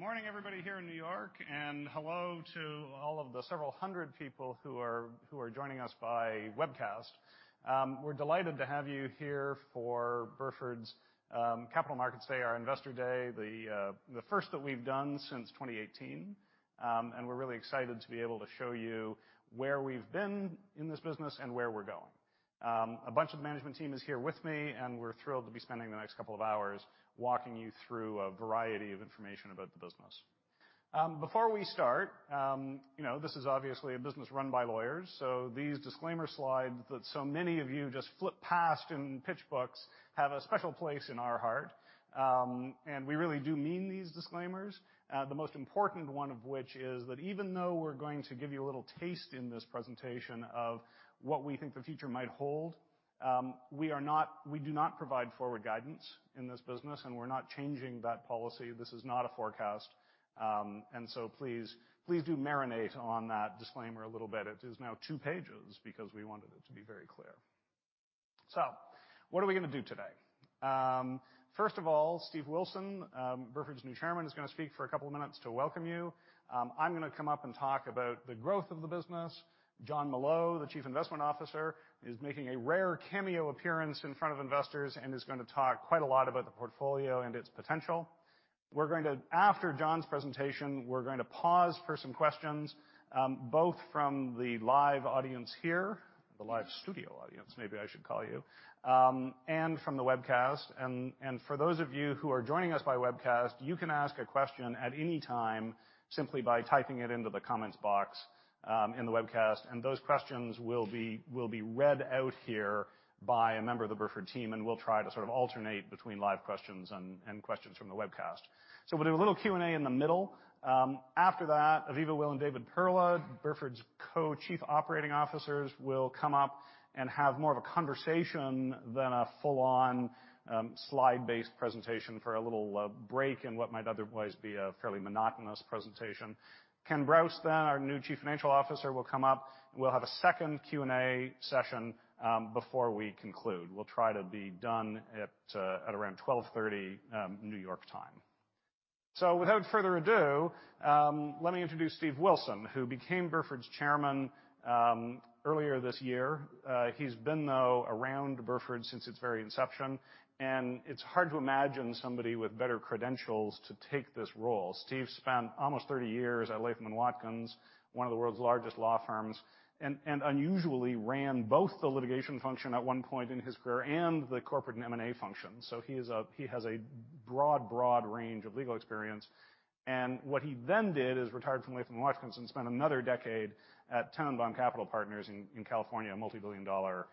Good morning, everybody here in New York, and hello to all of the several hundred people who are joining us by webcast. We're delighted to have you here for Burford's Capital Markets Day, our Investor Day, the first that we've done since 2018. We're really excited to be able to show you where we've been in this business and where we're going. A bunch of management team is here with me, and we're thrilled to be spending the next couple of hours walking you through a variety of information about the business. Before we start, you know, this is obviously a business run by lawyers, so these disclaimer slides that so many of you just flip past in pitch books have a special place in our heart. We really do mean these disclaimers. The most important one of which is that even though we're going to give you a little taste in this presentation of what we think the future might hold, we do not provide forward guidance in this business, and we're not changing that policy. This is not a forecast. Please, please do marinate on that disclaimer a little bit. It is now two pages because we wanted it to be very clear. What are we gonna do today? First of all, Steve Wilson, Burford's new Chairman, is gonna speak for a couple of minutes to welcome you. I'm gonna come up and talk about the growth of the business. Jonathan Molot, the Chief Investment Officer, is making a rare cameo appearance in front of investors and is gonna talk quite a lot about the portfolio and its potential. After John's presentation, we're going to pause for some questions, both from the live audience here, the live studio audience, maybe I should call you, and from the webcast. For those of you who are joining us by webcast, you can ask a question at any time simply by typing it into the comments box in the webcast, and those questions will be read out here by a member of the Burford team. We'll try to sort of alternate between live questions and questions from the webcast. We'll do a little Q&A in the middle. After that, Aviva Will and David Perla, Burford's Co-Chief Operating Officers, will come up and have more of a conversation than a full-on slide-based presentation for a little break in what might otherwise be a fairly monotonous presentation. Ken Brause, then our new Chief Financial Officer, will come up. We'll have a second Q&A session before we conclude. We'll try to be done at around 12:30 P.M. New York time. Without further ado, let me introduce Steve Wilson, who became Burford's chairman earlier this year. He's been, though, around Burford since its very inception, and it's hard to imagine somebody with better credentials to take this role. Steve spent almost 30 years at Latham & Watkins, one of the world's largest law firms, and unusually ran both the litigation function at one point in his career and the corporate M&A function. He has a broad range of legal experience. What he then did is retired from Latham & Watkins and spent another decade at Tennenbaum Capital Partners in California, a multi-billion dollar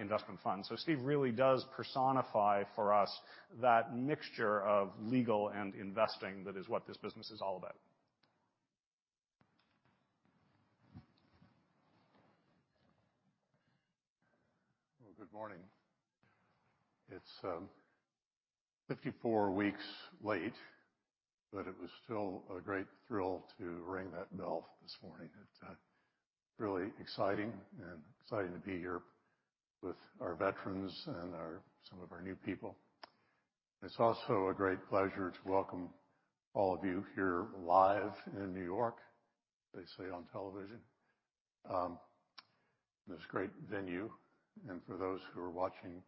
investment fund. Steve really does personify for us that mixture of legal and investing that is what this business is all about. Well, good morning. It's 54 weeks late, but it was still a great thrill to ring that bell this morning. It's really exciting to be here with our veterans and some of our new people. It's also a great pleasure to welcome all of you here live in New York, they say on television. This great venue, and for those who are watching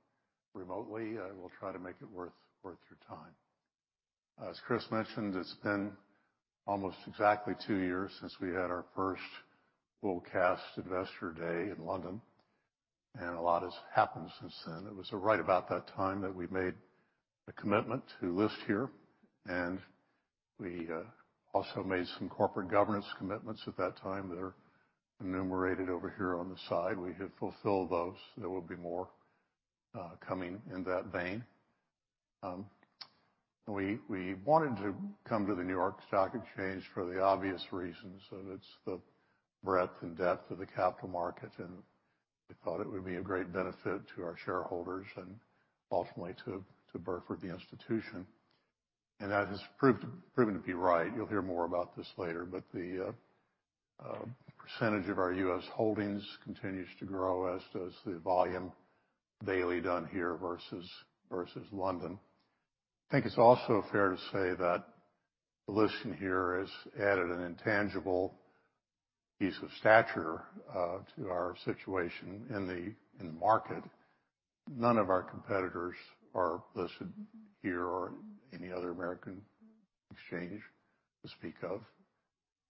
remotely, I will try to make it worth your time. As Chris mentioned, it's been almost exactly 2 years since we had our first full cast Investor Day in London, and a lot has happened since then. It was right about that time that we made a commitment to list here, and we also made some corporate governance commitments at that time that are enumerated over here on the side. We have fulfilled those. There will be more coming in that vein. We wanted to come to the NYSE for the obvious reasons of its the breadth and depth of the capital market, and we thought it would be a great benefit to our shareholders and ultimately to Burford, the institution. That has proven to be right. You'll hear more about this later, but the percentage of our U.S. holdings continues to grow, as does the volume daily done here versus London. I think it's also fair to say that the listing here has added an intangible piece of stature to our situation in the market. None of our competitors are listed here or any other American exchange to speak of.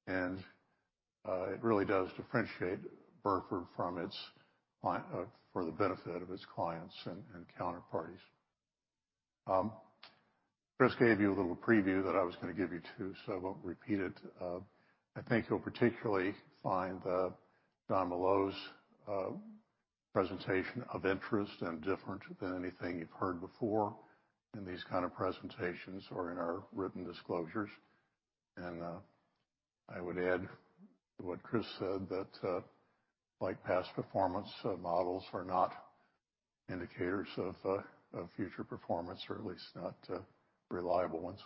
It really does differentiate Burford from its for the benefit of its clients and counterparties. Chris gave you a little preview that I was gonna give you too, so I won't repeat it. I think you'll particularly find Jonathan Molot's presentation of interest and different than anything you've heard before in these kind of presentations or in our written disclosures. I would add to what Chris said, that like past performance, models are not indicators of future performance or at least not reliable ones.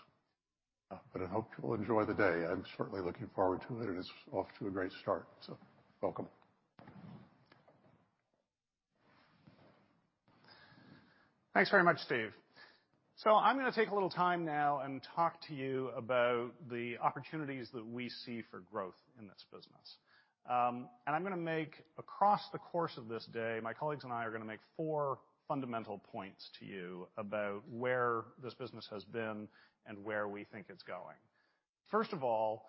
I hope you'll enjoy the day. I'm certainly looking forward to it, and it's off to a great start. Welcome. Thanks very much, Steve. I'm gonna take a little time now and talk to you about the opportunities that we see for growth in this business. Across the course of this day, my colleagues and I are gonna make four fundamental points to you about where this business has been and where we think it's going. First of all,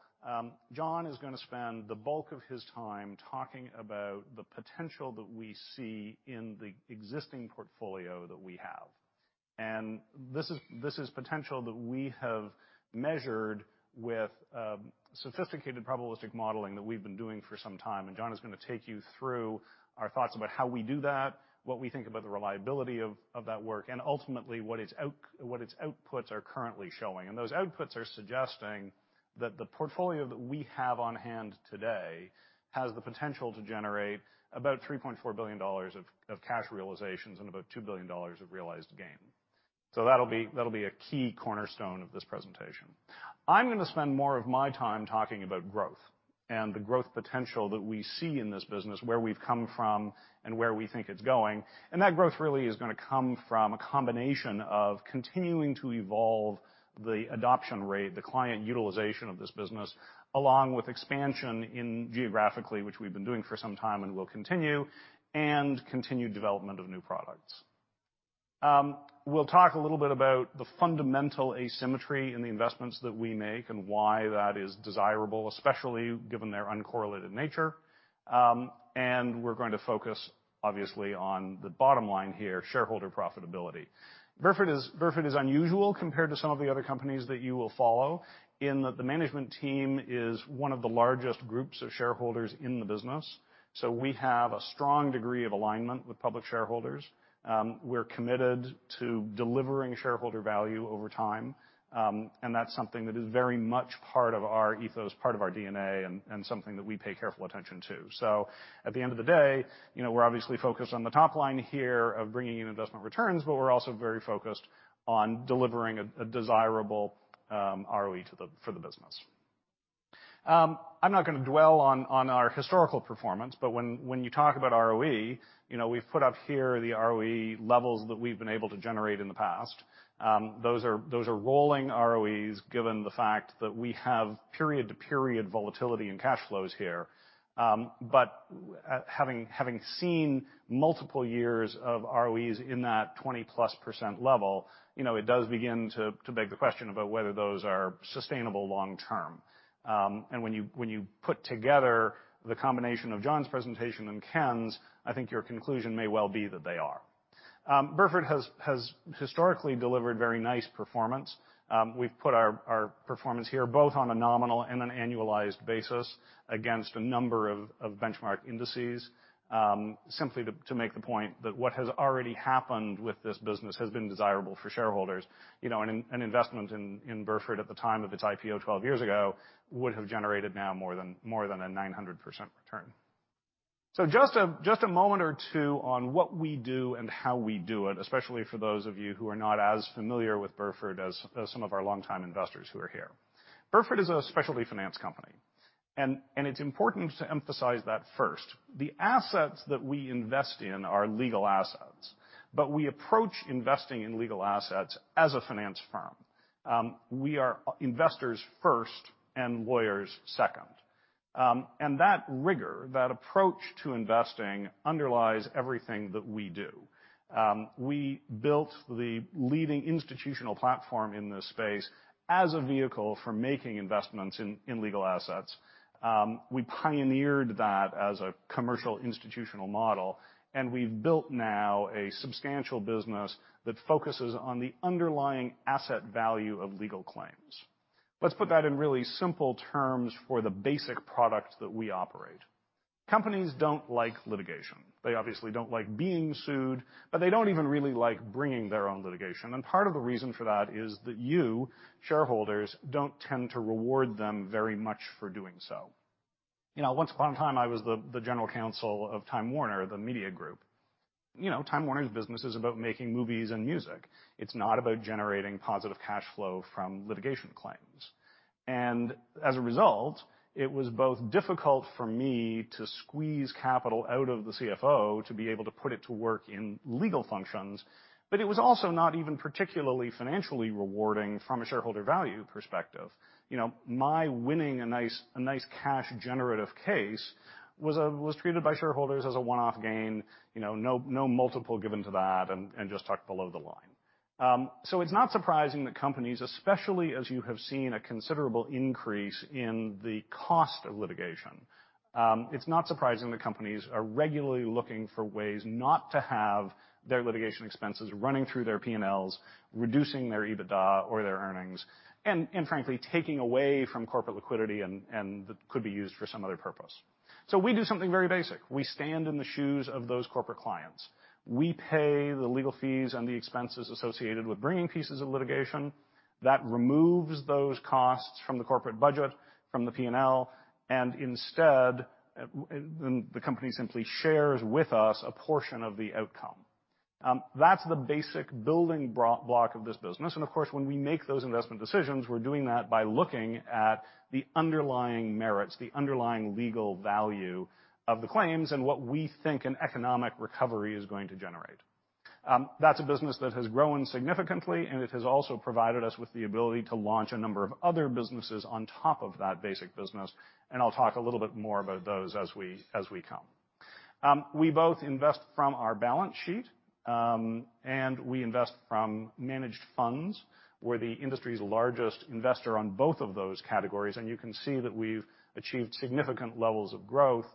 John is gonna spend the bulk of his time talking about the potential that we see in the existing portfolio that we have. This is potential that we have measured with sophisticated probabilistic modeling that we've been doing for some time, and John is gonna take you through our thoughts about how we do that, what we think about the reliability of that work, and ultimately, what its outputs are currently showing. Those outputs are suggesting that the portfolio that we have on hand today has the potential to generate about $3.4 billion of cash realizations and about $2 billion of realized gain. That'll be a key cornerstone of this presentation. I'm gonna spend more of my time talking about growth and the growth potential that we see in this business, where we've come from and where we think it's going. That growth really is gonna come from a combination of continuing to evolve the adoption rate, the client utilization of this business, along with expansion geographically, which we've been doing for some time and will continue, and continued development of new products. We'll talk a little bit about the fundamental asymmetry in the investments that we make and why that is desirable, especially given their uncorrelated nature. We're going to focus obviously on the bottom line here, shareholder profitability. Burford is unusual compared to some of the other companies that you will follow in that the management team is one of the largest groups of shareholders in the business. We have a strong degree of alignment with public shareholders. We're committed to delivering shareholder value over time, and that's something that is very much part of our ethos, part of our D&A, and something that we pay careful attention to. At the end of the day, you know, we're obviously focused on the top line here of bringing in investment returns, but we're also very focused on delivering a desirable ROE for the business. I'm not gonna dwell on our historical performance, but when you talk about ROE, you know, we've put up here the ROE levels that we've been able to generate in the past. Those are rolling ROEs, given the fact that we have period-to-period volatility in cash flows here. Having seen multiple years of ROEs in that +20% level, you know, it does begin to beg the question about whether those are sustainable long term. When you put together the combination of John's presentation and Ken's, I think your conclusion may well be that they are. Burford has historically delivered very nice performance. We've put our performance here, both on a nominal and an annualized basis against a number of benchmark indices, simply to make the point that what has already happened with this business has been desirable for shareholders. You know, an investment in Burford at the time of its IPO 12 years ago would have generated now more than a 900% return. Just a moment or two on what we do and how we do it, especially for those of you who are not as familiar with Burford as some of our longtime investors who are here. Burford is a specialty finance company, and it's important to emphasize that first. The assets that we invest in are legal assets, but we approach investing in legal assets as a finance firm. We are investors first and lawyers second. That rigor, that approach to investing underlies everything that we do. We built the leading institutional platform in this space as a vehicle for making investments in legal assets. We pioneered that as a commercial institutional model, and we've built now a substantial business that focuses on the underlying asset value of legal claims. Let's put that in really simple terms for the basic product that we operate. Companies don't like litigation. They obviously don't like being sued, but they don't even really like bringing their own litigation. Part of the reason for that is that you, shareholders, don't tend to reward them very much for doing so. You know, once upon a time, I was the general counsel of Time Warner, the media group. You know, Time Warner's business is about making movies and music. It's not about generating positive cash flow from litigation claims. As a result, it was both difficult for me to squeeze capital out of the CFO to be able to put it to work in legal functions, but it was also not even particularly financially rewarding from a shareholder value perspective. You know, my winning a nice cash generative case was treated by shareholders as a one-off gain, you know, no multiple given to that and just tucked below the line. It's not surprising that companies, especially as you have seen a considerable increase in the cost of litigation, it's not surprising that companies are regularly looking for ways not to have their litigation expenses running through their P&Ls, reducing their Adjusted EBITDA or their earnings, and frankly, taking away from corporate liquidity and could be used for some other purpose. We do something very basic. We stand in the shoes of those corporate clients. We pay the legal fees and the expenses associated with bringing pieces of litigation. That removes those costs from the corporate budget, from the P&L, and instead, the company simply shares with us a portion of the outcome. That's the basic building block of this business. Of course, when we make those investment decisions, we're doing that by looking at the underlying merits, the underlying legal value of the claims, and what we think an economic recovery is going to generate. That's a business that has grown significantly, and it has also provided us with the ability to launch a number of other businesses on top of that basic business, and I'll talk a little bit more about those as we come. We both invest from our balance sheet, and we invest from managed funds. We're the industry's largest investor on both of those categories, and you can see that we've achieved significant levels of growth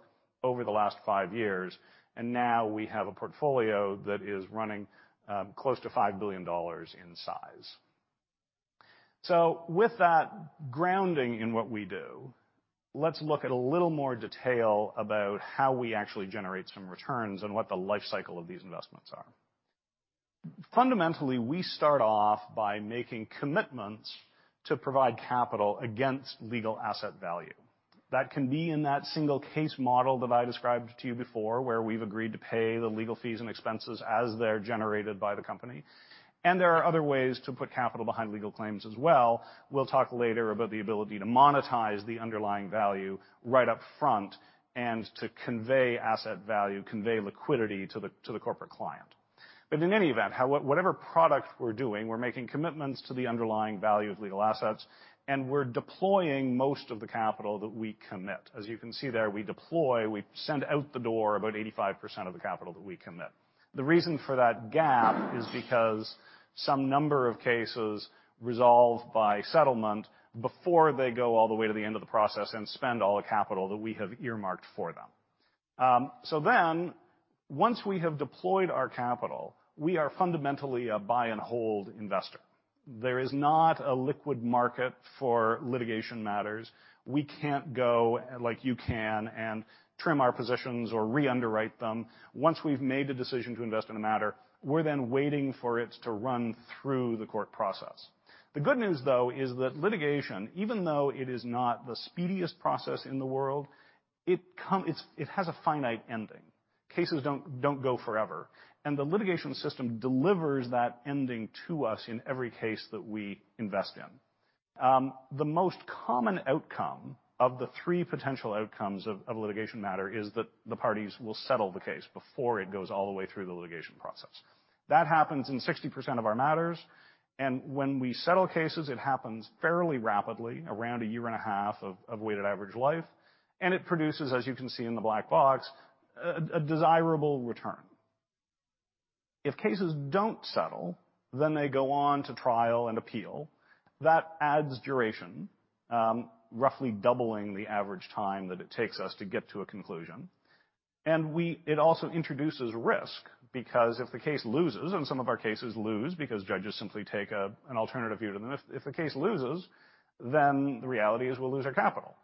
over the last five years. Now we have a portfolio that is running close to $5 billion in size. With that grounding in what we do, let's look at a little more detail about how we actually generate some returns and what the life cycle of these investments are. Fundamentally, we start off by making commitments to provide capital against legal asset value. That can be in that single case model that I described to you before, where we've agreed to pay the legal fees and expenses as they're generated by the company. There are other ways to put capital behind legal claims as well. We'll talk later about the ability to monetize the underlying value right up front and to convey asset value, convey liquidity to the corporate client. In any event, whatever product we're doing, we're making commitments to the underlying value of legal assets, and we're deploying most of the capital that we commit. As you can see there, we deploy, we send out the door about 85% of the capital that we commit. The reason for that gap is because some number of cases resolve by settlement before they go all the way to the end of the process and spend all the capital that we have earmarked for them. Once we have deployed our capital, we are fundamentally a buy-and-hold investor. There is not a liquid market for litigation matters. We can't go like you can and trim our positions or re-underwrite them. Once we've made the decision to invest in a matter, we're then waiting for it to run through the court process. The good news, though, is that litigation, even though it is not the speediest process in the world, it has a finite ending. Cases don't go forever. The litigation system delivers that ending to us in every case that we invest in. The most common outcome of the three potential outcomes of a litigation matter is that the parties will settle the case before it goes all the way through the litigation process. That happens in 60% of our matters, and when we settle cases, it happens fairly rapidly, around a year and a half of weighted average life. It produces, as you can see in the black box, a desirable return. If cases don't settle, then they go on to trial and appeal. That adds duration, roughly doubling the average time that it takes us to get to a conclusion. It also introduces risk because if the case loses, and some of our cases lose because judges simply take an alternative view to them. If the case loses, then the reality is we'll lose our capital.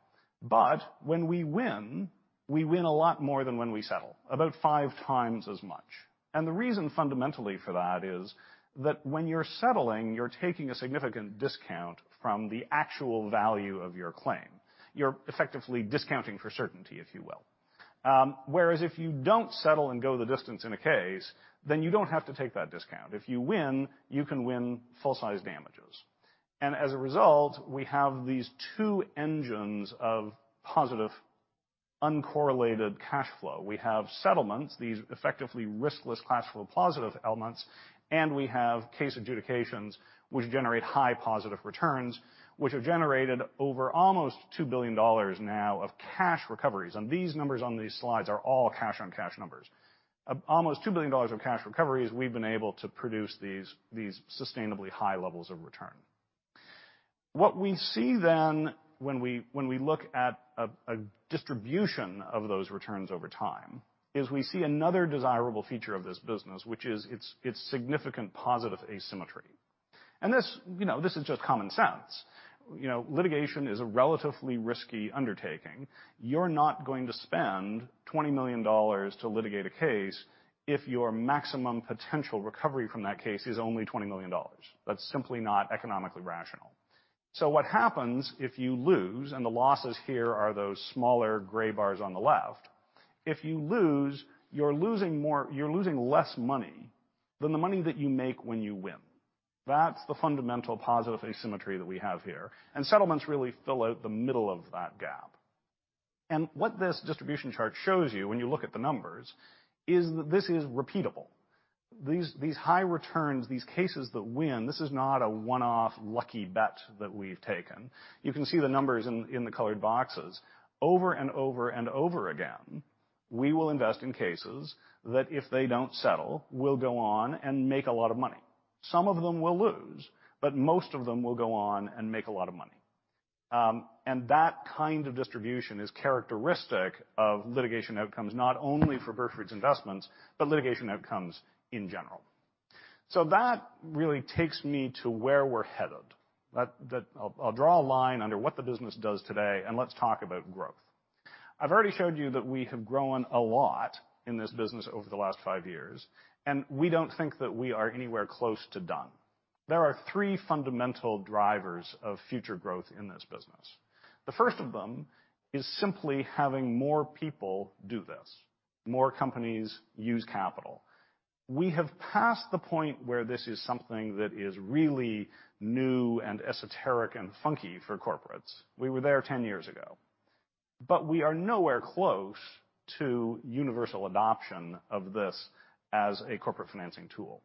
When we win, we win a lot more than when we settle, about five times as much. The reason fundamentally for that is that when you're settling, you're taking a significant discount from the actual value of your claim. You're effectively discounting for certainty, if you will. Whereas if you don't settle and go the distance in a case, then you don't have to take that discount. If you win, you can win full-size damages. As a result, we have these two engines of positive, uncorrelated cash flow. We have settlements, these effectively riskless cash flow positive elements, and we have case adjudications, which generate high positive returns, which have generated over almost $2 billion now of cash recoveries. These numbers on these slides are all cash-on-cash numbers. Of almost $2 billion of cash recoveries, we've been able to produce these sustainably high levels of return. What we see then when we look at a distribution of those returns over time is we see another desirable feature of this business, which is its significant positive asymmetry. This, you know, this is just common sense. You know, litigation is a relatively risky undertaking. You're not going to spend $20 million to litigate a case if your maximum potential recovery from that case is only $20 million. That's simply not economically rational. What happens if you lose, and the losses here are those smaller gray bars on the left, you're losing less money than the money that you make when you win. That's the fundamental positive asymmetry that we have here. Settlements really fill out the middle of that gap. What this distribution chart shows you when you look at the numbers is that this is repeatable. These high returns, these cases that win, this is not a one-off lucky bet that we've taken. You can see the numbers in the colored boxes. Over and over and over again, we will invest in cases that if they don't settle, will go on and make a lot of money. Some of them will lose, but most of them will go on and make a lot of money. That kind of distribution is characteristic of litigation outcomes, not only for Burford's investments, but litigation outcomes in general. That really takes me to where we're headed. I'll draw a line under what the business does today, and let's talk about growth. I've already showed you that we have grown a lot in this business over the last five years, and we don't think that we are anywhere close to done. There are three fundamental drivers of future growth in this business. The first of them is simply having more people do this. More companies use capital. We have passed the point where this is something that is really new and esoteric and funky for corporates. We were there 10 years ago. But we are nowhere close to universal adoption of this as a corporate financing tool.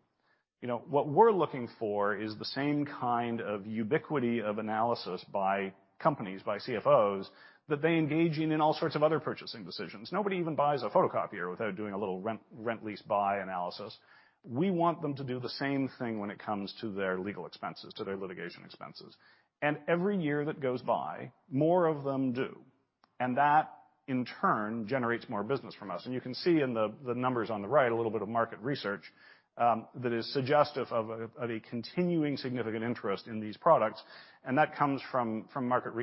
You know, what we're looking for is the same kind of ubiquity of analysis by companies, by CFOs, that they engage in all sorts of other purchasing decisions. Nobody even buys a photocopier without doing a little rent-lease-buy analysis. We want them to do the same thing when it comes to their legal expenses, to their litigation expenses. Every year that goes by, more of them do, and that in turn generates more business from us. You can see in the numbers on the right a little bit of market research that is suggestive of a continuing significant interest in these products, and that comes from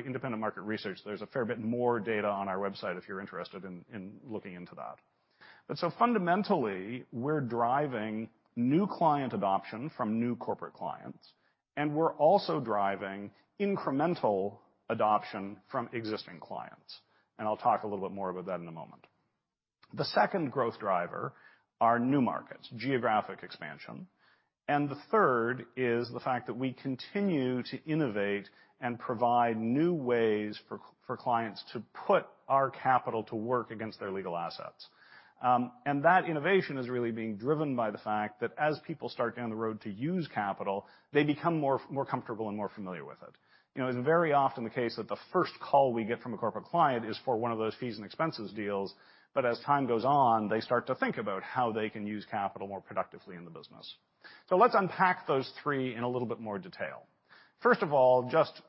independent market research. There's a fair bit more data on our website if you're interested in looking into that. Fundamentally, we're driving new client adoption from new corporate clients, and we're also driving incremental adoption from existing clients. I'll talk a little bit more about that in a moment. The second growth driver are new markets, geographic expansion. The third is the fact that we continue to innovate and provide new ways for clients to put our capital to work against their legal assets. That innovation is really being driven by the fact that as people start down the road to use capital, they become more comfortable and more familiar with it. You know, it's very often the case that the first call we get from a corporate client is for one of those fees and expenses deals. As time goes on, they start to think about how they can use capital more productively in the business. Let's unpack those three in a little bit more detail. First of all, just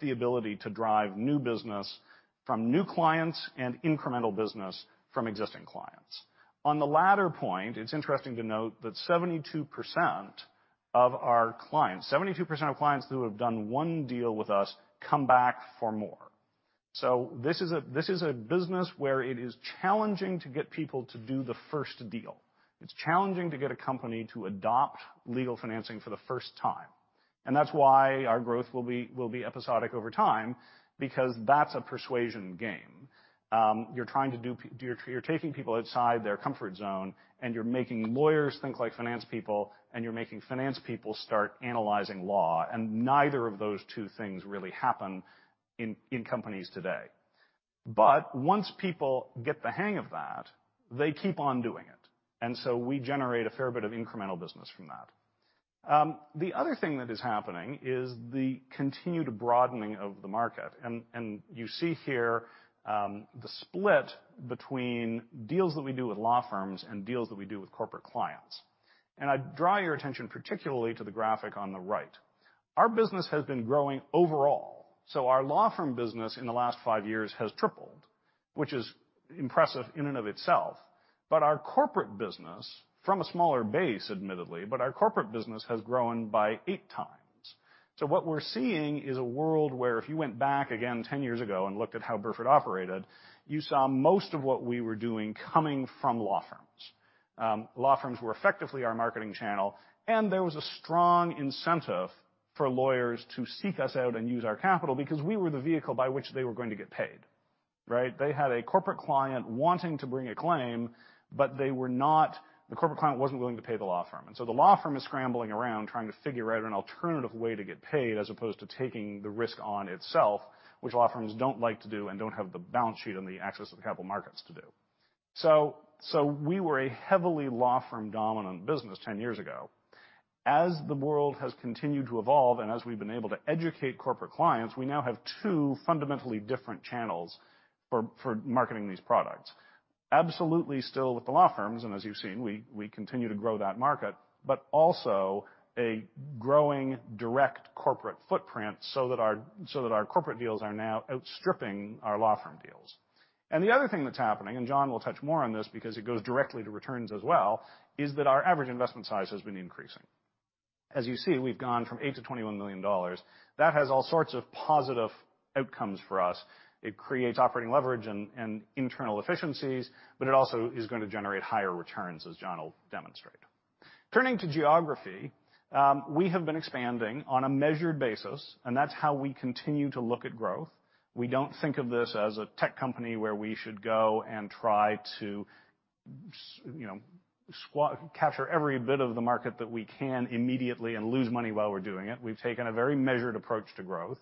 the ability to drive new business from new clients and incremental business from existing clients. On the latter point, it's interesting to note that 72% of clients who have done one deal with us come back for more. This is a business where it is challenging to get people to do the first deal. It's challenging to get a company to adopt legal financing for the first time. That's why our growth will be episodic over time, because that's a persuasion game. You're taking people outside their comfort zone, and you're making lawyers think like finance people, and you're making finance people start analyzing law, and neither of those two things really happen in companies today. Once people get the hang of that, they keep on doing it. We generate a fair bit of incremental business from that. The other thing that is happening is the continued broadening of the market. You see here the split between deals that we do with law firms and deals that we do with corporate clients. I'd draw your attention particularly to the graphic on the right. Our business has been growing overall. Our law firm business in the last five years has tripled, which is impressive in and of itself. Our corporate business, from a smaller base, admittedly, but our corporate business has grown by eight times. What we're seeing is a world where if you went back again ten years ago and looked at how Burford operated, you saw most of what we were doing coming from law firms. Law firms were effectively our marketing channel, and there was a strong incentive for lawyers to seek us out and use our capital because we were the vehicle by which they were going to get paid. Right? They had a corporate client wanting to bring a claim, but the corporate client wasn't willing to pay the law firm. The law firm is scrambling around trying to figure out an alternative way to get paid as opposed to taking the risk on itself, which law firms don't like to do and don't have the balance sheet and the access to the capital markets to do. We were a heavily law firm-dominant business ten years ago. As the world has continued to evolve, and as we've been able to educate corporate clients, we now have two fundamentally different channels for marketing these products. Absolutely still with the law firms, and as you've seen, we continue to grow that market, but also a growing direct corporate footprint so that our corporate deals are now outstripping our law firm deals. The other thing that's happening, and John will touch more on this because it goes directly to returns as well, is that our average investment size has been increasing. As you see, we've gone from $8 million - $21 million. That has all sorts of positive outcomes for us. It creates operating leverage and internal efficiencies, but it also is gonna generate higher returns, as John will demonstrate. Turning to geography, we have been expanding on a measured basis, and that's how we continue to look at growth. We don't think of this as a tech company where we should go and try to capture every bit of the market that we can immediately and lose money while we're doing it. We've taken a very measured approach to growth.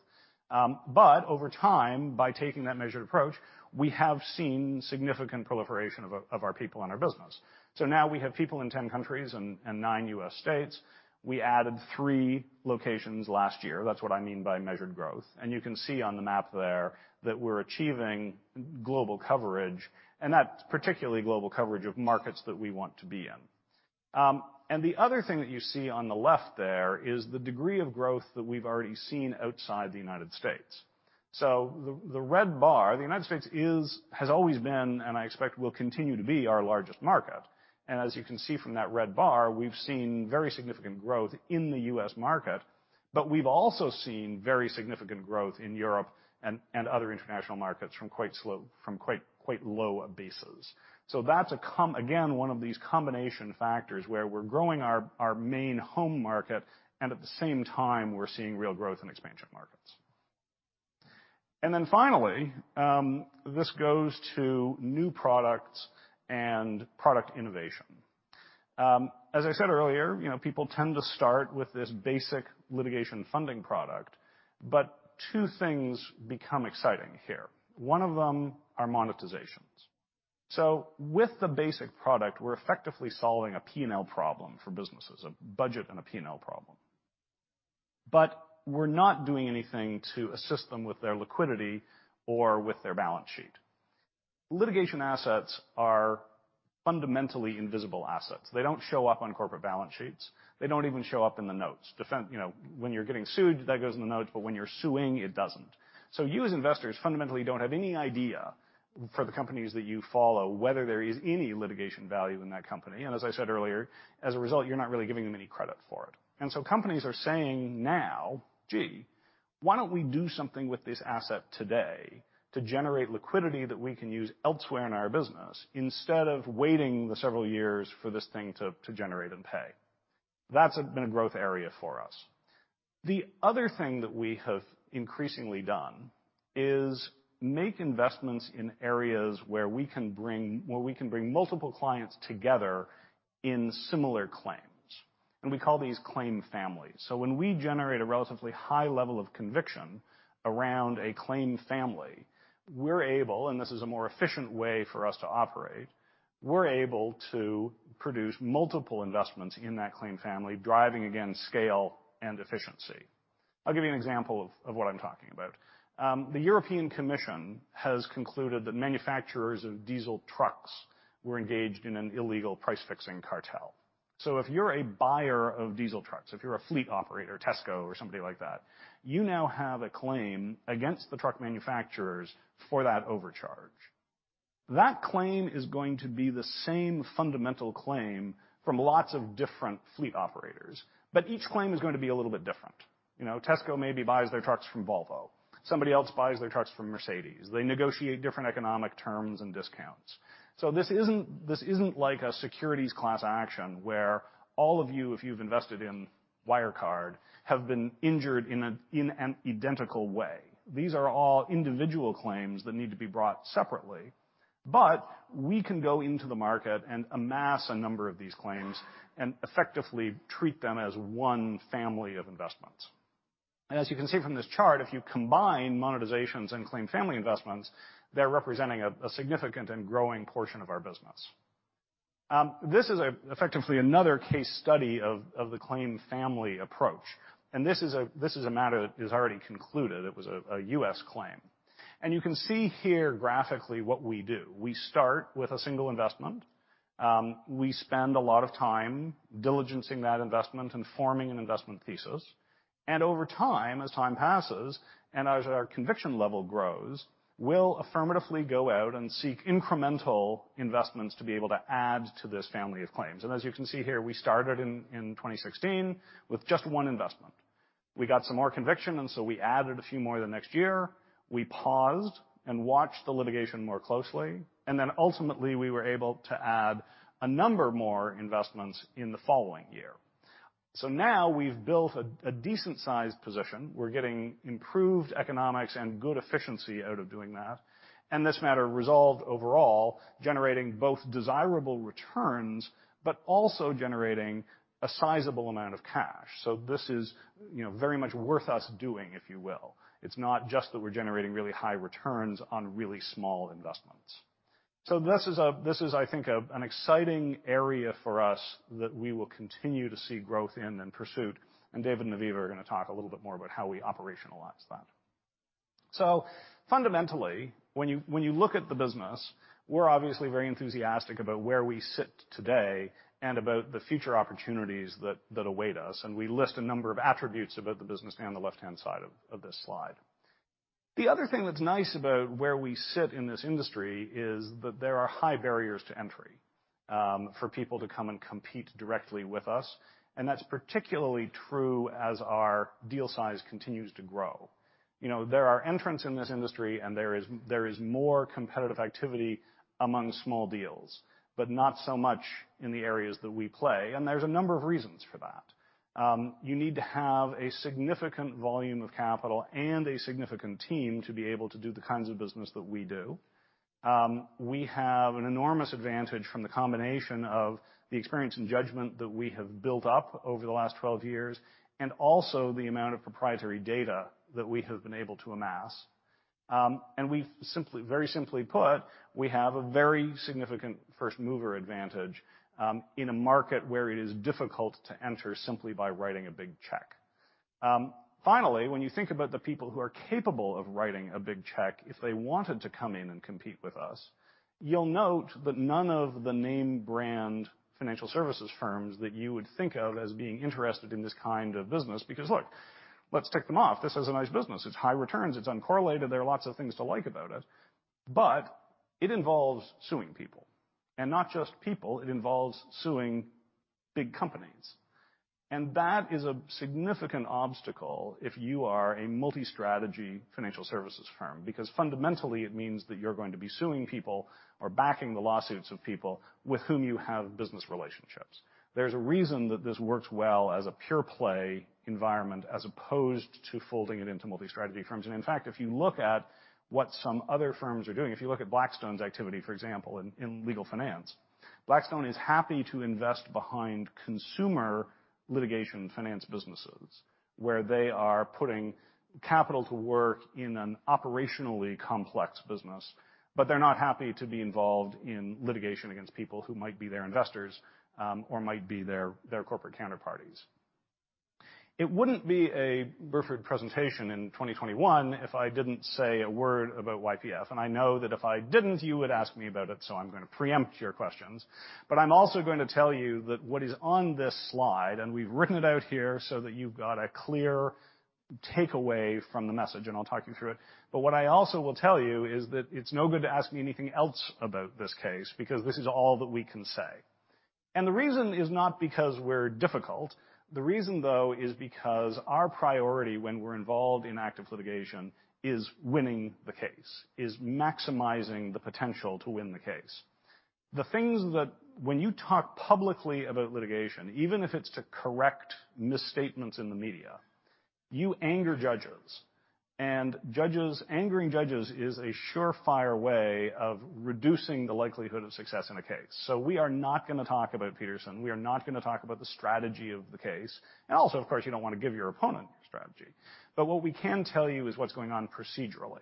Over time, by taking that measured approach, we have seen significant proliferation of our people and our business. Now we have people in 10 countries and 9 U.S. states. We added three locations last year. That's what I mean by measured growth. You can see on the map there that we're achieving global coverage, and that's particularly global coverage of markets that we want to be in. The other thing that you see on the left there is the degree of growth that we've already seen outside the United States. The United States is, has always been, and I expect will continue to be our largest market. As you can see from that red bar, we've seen very significant growth in the U.S. market, but we've also seen very significant growth in Europe and other international markets from quite low bases. That's again one of these combination factors where we're growing our main home market, and at the same time, we're seeing real growth in expansion markets. Then finally, this goes to new products and product innovation. As I said earlier, you know, people tend to start with this basic litigation funding product, but two things become exciting here. One of them are monetizations. With the basic product, we're effectively solving a P&L problem for businesses, a budget and a P&L problem. We're not doing anything to assist them with their liquidity or with their balance sheet. Litigation assets are fundamentally invisible assets. They don't show up on corporate balance sheets. They don't even show up in the notes. Defense. You know, when you're getting sued, that goes in the notes, but when you're suing, it doesn't. You as investors fundamentally don't have any idea for the companies that you follow whether there is any litigation value in that company. As I said earlier, as a result, you're not really giving them any credit for it. Companies are saying now, "Gee, why don't we do something with this asset today to generate liquidity that we can use elsewhere in our business instead of waiting the several years for this thing to generate and pay?" That's been a growth area for us. The other thing that we have increasingly done is make investments in areas where we can bring multiple clients together in similar claims, and we call these claim families. When we generate a relatively high level of conviction around a claim family, we're able, and this is a more efficient way for us to operate, we're able to produce multiple investments in that claim family, driving again, scale and efficiency. I'll give you an example of what I'm talking about. The European Commission has concluded that manufacturers of diesel trucks were engaged in an illegal price-fixing cartel. If you're a buyer of diesel trucks, if you're a fleet operator, Tesco or somebody like that, you now have a claim against the truck manufacturers for that overcharge. That claim is going to be the same fundamental claim from lots of different fleet operators, but each claim is gonna be a little bit different. You know, Tesco maybe buys their trucks from Volvo. Somebody else buys their trucks from Mercedes. They negotiate different economic terms and discounts. This isn't like a securities class action where all of you, if you've invested in Wirecard, have been injured in an identical way. These are all individual claims that need to be brought separately. We can go into the market and amass a number of these claims and effectively treat them as one family of investments. As you can see from this chart, if you combine monetizations and claim family investments, they're representing a significant and growing portion of our business. This is effectively another case study of the claim family approach. This is a matter that is already concluded. It was a U.S. claim. You can see here graphically what we do. We start with a single investment. We spend a lot of time diligencing that investment and forming an investment thesis. Over time, as time passes, and as our conviction level grows, we'll affirmatively go out and seek incremental investments to be able to add to this family of claims. As you can see here, we started in 2016 with just one investment. We got some more conviction, and so we added a few more the next year. We paused and watched the litigation more closely. Then ultimately, we were able to add a number more investments in the following year. Now we've built a decent-sized position. We're getting improved economics and good efficiency out of doing that. This matter resolved overall, generating both desirable returns, but also generating a sizable amount of cash. This is, you know, very much worth us doing, if you will. It's not just that we're generating really high returns on really small investments. This is, I think, an exciting area for us that we will continue to see growth in and pursuit. David and Aviva are gonna talk a little bit more about how we operationalize that. Fundamentally, when you, when you look at the business, we're obviously very enthusiastic about where we sit today and about the future opportunities that await us. We list a number of attributes about the business on the left-hand side of this slide. The other thing that's nice about where we sit in this industry is that there are high barriers to entry for people to come and compete directly with us, and that's particularly true as our deal size continues to grow. You know, there are entrants in this industry and there is more competitive activity among small deals, but not so much in the areas that we play, and there's a number of reasons for that. You need to have a significant volume of capital and a significant team to be able to do the kinds of business that we do. We have an enormous advantage from the combination of the experience and judgment that we have built up over the last 12 years, and also the amount of proprietary data that we have been able to amass. We simply, very simply put, we have a very significant first-mover advantage in a market where it is difficult to enter simply by writing a big check. Finally, when you think about the people who are capable of writing a big check if they wanted to come in and compete with us, you'll note that none of the name brand financial services firms that you would think of as being interested in this kind of business. Because look, let's tick them off. This is a nice business. It's high returns. It's uncorrelated. There are lots of things to like about it. It involves suing people. Not just people, it involves suing big companies. That is a significant obstacle if you are a multi-strategy financial services firm because fundamentally it means that you're going to be suing people or backing the lawsuits of people with whom you have business relationships. There's a reason that this works well as a pure play environment as opposed to folding it into multi-strategy firms. In fact, if you look at what some other firms are doing, if you look at Blackstone's activity, for example, in legal finance, Blackstone is happy to invest behind consumer litigation finance businesses, where they are putting capital to work in an operationally complex business, but they're not happy to be involved in litigation against people who might be their investors or might be their corporate counterparties. It wouldn't be a Burford presentation in 2021 if I didn't say a word about YPF. I know that if I didn't, you would ask me about it, so I'm gonna preempt your questions. I'm also going to tell you that what is on this slide, and we've written it out here so that you've got a clear takeaway from the message, and I'll talk you through it. What I also will tell you is that it's no good to ask me anything else about this case, because this is all that we can say. The reason is not because we're difficult. The reason, though, is because our priority when we're involved in active litigation is winning the case, is maximizing the potential to win the case. The things that when you talk publicly about litigation, even if it's to correct misstatements in the media, you anger judges. Judges, angering judges is a surefire way of reducing the likelihood of success in a case. We are not gonna talk about Petersen. We are not gonna talk about the strategy of the case. Of course, you don't wanna give your opponent your strategy. What we can tell you is what's going on procedurally.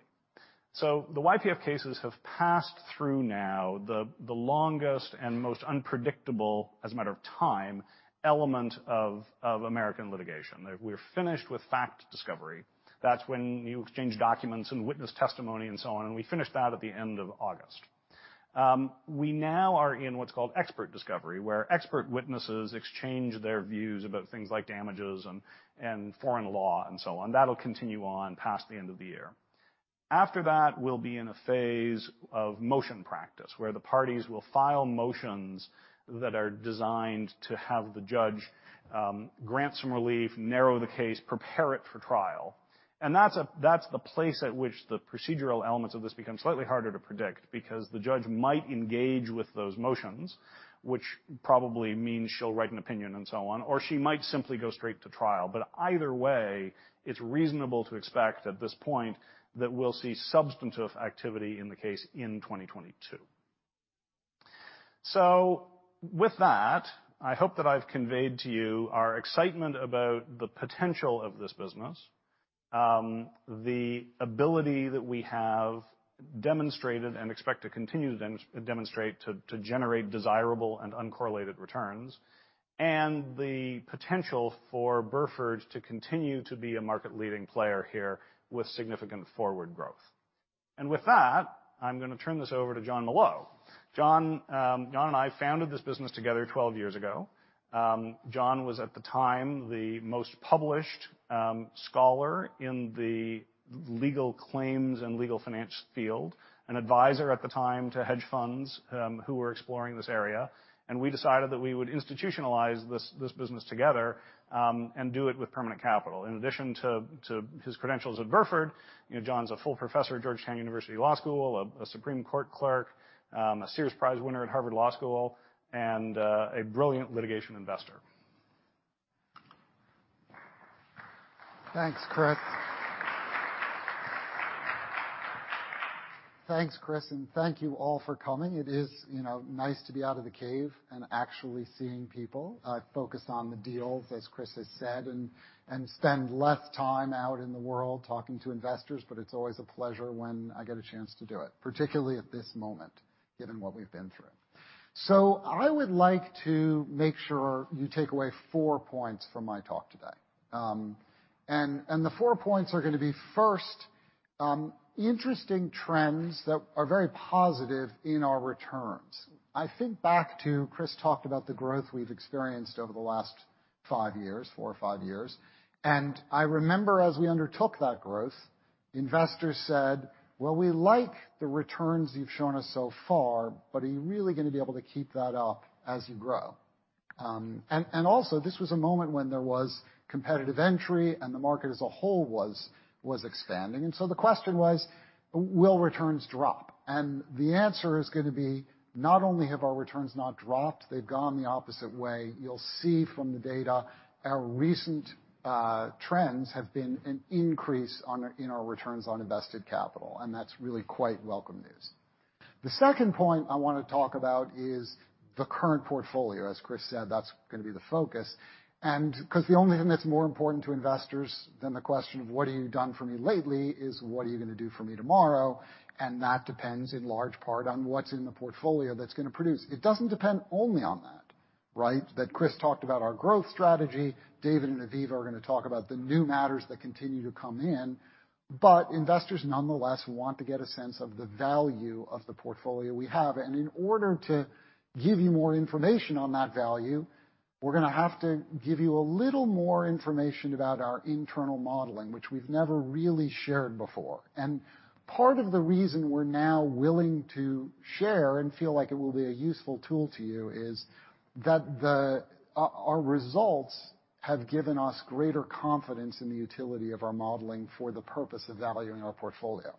The YPF cases have passed through, now, the longest and most unpredictable, as a matter of time, element of American litigation. We're finished with fact discovery. That's when you exchange documents and witness testimony and so on, and we finished that at the end of August. We now are in what's called expert discovery, where expert witnesses exchange their views about things like damages and foreign law and so on. That'll continue on past the end of the year. After that, we'll be in a phase of motion practice, where the parties will file motions that are designed to have the judge grant some relief, narrow the case, prepare it for trial. That's the place at which the procedural elements of this become slightly harder to predict, because the judge might engage with those motions, which probably means she'll write an opinion and so on, or she might simply go straight to trial. Either way, it's reasonable to expect at this point that we'll see substantive activity in the case in 2022. With that, I hope that I've conveyed to you our excitement about the potential of this business. The ability that we have demonstrated and expect to continue demonstrate to generate desirable and uncorrelated returns, and the potential for Burford to continue to be a market-leading player here with significant forward growth. With that, I'm gonna turn this over to Jonathan Molot. Jonathan Molot and I founded this business together 12 years ago. Jonathan Molot was at the time the most published scholar in the legal claims and legal finance field, an advisor to hedge funds who were exploring this area. We decided that we would institutionalize this business together and do it with permanent capital. In addition to his credentials at Burford, you know, Jonathan Molot's a full professor at Georgetown University Law Center, a Supreme Court clerk, a Sears Prize winner at Harvard Law School, and a brilliant litigation investor. Thanks, Chris, and thank you all for coming. It is, you know, nice to be out of the cave and actually seeing people. I focus on the deals, as Chris has said, and spend less time out in the world talking to investors, but it's always a pleasure when I get a chance to do it, particularly at this moment, given what we've been through. I would like to make sure you take away four points from my talk today. And the four points are gonna be, first, interesting trends that are very positive in our returns. I think back to Chris talked about the growth we've experienced over the last five years, four or five years. I remember as we undertook that growth, investors said, "Well, we like the returns you've shown us so far, but are you really gonna be able to keep that up as you grow?" Also this was a moment when there was competitive entry and the market as a whole was expanding. The question was, will returns drop? The answer is gonna be, not only have our returns not dropped, they've gone the opposite way. You'll see from the data, our recent trends have been an increase in our returns on invested capital, and that's really quite welcome news. The second point I wanna talk about is the current portfolio. As Chris said, that's gonna be the focus. 'Cause the only thing that's more important to investors than the question of what have you done for me lately is what are you gonna do for me tomorrow, and that depends in large part on what's in the portfolio that's gonna produce. It doesn't depend only on that, right? That Chris talked about our growth strategy. David and Aviva are gonna talk about the new matters that continue to come in. Investors nonetheless want to get a sense of the value of the portfolio we have. In order to give you more information on that value, we're gonna have to give you a little more information about our internal modeling, which we've never really shared before. Part of the reason we're now willing to share and feel like it will be a useful tool to you is that our results have given us greater confidence in the utility of our modeling for the purpose of valuing our portfolio.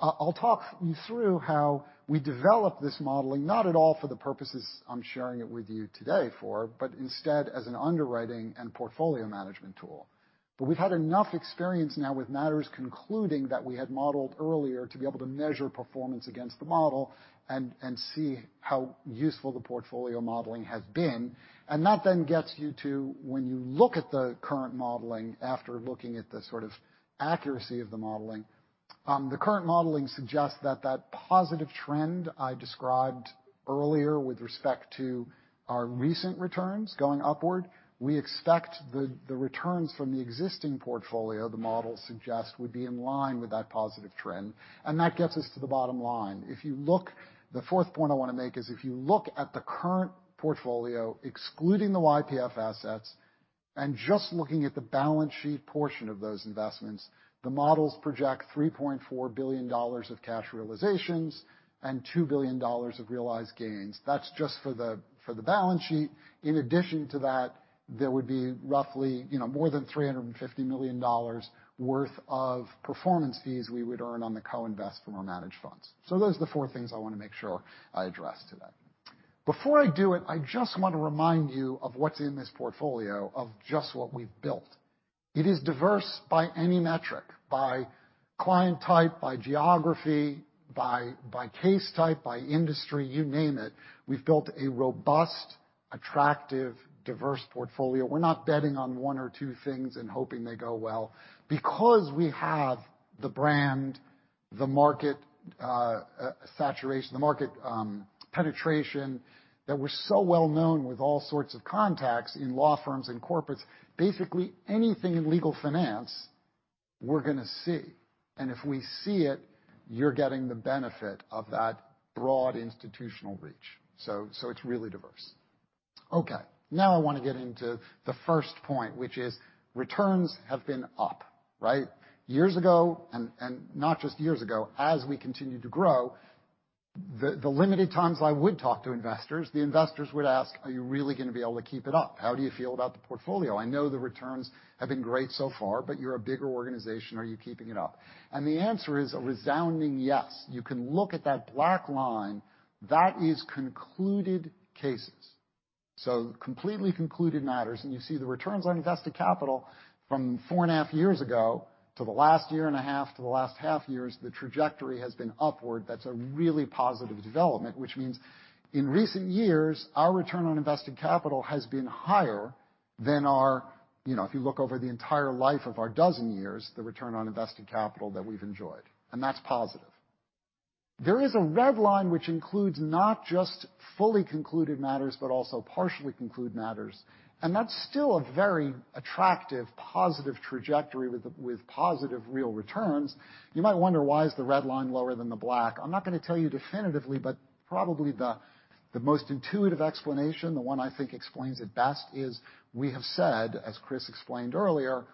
I'll talk you through how we develop this modeling, not at all for the purposes I'm sharing it with you today for, but instead as an underwriting and portfolio management tool. We've had enough experience now with matters concluding that we had modeled earlier to be able to measure performance against the model and see how useful the portfolio modeling has been. That then gets you to, when you look at the current modeling after looking at the sort of accuracy of the modeling, the current modeling suggests that that positive trend I described earlier with respect to our recent returns going upward, we expect the returns from the existing portfolio, the model suggests, would be in line with that positive trend. That gets us to the bottom line. The fourth point I wanna make is if you look at the current portfolio, excluding the YPF assets, and just looking at the balance sheet portion of those investments, the models project $3.4 billion of cash realizations and $2 billion of realized gains. That's just for the balance sheet. In addition to that, there would be roughly, you know, more than $350 million worth of performance fees we would earn on the co-invest from our managed funds. Those are the four things I wanna make sure I address today. Before I do it, I just want to remind you of what's in this portfolio of just what we've built. It is diverse by any metric, by client type, by geography, by case type, by industry, you name it. We've built a robust, attractive, diverse portfolio. We're not betting on one or two things and hoping they go well. Because we have the brand, the market saturation, the market penetration, that we're so well known with all sorts of contacts in law firms and corporates, basically anything in legal finance, we're gonna see. If we see it, you're getting the benefit of that broad institutional reach. It's really diverse. Okay. Now I wanna get into the first point, which is returns have been up, right? Years ago, and not just years ago, as we continued to grow, the limited times I would talk to investors, the investors would ask, "Are you really gonna be able to keep it up? How do you feel about the portfolio? I know the returns have been great so far, but you're a bigger organization. Are you keeping it up?" The answer is a resounding yes. You can look at that black line. That is concluded cases. Completely concluded matters. You see the returns on invested capital from 4.5 years ago to the last 1.5 years to the last half years, the trajectory has been upward. That's a really positive development, which means in recent years, our return on invested capital has been higher than our, you know, if you look over the entire life of our 12 years, the return on invested capital that we've enjoyed, and that's positive. There is a red line which includes not just fully concluded matters, but also partially concluded matters. That's still a very attractive, positive trajectory with positive real returns. You might wonder, why is the red line lower than the black? I'm not gonna tell you definitively, but probably the most intuitive explanation, the one I think explains it best is we have said, as Chris explained earlier,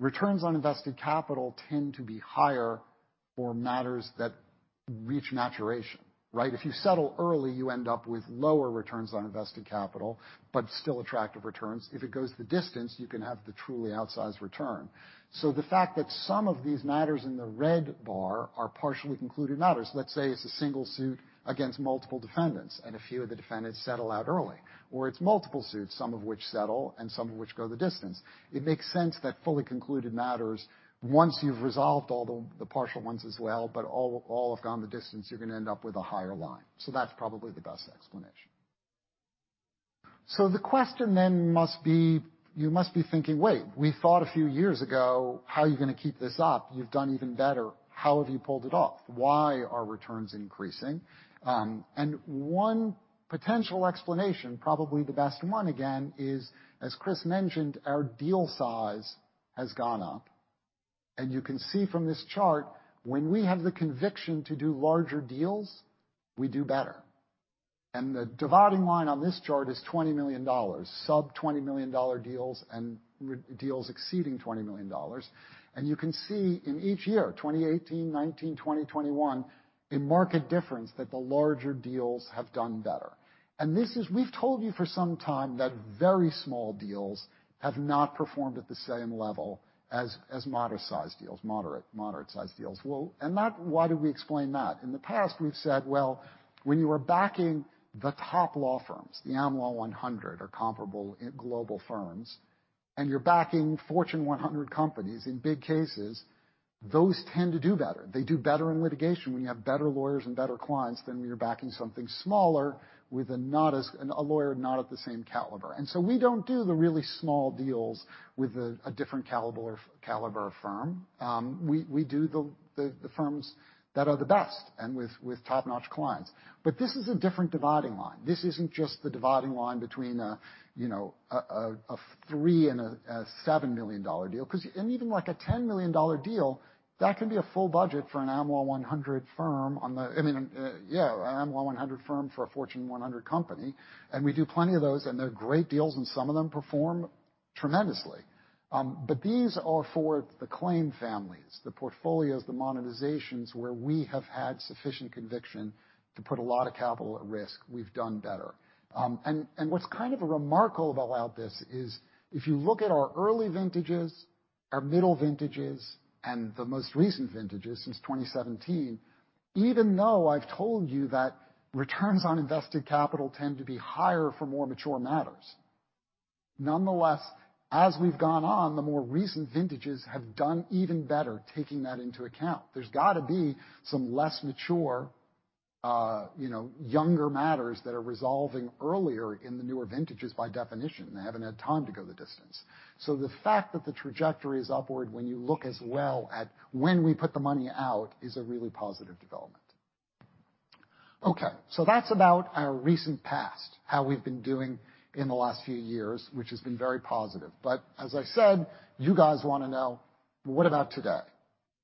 returns on invested capital tend to be higher for matters that reach maturation, right? If you settle early, you end up with lower returns on invested capital, but still attractive returns. If it goes the distance, you can have the truly outsized return. The fact that some of these matters in the red bar are partially concluded matters. Let's say it's a single suit against multiple defendants, and a few of the defendants settle out early, or it's multiple suits, some of which settle and some of which go the distance. It makes sense that fully concluded matters. Once you've resolved all the partial ones as well, but all have gone the distance, you're gonna end up with a higher line. That's probably the best explanation. The question then must be, you must be thinking, "Wait, we thought a few years ago, how are you gonna keep this up? You've done even better. How have you pulled it off? Why are returns increasing?" And one potential explanation, probably the best one again, is, as Chris mentioned, our deal size has gone up. You can see from this chart, when we have the conviction to do larger deals, we do better. The dividing line on this chart is $20 million, sub $20 million deals and deals exceeding $20 million. You can see in each year, 2018, 2019, 2021, a market difference that the larger deals have done better. This is, we've told you for some time that very small deals have not performed at the same level as moderate-sized deals. Well, that, why do we explain that? In the past, we've said, well, when you are backing the top law firms, the Am Law 100 or comparable global firms, and you're backing Fortune 100 companies in big cases, those tend to do better. They do better in litigation when you have better lawyers and better clients than when you're backing something smaller with a lawyer not at the same caliber. We don't do the really small deals with a different caliber firm. We do the firms that are the best and with top-notch clients. This is a different dividing line. This isn't just the dividing line between, you know, a $3 million - $7 million deal, 'cause and even like a $10 million deal, that can be a full budget for an Am Law 100 firm. I mean, yeah, an Am Law 100 firm for a Fortune 100 company. We do plenty of those, and they're great deals, and some of them perform tremendously. These are for the claim families, the portfolios, the monetizations, where we have had sufficient conviction to put a lot of capital at risk. We've done better. What's kind of remarkable about this is if you look at our early vintages, our middle vintages, and the most recent vintages since 2017, even though I've told you that returns on invested capital tend to be higher for more mature matters, nonetheless, as we've gone on, the more recent vintages have done even better taking that into account. There's gotta be some less mature, you know, younger matters that are resolving earlier in the newer vintages by definition. They haven't had time to go the distance. The fact that the trajectory is upward when you look as well at when we put the money out is a really positive development. Okay, that's about our recent past, how we've been doing in the last few years, which has been very positive. As I said, you guys wanna know, what about today,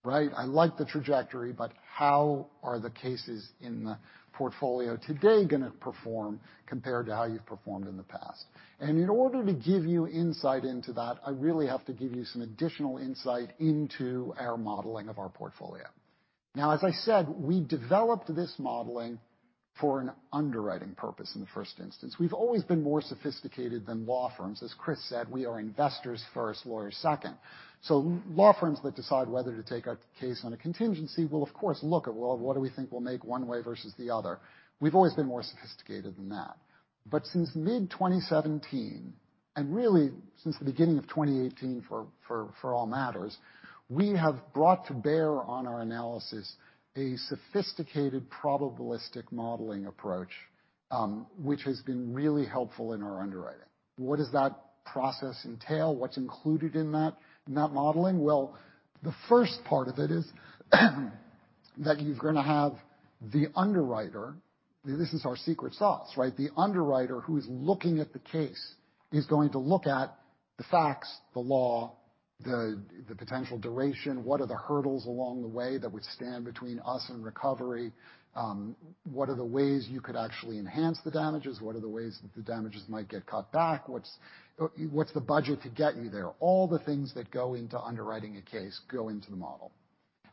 right? I like the trajectory, but how are the cases in the portfolio today gonna perform compared to how you've performed in the past? In order to give you insight into that, I really have to give you some additional insight into our modeling of our portfolio. Now, as I said, we developed this modeling for an underwriting purpose in the first instance. We've always been more sophisticated than law firms. As Chris said, we are investors first, lawyers second. Law firms that decide whether to take a case on a contingency will of course, look at, well, what do we think we'll make one way versus the other. We've always been more sophisticated than that. Since mid-2017 and really since the beginning of 2018 for all matters, we have brought to bear on our analysis a sophisticated probabilistic modeling approach, which has been really helpful in our underwriting. What does that process entail? What's included in that modeling? Well, the first part of it is that you're gonna have the underwriter. This is our secret sauce, right? The underwriter who's looking at the case is going to look at the facts, the law, the potential duration. What are the hurdles along the way that would stand between us and recovery? What are the ways you could actually enhance the damages? What are the ways that the damages might get cut back? What's the budget to get you there? All the things that go into underwriting a case go into the model.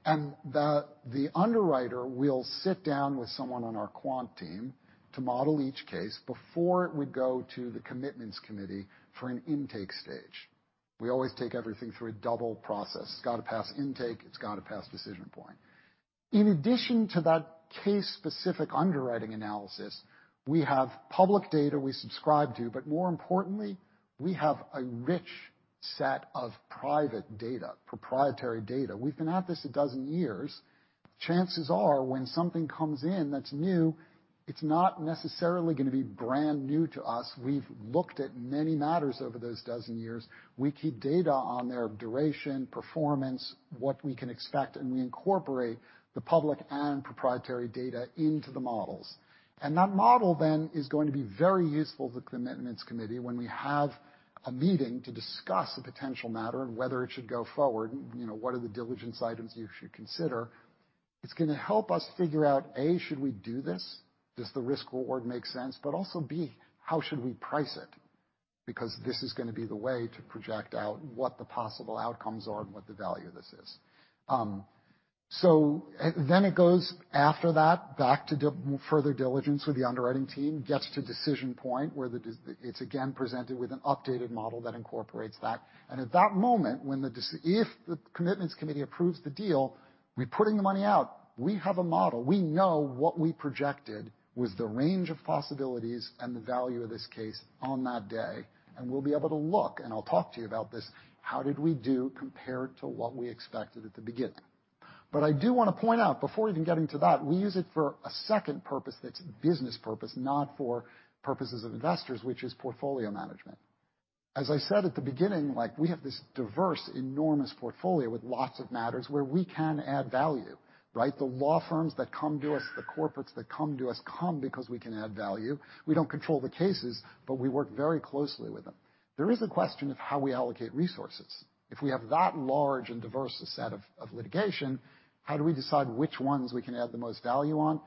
The underwriter will sit down with someone on our quant team to model each case before it would go to the commitments committee for an intake stage. We always take everything through a double process. It's gotta pass intake, it's gotta pass decision point. In addition to that case-specific underwriting analysis, we have public data we subscribe to, but more importantly, we have a rich set of private data, proprietary data. We've been at this a dozen years. Chances are when something comes in that's new, it's not necessarily gonna be brand new to us. We've looked at many matters over those dozen years. We keep data on their duration, performance, what we can expect, and we incorporate the public and proprietary data into the models. That model then is going to be very useful to the commitments committee when we have a meeting to discuss a potential matter and whether it should go forward, you know, what are the diligence items you should consider. It's gonna help us figure out, A, should we do this? Does the risk reward make sense? But also, B, how should we price it, because this is gonna be the way to project out what the possible outcomes are and what the value of this is. It goes after that, back to further diligence with the underwriting team, gets to decision point where it's again presented with an updated model that incorporates that. At that moment if the commitments committee approves the deal, we're putting the money out. We have a model. We know what we projected was the range of possibilities and the value of this case on that day, and we'll be able to look, and I'll talk to you about this, how did we do compared to what we expected at the beginning. I do wanna point out before even getting to that, we use it for a second purpose that's business purpose, not for purposes of investors, which is portfolio management. As I said at the beginning, like, we have this diverse, enormous portfolio with lots of matters where we can add value, right? The law firms that come to us, the corporates that come to us, come because we can add value. We don't control the cases, but we work very closely with them. There is a question of how we allocate resources. If we have that large and diverse a set of litigation, how do we decide which ones we can add the most value on?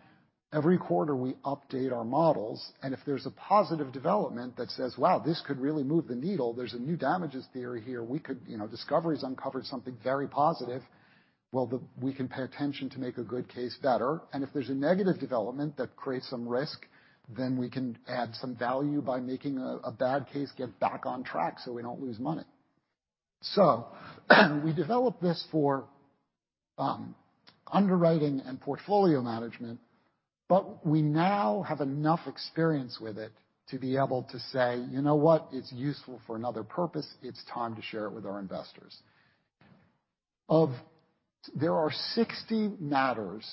Every quarter, we update our models, and if there's a positive development that says, "Wow, this could really move the needle. There's a new damages theory here. We could, you know, discovery's uncovered something very positive," well, we can pay attention to make a good case better. If there's a negative development that creates some risk, then we can add some value by making a bad case get back on track so we don't lose money. We developed this for underwriting and portfolio management, but we now have enough experience with it to be able to say, "You know what? It's useful for another purpose. It's time to share it with our investors. There are 60 matters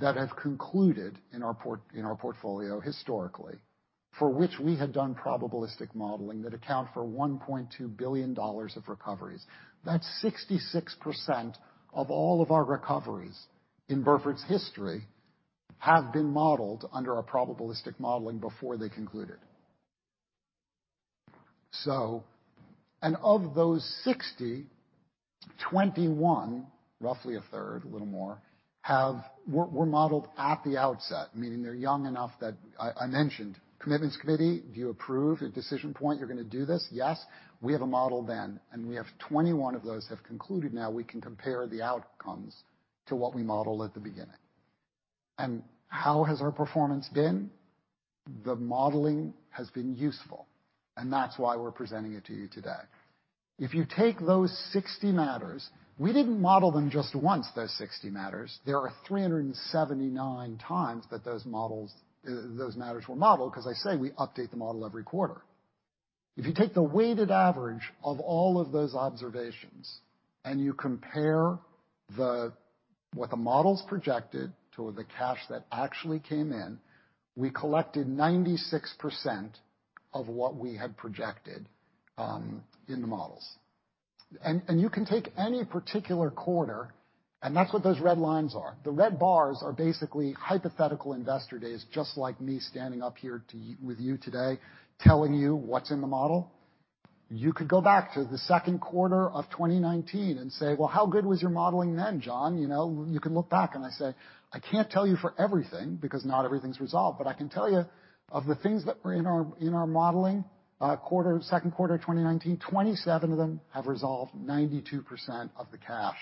that have concluded in our portfolio historically, for which we had done probabilistic modeling that account for $1.2 billion of recoveries. That's 66% of all of our recoveries in Burford's history have been modeled under probabilistic modeling before they concluded. Of those 60, 21, roughly a third, a little more, were modeled at the outset, meaning they're young enough that I mentioned. "Commitments committee, do you approve? At decision point, you're gonna do this?" "Yes." We have a model then, and we have 21 of those have concluded now. We can compare the outcomes to what we modeled at the beginning. How has our performance been? The modeling has been useful, and that's why we're presenting it to you today. If you take those 60 matters, we didn't model them just once. There are 379 times that those models, those matters were modeled, 'cause I say we update the model every quarter. If you take the weighted average of all of those observations and you compare what the models projected to the cash that actually came in, we collected 96% of what we had projected in the models. You can take any particular quarter, and that's what those red lines are. The red bars are basically hypothetical investor days, just like me standing up here with you today, telling you what's in the model. You could go back to the second quarter of 2019 and say, "Well, how good was your modeling then, John?" You know, you can look back, and I say, "I can't tell you for everything because not everything's resolved, but I can tell you of the things that were in our modeling second quarter of 2019, 2027 of them have resolved 92% of the cash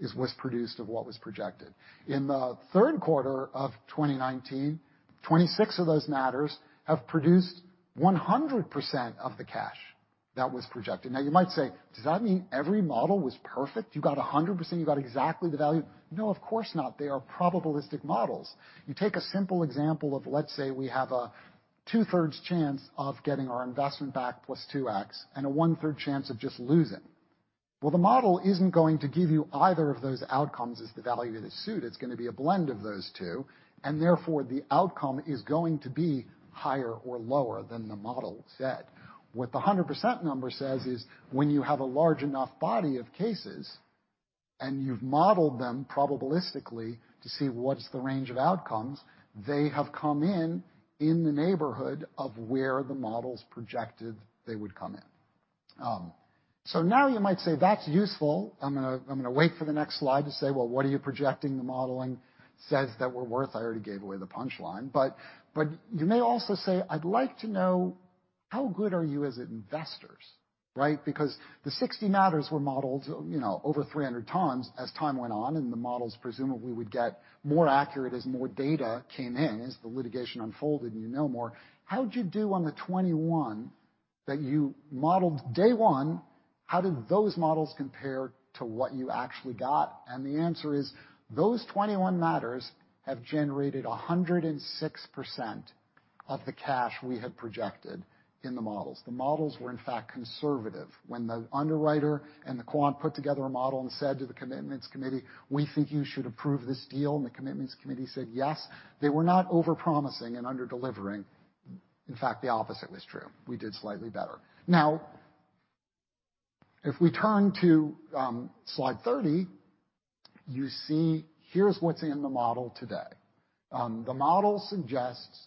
is what's produced of what was projected. In the third quarter of 2019, 2026 of those matters have produced 100% of the cash that was projected. Now, you might say, "Does that mean every model was perfect? You got a 100%. You got exactly the value." No, of course not. They are probabilistic models. You take a simple example of, let's say, we have a 2/3 chance of getting our investment back plus 2x and a one-third chance of just losing. Well, the model isn't going to give you either of those outcomes as the value that's used. It's gonna be a blend of those two, and therefore the outcome is going to be higher or lower than the model said. What the 100% number says is when you have a large enough body of cases, and you've modeled them probabilistically to see what's the range of outcomes, they have come in the neighborhood of where the models projected they would come in. So now you might say, "That's useful." I'm gonna wait for the next slide to say, "Well, what are you projecting the modeling says that we're worth?" I already gave away the punchline. you may also say, "I'd like to know how good are you as investors?" Right? Because the 60 matters were modeled, you know, over 300 months as time went on, and the models presumably would get more accurate as more data came in, as the litigation unfolded, and you know more. How'd you do on the 21 that you modeled day one, how did those models compare to what you actually got? The answer is, those 21 matters have generated 106% of the cash we had projected in the models. The models were, in fact, conservative. When the underwriter and the quant put together a model and said to the commitments committee, "We think you should approve this deal," and the commitments committee said, "Yes," they were not over-promising and under-delivering. In fact, the opposite was true. We did slightly better. Now, if we turn to slide 30, you see here's what's in the model today. The model suggests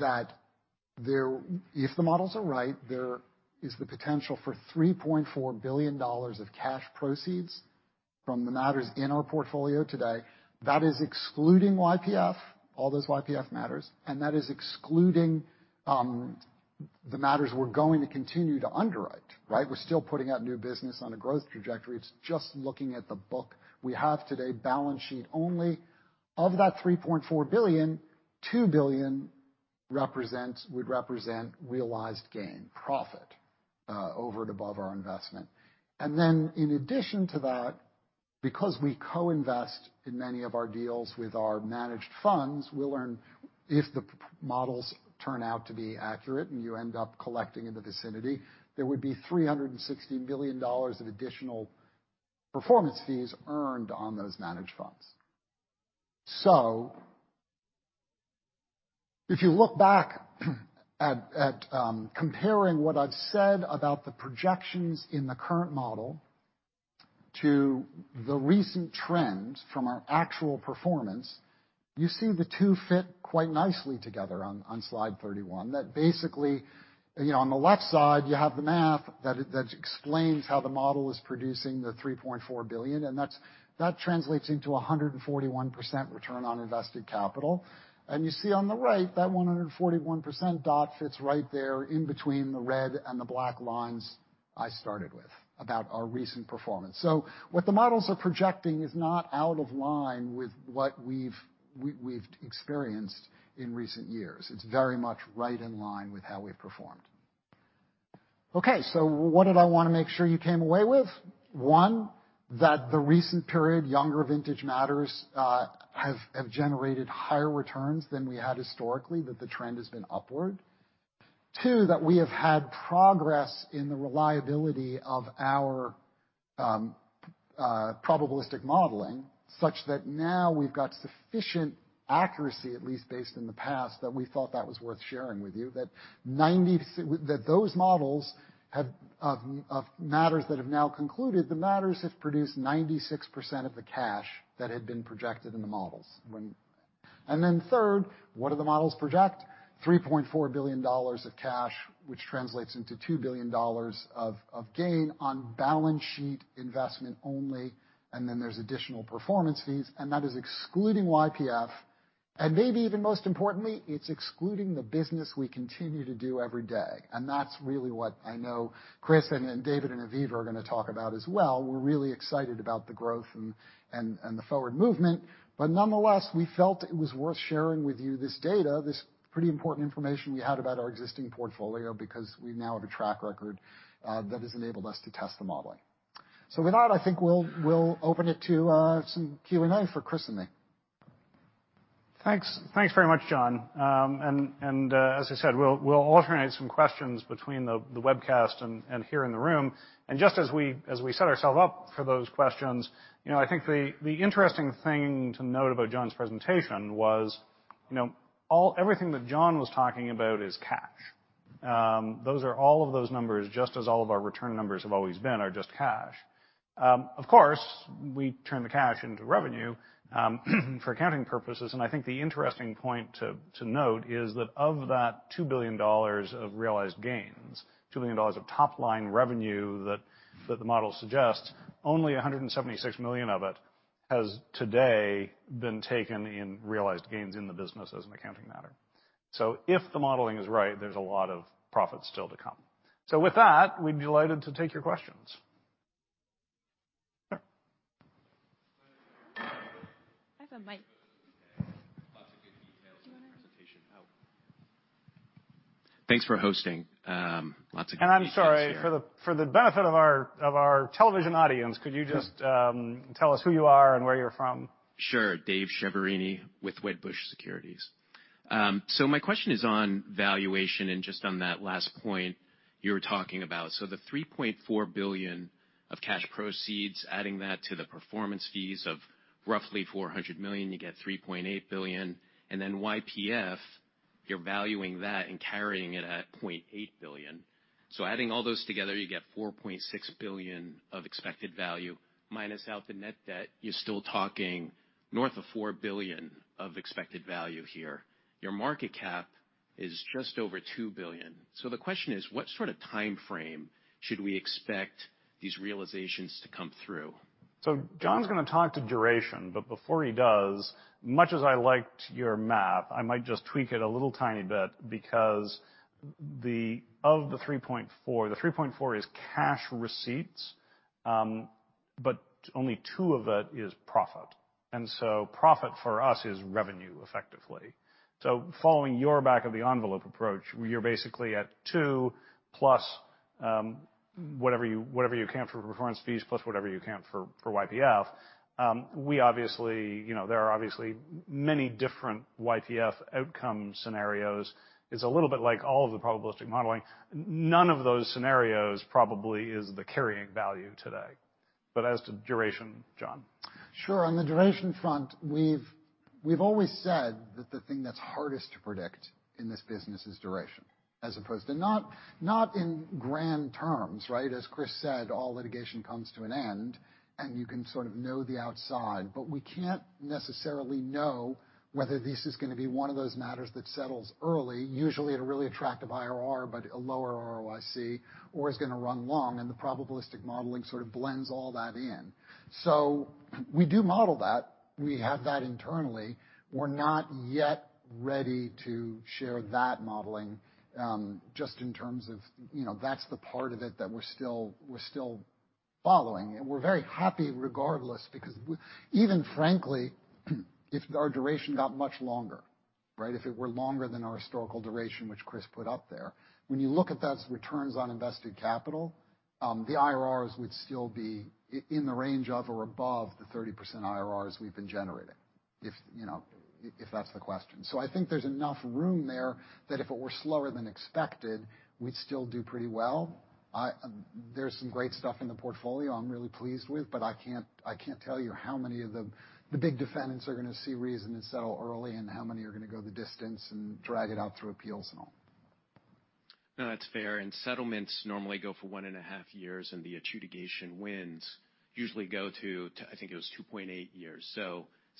that if the models are right, there is the potential for $3.4 billion of cash proceeds from the matters in our portfolio today. That is excluding YPF, all those YPF matters, and that is excluding the matters we're going to continue to underwrite, right? We're still putting out new business on a growth trajectory. It's just looking at the book we have today, balance sheet only. Of that $3.4 billion, $2 billion would represent realized gain, profit over and above our investment. In addition to that, because we co-invest in many of our deals with our managed funds, we'll earn, if the p-models turn out to be accurate and you end up collecting in the vicinity, there would be $360 million of additional performance fees earned on those managed funds. If you look back at comparing what I've said about the projections in the current model to the recent trends from our actual performance, you see the two fit quite nicely together on slide 31. That basically, you know, on the left side, you have the math that explains how the model is producing the $3.4 billion, and that translates into a 141% return on invested capital. You see on the right, that 141% point fits right there in between the red and the black lines I started with about our recent performance. What the models are projecting is not out of line with what we've experienced in recent years. It's very much right in line with how we've performed. Okay, what did I wanna make sure you came away with? One, that the recent period, younger vintage matters, have generated higher returns than we had historically, that the trend has been upward. Two, that we have had progress in the reliability of our probabilistic modeling, such that now we've got sufficient accuracy, at least based in the past, that we thought that was worth sharing with you, that those models have of matters that have now concluded, the matters have produced 96% of the cash that had been projected in the models when. Then third, what do the models project? $3.4 billion of cash, which translates into $2 billion of gain on balance sheet investment only, and then there's additional performance fees, and that is excluding YPF. Maybe even most importantly, it's excluding the business we continue to do every day. That's really what I know Chris and David and Aviva are gonna talk about as well. We're really excited about the growth and the forward movement. Nonetheless, we felt it was worth sharing with you this data, this pretty important information we had about our existing portfolio because we now have a track record that has enabled us to test the modeling. With that, I think we'll open it to some Q&A for Chris and me. Thanks very much, John. As I said, we'll alternate some questions between the webcast and here in the room. Just as we set ourselves up for those questions, you know, I think the interesting thing to note about John's presentation was, you know, everything that John was talking about is cash. Those are all of those numbers, just as all of our return numbers have always been, are just cash. Of course, we turn the cash into revenue for accounting purposes, and I think the interesting point to note is that of that $2 billion of realized gains, $2 billion of top-line revenue that the model suggests, only $176 million of it has today been taken in realized gains in the business as an accounting matter. If the modeling is right, there's a lot of profits still to come. With that, we'd be delighted to take your questions. Sure. I have a mic. Lots of good details in that presentation. Thanks for hosting, lots of good details here. I'm sorry, for the benefit of our television audience, could you just tell us who you are and where you're from? Sure. David Chiaverini with Wedbush Securities. My question is on valuation and just on that last point you were talking about. The $3.4 billion of cash proceeds, adding that to the performance fees of roughly $400 million, you get $3.8 billion. Then YPF, you're valuing that and carrying it at $0.8 billion. Adding all those together, you get $4.6 billion of expected value. Minus out the net debt, you're still talking north of $4 billion of expected value here. Your market cap is just over $2 billion. The question is, what sort of timeframe should we expect these realizations to come through? John's gonna talk to duration, but before he does, much as I liked your math, I might just tweak it a little tiny bit because of the $3.4 billion, the $3.4 billion is cash receipts, but only $2 million of it is profit. Profit for us is revenue effectively. Following your back of the envelope approach, you're basically at +2, whatever you count for performance fees, plus whatever you count for YPF. We obviously, you know, there are obviously many different YPF outcome scenarios. It's a little bit like all of the probabilistic modeling. None of those scenarios probably is the carrying value today. As to duration, John. Sure. On the duration front, we've always said that the thing that's hardest to predict in this business is duration, as opposed to not in grand terms, right? As Chris said, all litigation comes to an end, and you can sort of know the outside. We can't necessarily know whether this is gonna be one of those matters that settles early, usually at a really attractive IRR, but a lower ROIC, or is gonna run long, and the probabilistic modeling sort of blends all that in. We do model that. We have that internally. We're not yet ready to share that modeling, just in terms of, you know, that's the part of it that we're still following. We're very happy regardless because even frankly, if our duration got much longer, right? If it were longer than our historical duration, which Chris put up there, when you look at that return on invested capital, the IRRs would still be in the range of or above the 30% IRRs we've been generating, if, you know, if that's the question. I think there's enough room there that if it were slower than expected, we'd still do pretty well. There's some great stuff in the portfolio I'm really pleased with, but I can't tell you how many of the big defendants are gonna see reason and settle early and how many are gonna go the distance and drag it out through appeals and all. No, that's fair. Settlements normally go for one and a half years, and the adjudication wins usually go to, I think it was 2.8 years.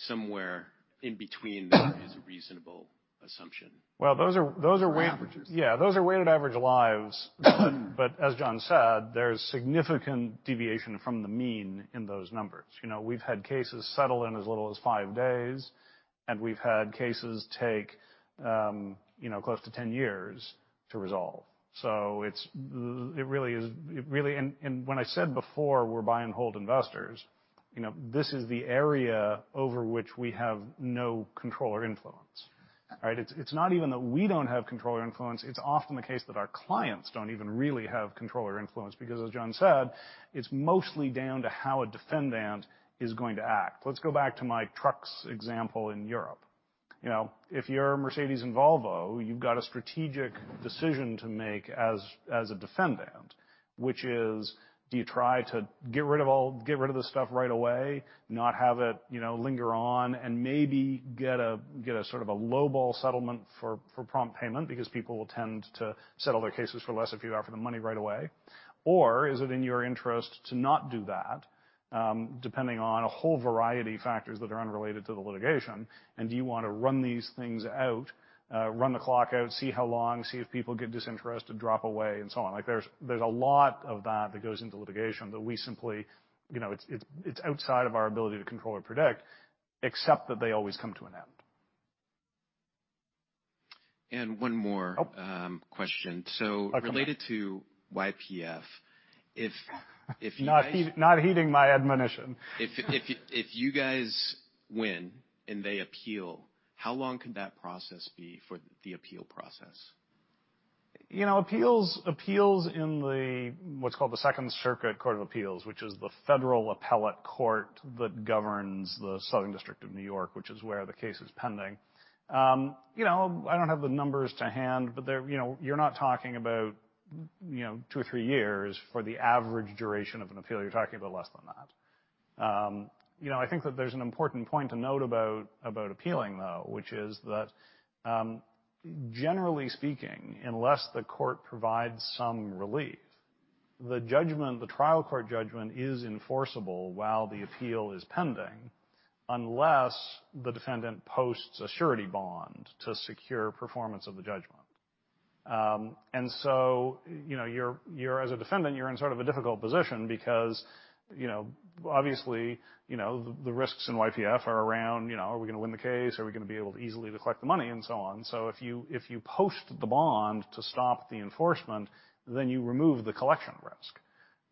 Somewhere in between there is a reasonable assumption. Well, those are Averages. Yeah. Those are weighted average lives. As John said, there's significant deviation from the mean in those numbers. You know, we've had cases settle in as little as five days, and we've had cases take, you know, close to 10 years to resolve. It really is. When I said before, we're buy and hold investors, you know, this is the area over which we have no control or influence, right? It's not even that we don't have control or influence, it's often the case that our clients don't even really have control or influence because as John said, it's mostly down to how a defendant is going to act. Let's go back to my trucks example in Europe. You know, if you're Mercedes-Benz and Volvo, you've got a strategic decision to make as a defendant, which is, do you try to get rid of the stuff right away, not have it, you know, linger on and maybe get a sort of a low ball settlement for prompt payment because people will tend to settle their cases for less if you offer them money right away? Or is it in your interest to not do that, depending on a whole variety of factors that are unrelated to the litigation, and do you wanna run these things out, run the clock out, see how long, see if people get disinterested, drop away, and so on. Like, there's a lot of that that goes into litigation that we simply. You know, it's outside of our ability to control or predict, except that they always come to an end. One more Question. Okay. Related to YPF, if you guys Not heeding my admonition. If you guys win and they appeal, how long could that process be for the appeal process? You know, appeals in what's called the United States Court of Appeals for the Second Circuit, which is the federal appellate court that governs the Southern District of New York, which is where the case is pending. You know, I don't have the numbers to hand, but they're, you know, you're not talking about, you know, two or three years for the average duration of an appeal. You're talking about less than that. You know, I think that there's an important point to note about appealing, though, which is that generally speaking, unless the court provides some relief, the judgment, the trial court judgment is enforceable while the appeal is pending, unless the defendant posts a surety bond to secure performance of the judgment. You know, you're as a defendant, you're in sort of a difficult position because, you know, obviously, you know, the risks in YPF are around, you know, are we gonna win the case? Are we gonna be able to easily collect the money and so on. If you post the bond to stop the enforcement, then you remove the collection risk.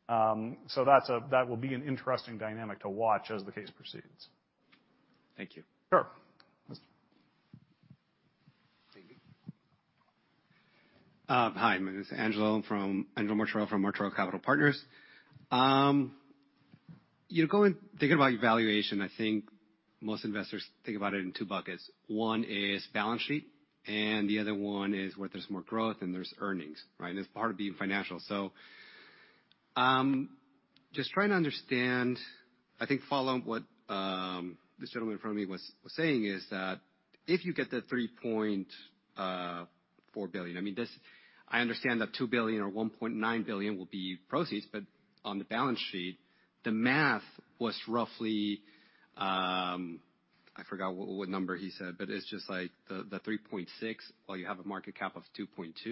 That will be an interesting dynamic to watch as the case proceeds. Thank you. Sure. Thanks. Hi. My name is Angelo Martorell from Martorell Capital Partners. Thinking about your valuation, I think most investors think about it in two buckets. One is balance sheet, and the other one is where there's more growth and there's earnings, right? It's part of being financial. Just trying to understand, I think following what this gentleman in front of me was saying is that if you get the $3.4 billion, I mean, I understand that $2 billion or $1.9 billion will be proceeds, but on the balance sheet, the math was roughly, I forgot what number he said, but it's just like the $3.6 billion, while you have a market cap of $2.2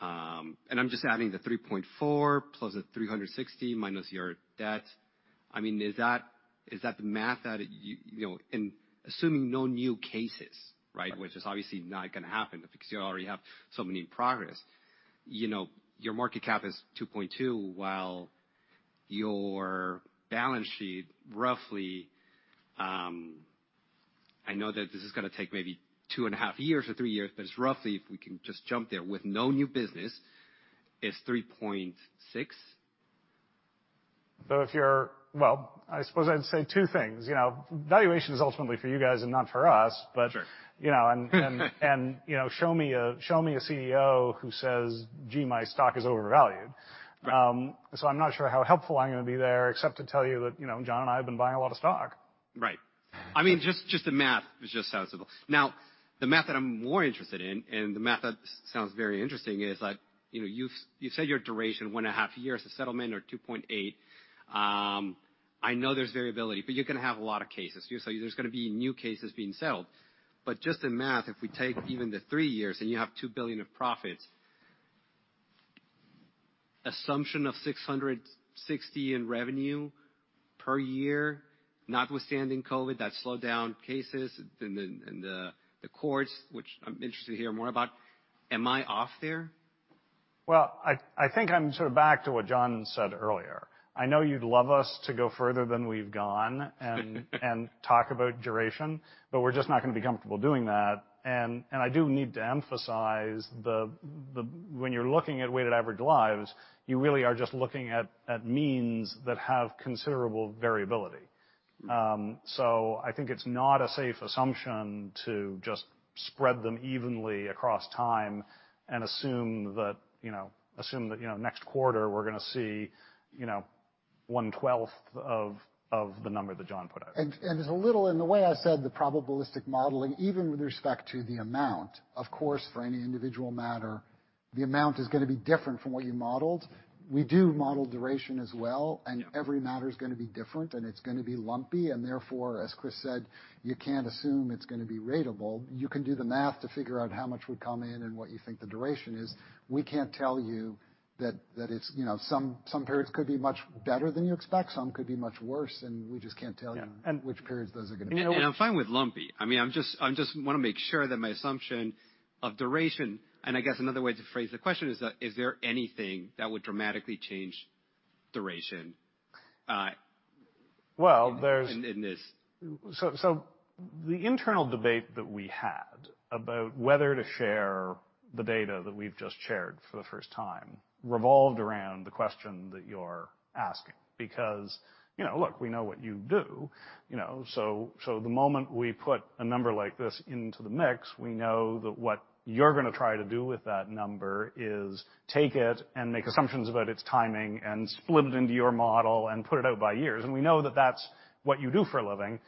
million. I'm just adding the +$3.4 million the -$360 million your debt. I mean, is that the math that you know, and assuming no new cases, right? Yeah. Which is obviously not gonna happen because you already have so many in progress. You know, your market cap is $2.2 billion, while your balance sheet, roughly, I know that this is gonna take maybe 2.5 years or 3 years, but it's roughly, if we can just jump there, with no new business, is $3.6 billion. Well, I suppose I'd say two things. You know, valuation is ultimately for you guys and not for us, but Sure. You know, show me a CEO who says, "Gee, my stock is overvalued." I'm not sure how helpful I'm gonna be there except to tell you that, you know, John and I have been buying a lot of stock. Right. I mean, just the math is just how it's doable. Now, the math that I'm more interested in, and the math that sounds very interesting is that, you know, you said your duration, 1.5 years to settlement or 2.8 years. I know there's variability, but you're gonna have a lot of cases. There's gonna be new cases being settled. Just the math, if we take even the three years and you have $2 billion of profits, assumption of $660 million in revenue per year, notwithstanding COVID, that slowed down cases in the courts, which I'm interested to hear more about. Am I off there? Well, I think I'm sort of back to what John said earlier. I know you'd love us to go further than we've gone and talk about duration, but we're just not gonna be comfortable doing that. I do need to emphasize when you're looking at weighted average lives, you really are just looking at means that have considerable variability. So I think it's not a safe assumption to just spread them evenly across time and assume that, you know, next quarter we're gonna see, you know, one-twelfth of the number that John put out. The way I said the probabilistic modeling, even with respect to the amount. Of course, for any individual matter, the amount is gonna be different from what you modeled. We do model duration as well. Yeah. Every matter is gonna be different, and it's gonna be lumpy, and therefore, as Chris said, you can't assume it's gonna be ratable. You can do the math to figure out how much would come in and what you think the duration is. We can't tell you that it's, you know, some periods could be much better than you expect, some could be much worse, and we just can't tell you which periods those are gonna be? I'm fine with lumpy. I mean, I just wanna make sure that my assumption of duration, and I guess another way to phrase the question is that is there anything that would dramatically change duration? Well, there's- In this. The internal debate that we had about whether to share the data that we've just shared for the first time revolved around the question that you're asking. Because, you know, look, we know what you do, you know. The moment we put a number like this into the mix, we know that what you're gonna try to do with that number is take it and make assumptions about its timing and split it into your model and put it out by years. We know that that's what you do for a living.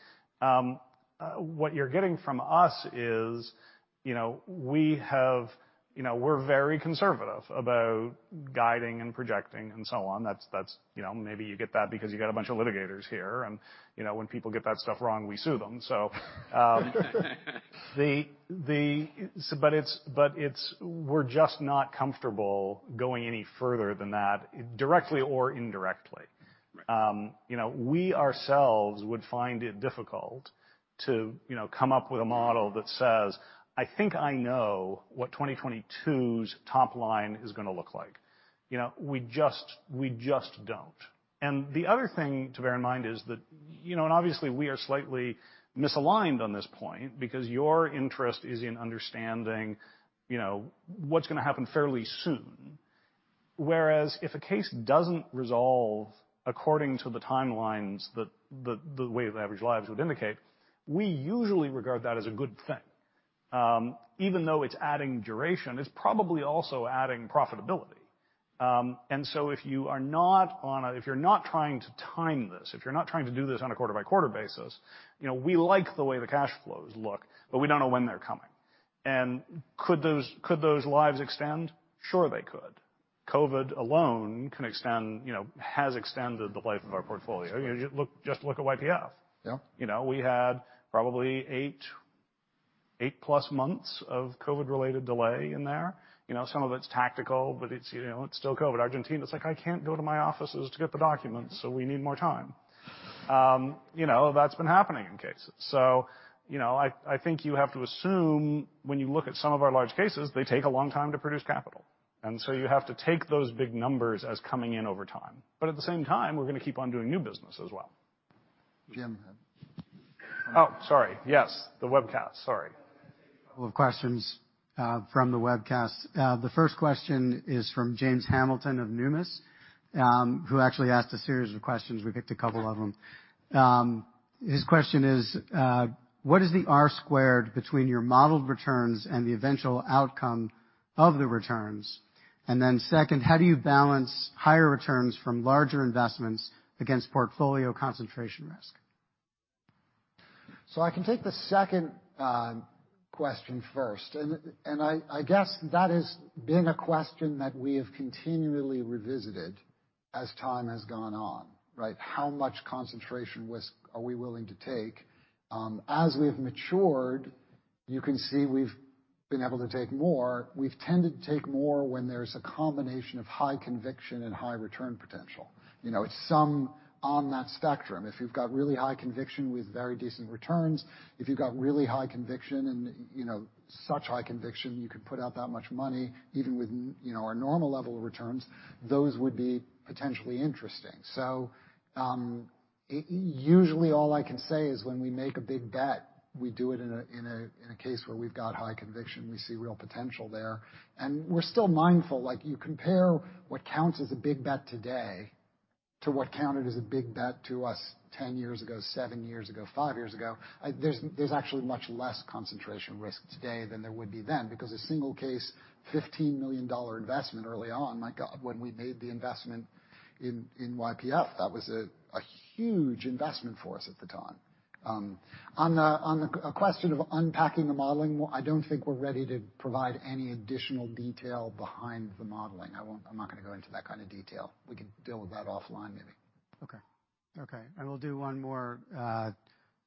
What you're getting from us is, you know, we have, you know, we're very conservative about guiding and projecting and so on. That's, you know, maybe you get that because you got a bunch of litigators here. You know, when people get that stuff wrong, we sue them. We're just not comfortable going any further than that, directly or indirectly. You know, we ourselves would find it difficult to, you know, come up with a model that says, "I think I know what 2022's top line is gonna look like." You know, we just don't. The other thing to bear in mind is that, you know, obviously we are slightly misaligned on this point because your interest is in understanding, you know, what's gonna happen fairly soon. Whereas if a case doesn't resolve according to the timelines that the way the average lives would indicate, we usually regard that as a good thing. Even though it's adding duration, it's probably also adding profitability. If you're not trying to time this, if you're not trying to do this on a quarter by quarter basis, you know, we like the way the cash flows look, but we don't know when they're coming. Could those lives extend? Sure, they could. COVID alone can extend, you know, has extended the life of our portfolio. You just look at YPF. Yeah. You know, we had probably +8 months of COVID-related delay in there. You know, some of it's tactical, but it's, you know, it's still COVID. Argentina's like, "I can't go to my offices to get the documents, so we need more time." You know, that's been happening in cases. You know, I think you have to assume when you look at some of our large cases, they take a long time to produce capital, and so you have to take those big numbers as coming in over time. At the same time, we're gonna keep on doing new business as well. Jim. Oh, sorry. Yes, the webcast. Sorry. We'll take a couple of questions from the webcast. The first question is from James Hamilton of Numis, who actually asked a series of questions. We picked a couple of them. His question is, what is the R squared between your modeled returns and the eventual outcome of the returns? Second, how do you balance higher returns from larger investments against portfolio concentration risk? I can take the second question first, and I guess that has been a question that we have continually revisited as time has gone on, right? How much concentration risk are we willing to take? As we've matured, you can see we've been able to take more. We've tended to take more when there's a combination of high conviction and high return potential. You know, it's some on that spectrum. If you've got really high conviction with very decent returns, if you've got really high conviction and you know, such high conviction, you could put out that much money even with, you know, our normal level of returns, those would be potentially interesting. Usually all I can say is when we make a big bet, we do it in a case where we've got high conviction, we see real potential there. We're still mindful, like you compare what counts as a big bet today to what counted as a big bet to us 10 years ago, seven years ago, five years ago. There's actually much less concentration risk today than there would be then, because a single case, $15 million investment early on, my God, when we made the investment in YPF, that was a huge investment for us at the time. On the question of unpacking the modeling, I don't think we're ready to provide any additional detail behind the modeling. I'm not gonna go into that kind of detail. We can deal with that offline, maybe.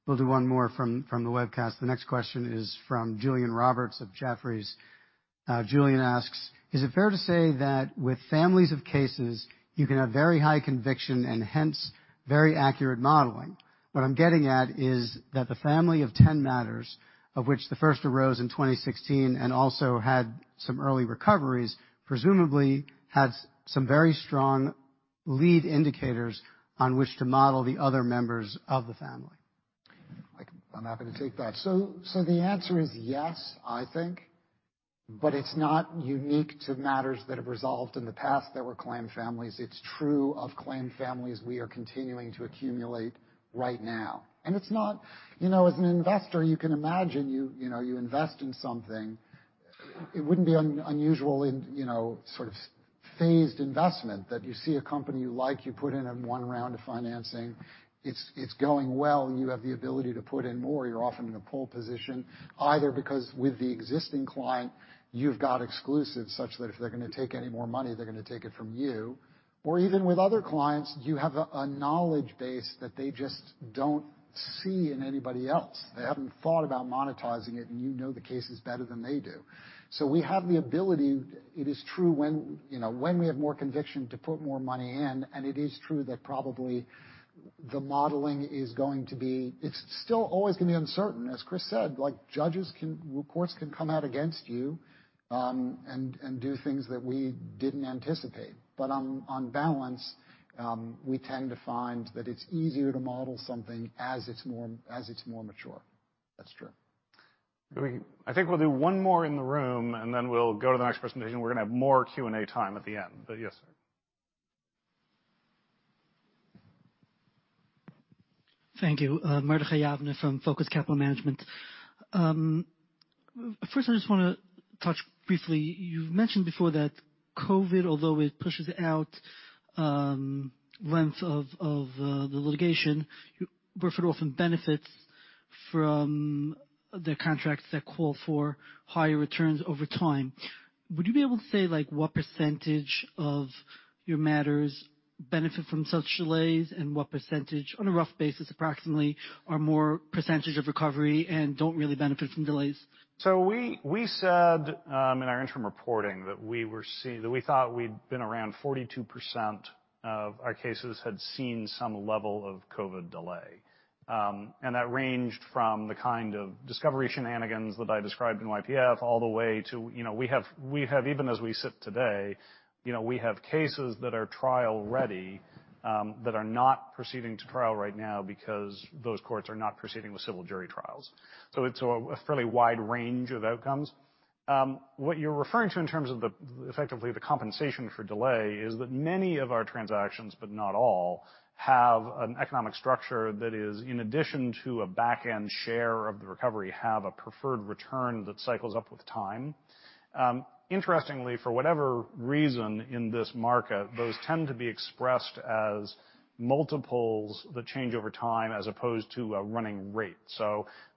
We'll do one more from the webcast. The next question is from Julian Roberts of Jefferies. Julian asks, "Is it fair to say that with families of cases, you can have very high conviction and hence very accurate modeling? What I'm getting at is that the family of 10 matters, of which the first arose in 2016 and also had some early recoveries, presumably had some very strong lead indicators on which to model the other members of the family. I'm happy to take that. The answer is yes, I think, but it's not unique to matters that have resolved in the past that were claim families. It's true of claim families we are continuing to accumulate right now. It's not, you know, as an investor, you can imagine, you know, you invest in something, it wouldn't be unusual in, you know, sort of phased investment that you see a company you like, you put in one round of financing, it's going well, you have the ability to put in more. You're often in a pole position either because with the existing client, you've got exclusive such that if they're gonna take any more money, they're gonna take it from you. Even with other clients, you have a knowledge base that they just don't see in anybody else. They haven't thought about monetizing it, and you know the cases better than they do. We have the ability, it is true when, you know, when we have more conviction to put more money in, and it is true that probably the modeling is going to be it's still always gonna be uncertain. As Chris said, like, courts can come out against you, and do things that we didn't anticipate. On balance, we tend to find that it's easier to model something as it's more mature. That's true. I think we'll do one more in the room, and then we'll go to the next presentation. We're gonna have more Q&A time at the end, but yes, sir. Thank you. Mordechai Yavneh from Focus Capital Management. First, I just wanna touch briefly. You've mentioned before that COVID, although it pushes out the length of the litigation, you refer to how it often benefits from the contracts that call for higher returns over time. Would you be able to say like what percentage of your matters benefit from such delays, and what percentage, on a rough basis, approximately the percentage of recovery and don't really benefit from delays? We said in our interim reporting that we thought we'd been around 42% of our cases had seen some level of COVID delay. That ranged from the kind of discovery shenanigans that I described in YPF all the way to, you know, we have even as we sit today, you know, we have cases that are trial ready that are not proceeding to trial right now because those courts are not proceeding with civil jury trials. It's a fairly wide range of outcomes. What you're referring to in terms of the effectively the compensation for delay is that many of our transactions, but not all, have an economic structure that is in addition to a back-end share of the recovery, have a preferred return that cycles up with time. Interestingly, for whatever reason in this market, those tend to be expressed as multiples that change over time as opposed to a running rate.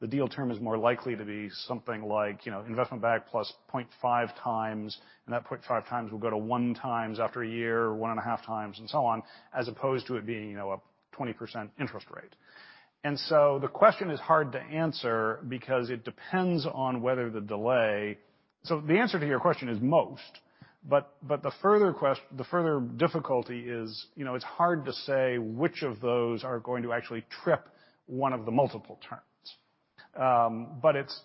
The deal term is more likely to be something like, you know, investment back +0.5x, and that 0.5x will go to 1x after a year, 1.5x, and so on, as opposed to it being, you know, a 20% interest rate. The question is hard to answer because it depends on whether the delay. The answer to your question is most, but the further difficulty is, you know, it's hard to say which of those are going to actually trip one of the multiple terms.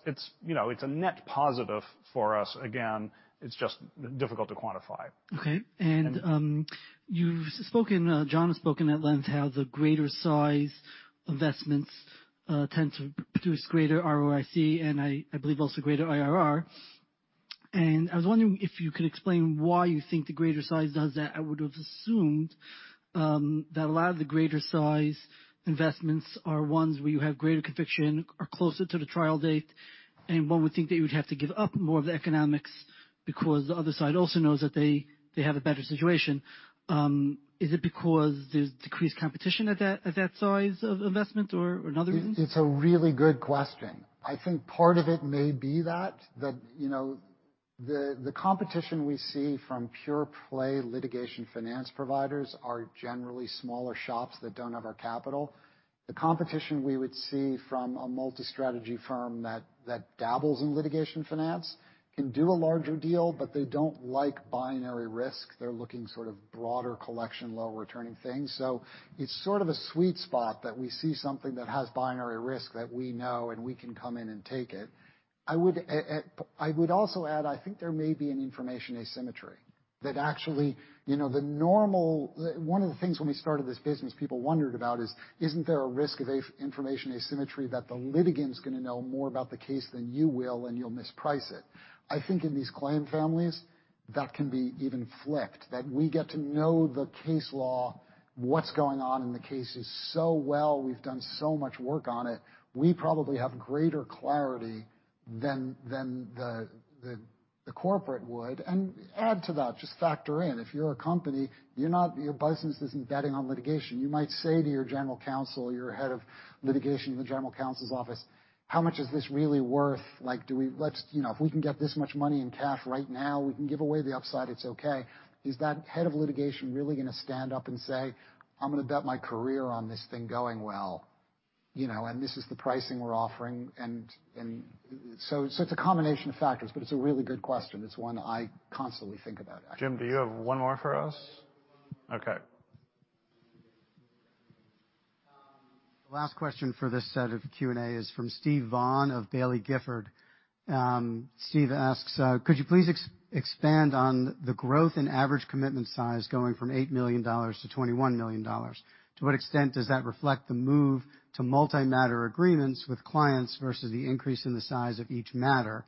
It's, you know, it's a net positive for us. Again, it's just difficult to quantify. Okay. You've spoken, John has spoken at length how the greater size investments tend to produce greater ROIC, and I believe also greater IRR. I was wondering if you could explain why you think the greater size does that. I would have assumed that a lot of the greater size investments are ones where you have greater conviction, are closer to the trial date, and one would think that you would have to give up more of the economics because the other side also knows that they have a better situation. Is it because there's decreased competition at that size of investment or another reason? It's a really good question. I think part of it may be that. You know, the competition we see from pure play litigation finance providers are generally smaller shops that don't have our capital. The competition we would see from a multi-strategy firm that dabbles in litigation finance can do a larger deal, but they don't like binary risk. They're looking sort of broader collection, lower returning things. It's sort of a sweet spot that we see something that has binary risk that we know and we can come in and take it. I would also add, I think there may be an information asymmetry that actually, you know, the normal... One of the things when we started this business people wondered about is, isn't there a risk of information asymmetry that the litigant's gonna know more about the case than you will, and you'll misprice it? I think in these claim families, that can be even flipped, that we get to know the case law, what's going on in the cases so well, we've done so much work on it, we probably have greater clarity than the corporate would. Add to that, just factor in, if you're a company, you're not your business isn't betting on litigation. You might say to your general counsel, your head of litigation in the general counsel's office, "How much is this really worth? Like, let's, you know, if we can get this much money in cash right now, we can give away the upside, it's okay. Is that head of litigation really gonna stand up and say, "I'm gonna bet my career on this thing going well, you know, and this is the pricing we're offering." It's a combination of factors, but it's a really good question. It's one I constantly think about, actually. Jim, do you have one more for us? Okay. Last question for this set of Q&A is from Steve Vaughan of Baillie Gifford. Steve asks, could you please expand on the growth in average commitment size going from $8 million - $21 million. To what extent does that reflect the move to multi-matter agreements with clients versus the increase in the size of each matter?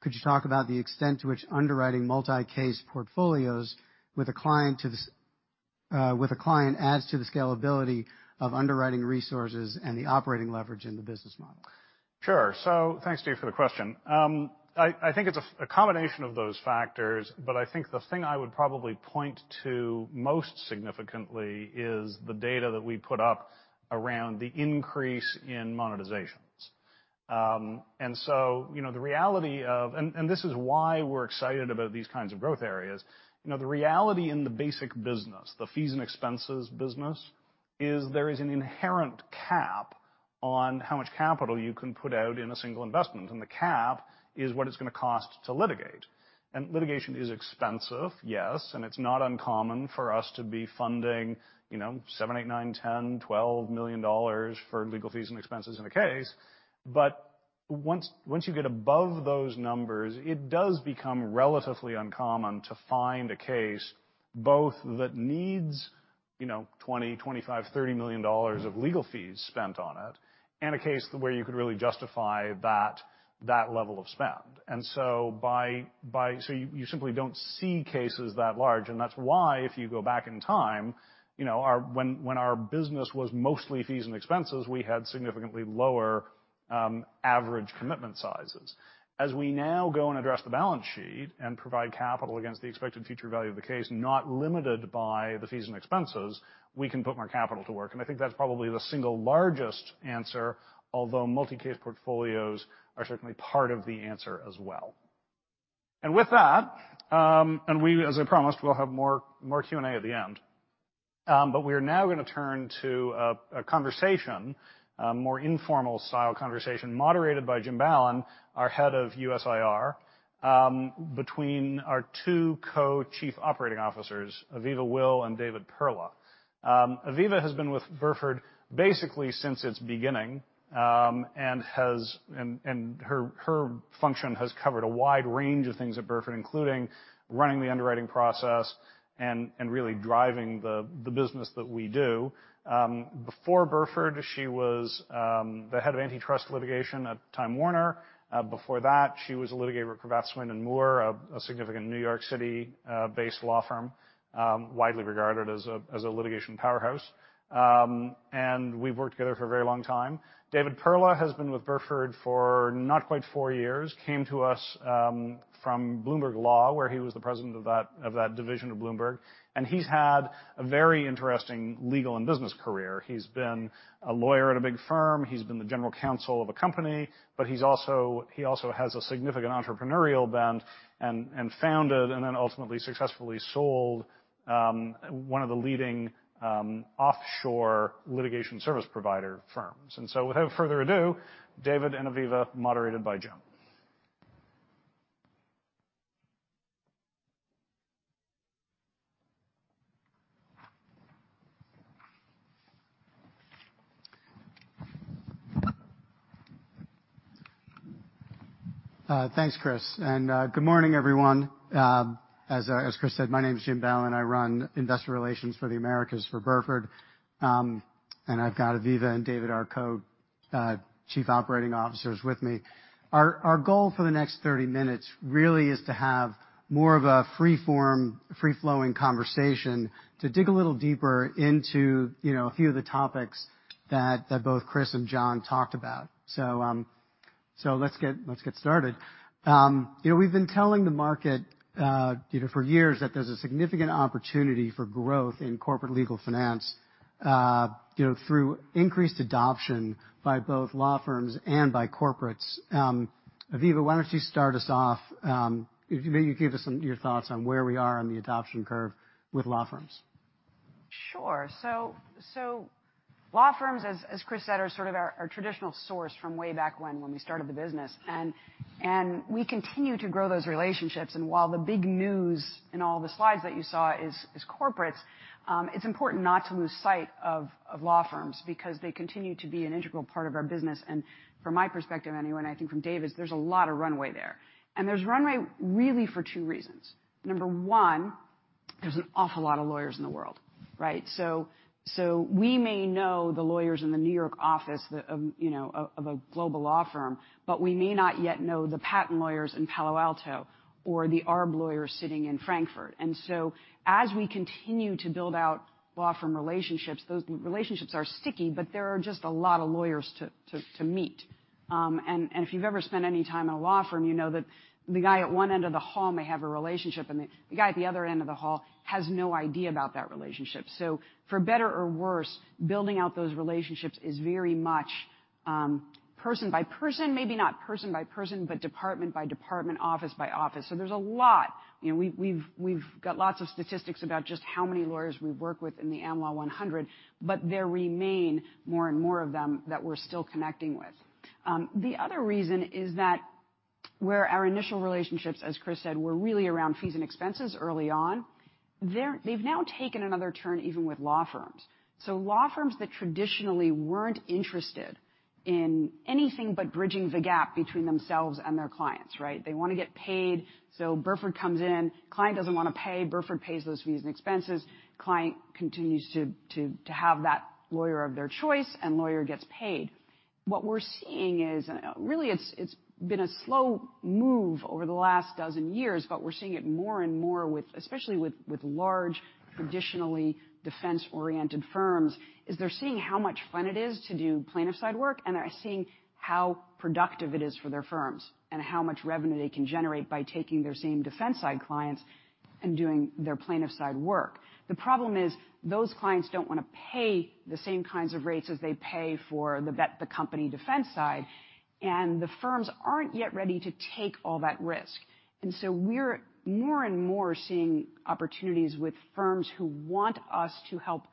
Could you talk about the extent to which underwriting multi-case portfolios with a client adds to the scalability of underwriting resources and the operating leverage in the business model? Thanks, Steve, for the question. I think it's a combination of those factors, but I think the thing I would probably point to most significantly is the data that we put up around the increase in monetizations. This is why we're excited about these kinds of growth areas. You know, the reality in the basic business, the fees and expenses business, is there an inherent cap on how much capital you can put out in a single investment, and the cap is what it's gonna cost to litigate. Litigation is expensive, yes, and it's not uncommon for us to be funding, you know, $7 million, $8 million, $9 million, $10 million, $12 million for legal fees and expenses in a case. Once you get above those numbers, it does become relatively uncommon to find a case both that needs, you know, $20 million, $25 million, $30 million of legal fees spent on it, and a case where you could really justify that level of spend. You simply don't see cases that large, and that's why if you go back in time, you know, when our business was mostly fees and expenses, we had significantly lower average commitment sizes. As we now go and address the balance sheet and provide capital against the expected future value of the case, not limited by the fees and expenses, we can put more capital to work. I think that's probably the single largest answer, although multi-case portfolios are certainly part of the answer as well. With that, as I promised, we'll have more Q&A at the end. We are now gonna turn to a more informal style conversation moderated by Jim Ballan, our head of U.S. IR, between our two Co-Chief Operating Officers, Aviva Will and David Perla. Aviva has been with Burford basically since its beginning, and her function has covered a wide range of things at Burford, including running the underwriting process and really driving the business that we do. Before Burford, she was the head of antitrust litigation at Time Warner. Before that, she was a litigator at Cravath, Swaine & Moore, a significant New York City-based law firm, widely regarded as a litigation powerhouse. We've worked together for a very long time. David Perla has been with Burford for not quite four years, came to us from Bloomberg Law, where he was the president of that division of Bloomberg. He's had a very interesting legal and business career. He's been a lawyer at a big firm. He's been the general counsel of a company, but he also has a significant entrepreneurial bent and founded and then ultimately successfully sold one of the leading offshore litigation service provider firms. Without further ado, David and Aviva, moderated by Jim. Thanks, Chris, and good morning, everyone. As Chris said, my name is Jim Ballan. I run investor relations for the Americas for Burford. I've got Aviva and David, our Co-Chief Operating Officers with me. Our goal for the next 30 minutes really is to have more of a free form, free-flowing conversation to dig a little deeper into, you know, a few of the topics that both Chris and John talked about. Let's get started. You know, we've been telling the market, you know, for years that there's a significant opportunity for growth in corporate legal finance, you know, through increased adoption by both law firms and by corporates. Aviva, why don't you start us off, maybe give us some of your thoughts on where we are in the adoption curve with law firms. Sure. Law firms, as Chris said, are sort of our traditional source from way back when we started the business. We continue to grow those relationships. While the big news in all the slides that you saw is corporates, it's important not to lose sight of law firms because they continue to be an integral part of our business. From my perspective, anyway, and I think from David's, there's a lot of runway there. There's runway really for two reasons. Number one, there's an awful lot of lawyers in the world, right? So we may know the lawyers in the New York office, you know, of a global law firm, but we may not yet know the patent lawyers in Palo Alto or the ARB lawyers sitting in Frankfurt. As we continue to build out law firm relationships, those relationships are sticky, but there are just a lot of lawyers to meet. If you've ever spent any time in a law firm, you know that the guy at one end of the hall may have a relationship, and the guy at the other end of the hall has no idea about that relationship. For better or worse, building out those relationships is very much person by person, maybe not person by person, but department by department, office by office. There's a lot. You know, we've got lots of statistics about just how many lawyers we work with in the Am Law 100, but there remain more and more of them that we're still connecting with. The other reason is that where our initial relationships, as Chris said, were really around fees and expenses early on, they've now taken another turn even with law firms. Law firms that traditionally weren't interested in anything but bridging the gap between themselves and their clients, right? They wanna get paid. Burford comes in. Client doesn't wanna pay. Burford pays those fees and expenses. Client continues to have that lawyer of their choice and lawyer gets paid. What we're seeing is, really, it's been a slow move over the last dozen years, but we're seeing it more and more, especially with large, traditionally defense-oriented firms. They're seeing how much fun it is to do plaintiff-side work, and they're seeing how productive it is for their firms and how much revenue they can generate by taking their same defense side clients and doing their plaintiff side work. The problem is those clients don't wanna pay the same kinds of rates as they pay for the company defense side, and the firms aren't yet ready to take all that risk. We're more and more seeing opportunities with firms who want us to help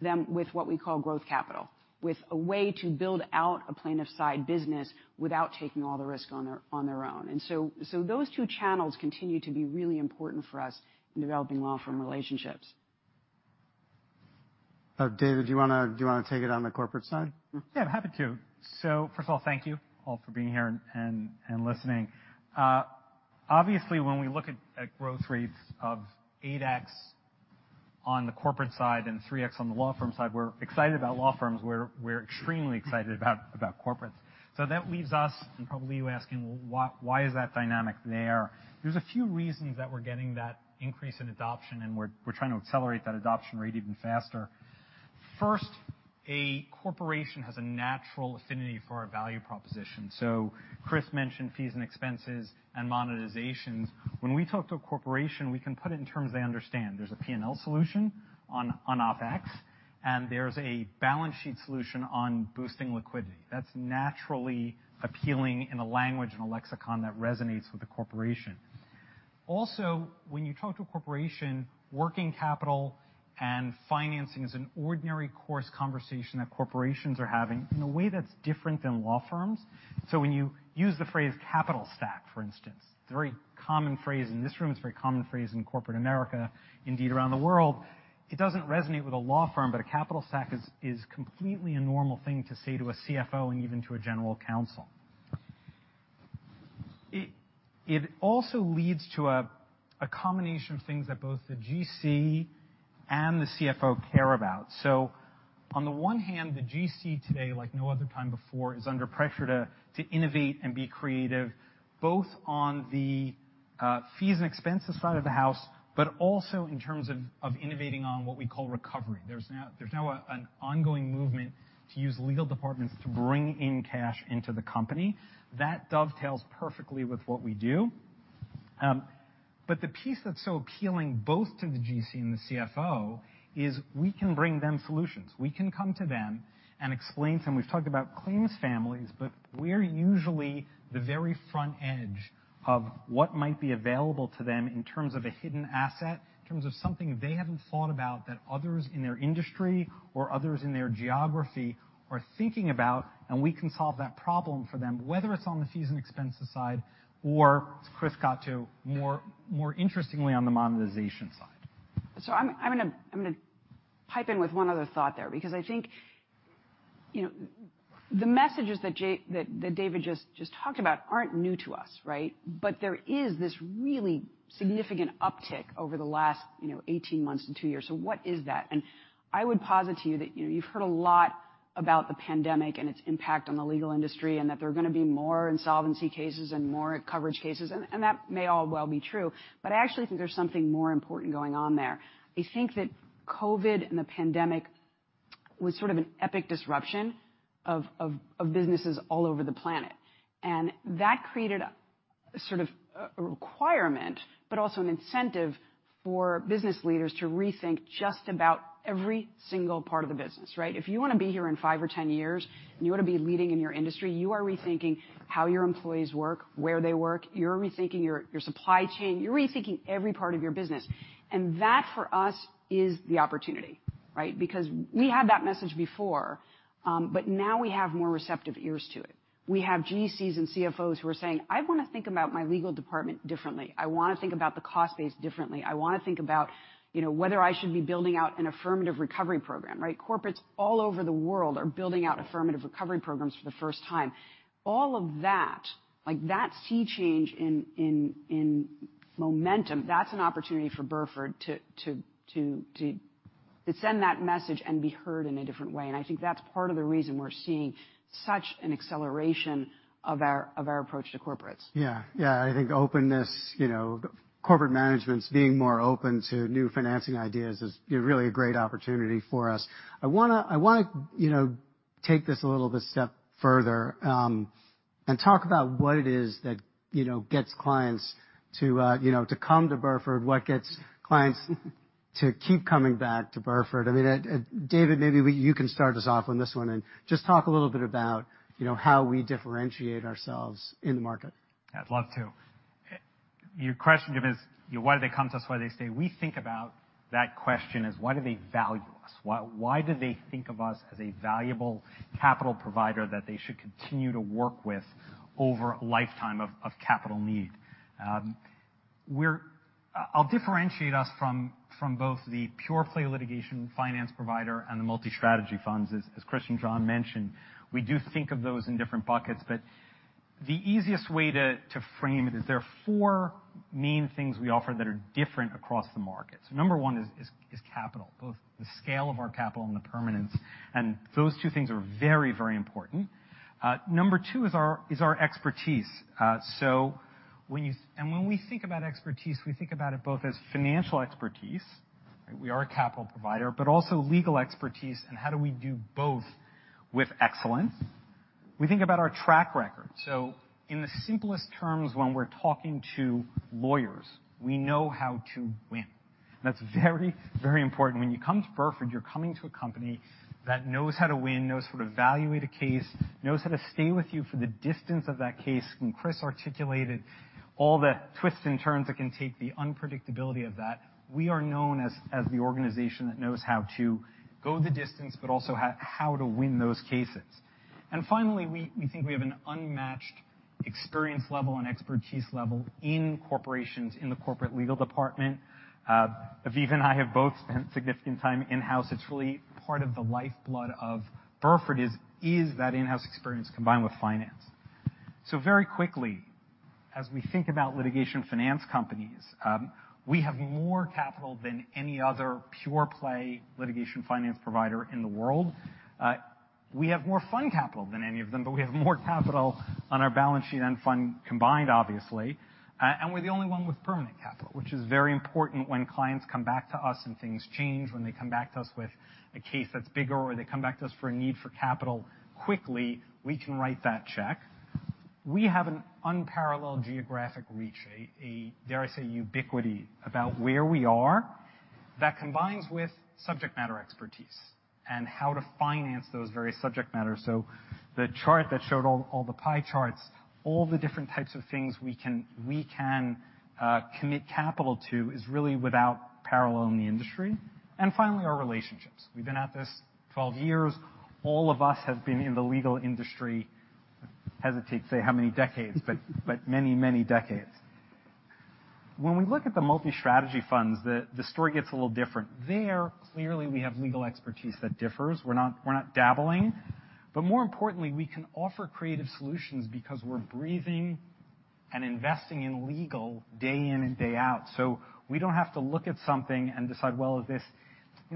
them with what we call growth capital, with a way to build out a plaintiff-side business without taking all the risk on their own. Those two channels continue to be really important for us in developing law firm relationships. David, do you wanna take it on the corporate side? Yeah, I'm happy to. First of all, thank you all for being here and listening. Obviously, when we look at growth rates of 8x on the corporate side and 3x on the law firm side, we're excited about law firms. We're extremely excited about corporates. That leaves us, and probably you asking, why is that dynamic there? There's a few reasons that we're getting that increase in adoption, and we're trying to accelerate that adoption rate even faster. First, a corporation has a natural affinity for our value proposition. Chris mentioned fees and expenses and monetization. When we talk to a corporation, we can put it in terms they understand. There's a P&L solution on OpEx, and there's a balance sheet solution on boosting liquidity. That's naturally appealing in a language and a lexicon that resonates with the corporation. Also, when you talk to a corporation, working capital and financing is an ordinary course conversation that corporations are having in a way that's different than law firms. When you use the phrase capital stack, for instance, it's a very common phrase in this room, it's a very common phrase in corporate America, indeed, around the world, it doesn't resonate with a law firm, but a capital stack is completely a normal thing to say to a CFO and even to a general counsel. It also leads to a combination of things that both the GC and the CFO care about. On the one hand, the GC today, like no other time before, is under pressure to innovate and be creative, both on the fees and expenses side of the house, but also in terms of innovating on what we call recovery. There's now an ongoing movement to use legal departments to bring in cash into the company. That dovetails perfectly with what we do. The piece that's so appealing both to the GC and the CFO is we can bring them solutions. We can come to them and explain to them. We've talked about claims families, but we're usually the very front edge of what might be available to them in terms of a hidden asset, in terms of something they haven't thought about that others in their industry or others in their geography are thinking about, and we can solve that problem for them, whether it's on the fees and expenses side or, as Chris got to, more interestingly on the monetization side. I'm gonna pipe in with one other thought there because I think, you know, the messages that David just talked about aren't new to us, right? There is this really significant uptick over the last, you know, 18 months to 2 years. What is that? I would posit to you that, you know, you've heard a lot about the pandemic and its impact on the legal industry, and that there are gonna be more insolvency cases and more coverage cases, and that may all well be true. I actually think there's something more important going on there. I think that COVID and the pandemic was sort of an epic disruption of businesses all over the planet. That created a sort of a requirement, but also an incentive for business leaders to rethink just about every single part of the business, right? If you wanna be here in five or ten years, and you wanna be leading in your industry, you are rethinking how your employees work, where they work. You're rethinking your supply chain. You're rethinking every part of your business. That, for us, is the opportunity, right? Because we had that message before, but now we have more receptive ears to it. We have GCs and CFOs who are saying, "I wanna think about my legal department differently. I wanna think about the cost base differently. I wanna think about, you know, whether I should be building out an affirmative recovery program," right? Corporates all over the world are building out affirmative recovery programs for the first time. All of that, like, that sea change in momentum, that's an opportunity for Burford to send that message and be heard in a different way. I think that's part of the reason we're seeing such an acceleration of our approach to corporates. Yeah. I think openness, you know, corporate managements being more open to new financing ideas is, you know, really a great opportunity for us. I wanna, you know, take this a little bit step further, and talk about what it is that, you know, gets clients to, you know, to come to Burford, what gets clients to keep coming back to Burford. I mean, David, maybe you can start us off on this one and just talk a little bit about, you know, how we differentiate ourselves in the market. I'd love to. Your question, Jim, is why do they come to us? Why they stay. We think about that question as why do they value us? Why do they think of us as a valuable capital provider that they should continue to work with over a lifetime of capital need? I'll differentiate us from both the pure-play litigation finance provider and the multi-strategy funds. As Chris and John mentioned, we do think of those in different buckets. The easiest way to frame it is there are four main things we offer that are different across the market. Number one is capital, both the scale of our capital and the permanence. Those two things are very, very important. Number two is our expertise. When we think about expertise, we think about it both as financial expertise, we are a capital provider, but also legal expertise and how do we do both with excellence. We think about our track record. In the simplest terms, when we're talking to lawyers, we know how to win. That's very important. When you come to Burford, you're coming to a company that knows how to win, knows how to evaluate a case, knows how to stay with you for the distance of that case. Chris articulated all the twists and turns that can take the unpredictability of that. We are known as the organization that knows how to go the distance, but also how to win those cases. Finally, we think we have an unmatched experience level and expertise level in corporations, in the corporate legal department. Aviva and I have both spent significant time in-house. It's really part of the lifeblood of Burford, that in-house experience combined with finance. Very quickly, as we think about litigation finance companies, we have more capital than any other pure play litigation finance provider in the world. We have more fund capital than any of them, but we have more capital on our balance sheet than fund combined, obviously. We're the only one with permanent capital, which is very important when clients come back to us and things change. When they come back to us with a case that's bigger or they come back to us for a need for capital quickly, we can write that check. We have an unparalleled geographic reach, dare I say, ubiquity about where we are. That combines with subject matter expertise and how to finance those very subject matters. The chart that showed all the pie charts, all the different types of things we can commit capital to is really without parallel in the industry. Finally, our relationships. We've been at this 12 years. All of us have been in the legal industry, I hesitate to say how many decades, but many, many decades. When we look at the multi-strategy funds, the story gets a little different. There, clearly we have legal expertise that differs. We're not dabbling. More importantly, we can offer creative solutions because we're breathing and investing in legal day in and day out. We don't have to look at something and decide, "Well, we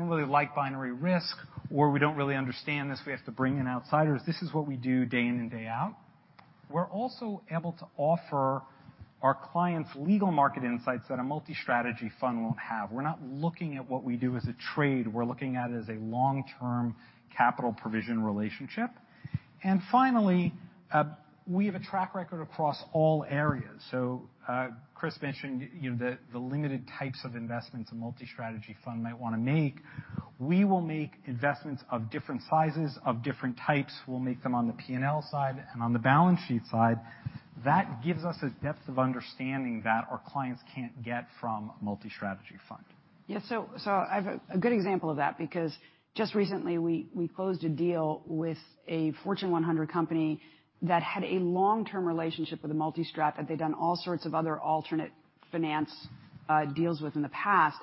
don't really like binary risk, or we don't really understand this. We have to bring in outsiders." This is what we do day in and day out. We're also able to offer our clients legal market insights that a multi-strategy fund won't have. We're not looking at what we do as a trade. We're looking at it as a long-term capital provision relationship. Finally, we have a track record across all areas. Chris mentioned, you know, the limited types of investments a multi-strategy fund might wanna make. We will make investments of different sizes, of different types. We'll make them on the P&L side and on the balance sheet side. That gives us a depth of understanding that our clients can't get from a multi-strategy fund. Yeah. I've a good example of that, because just recently, we closed a deal with a Fortune 100 company that had a long-term relationship with a multi-strat that they'd done all sorts of other alternative finance deals with in the past.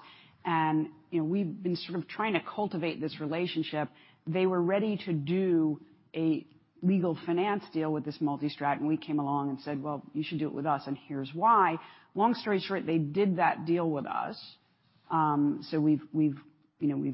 You know, we've been sort of trying to cultivate this relationship. They were ready to do a legal finance deal with this multi-strat, and we came along and said, "Well, you should do it with us, and here's why." Long story short, they did that deal with us. We've you know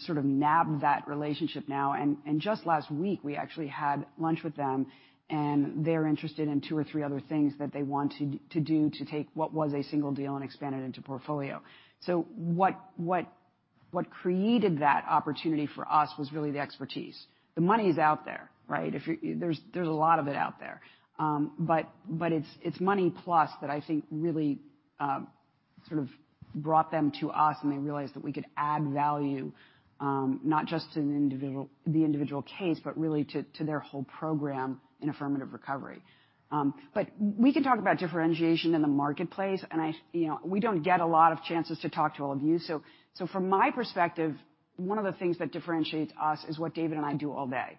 sort of nabbed that relationship now. Just last week we actually had lunch with them, and they're interested in two or three other things that they want to do to take what was a single deal and expand it into portfolio. What created that opportunity for us was really the expertise. The money's out there, right? There's a lot of it out there. But it's money plus that I think really sort of brought them to us, and they realized that we could add value, not just to an individual, the individual case, but really to their whole program in affirmative recovery. We can talk about differentiation in the marketplace, and I, you know, we don't get a lot of chances to talk to all of you. From my perspective, one of the things that differentiates us is what David and I do all day.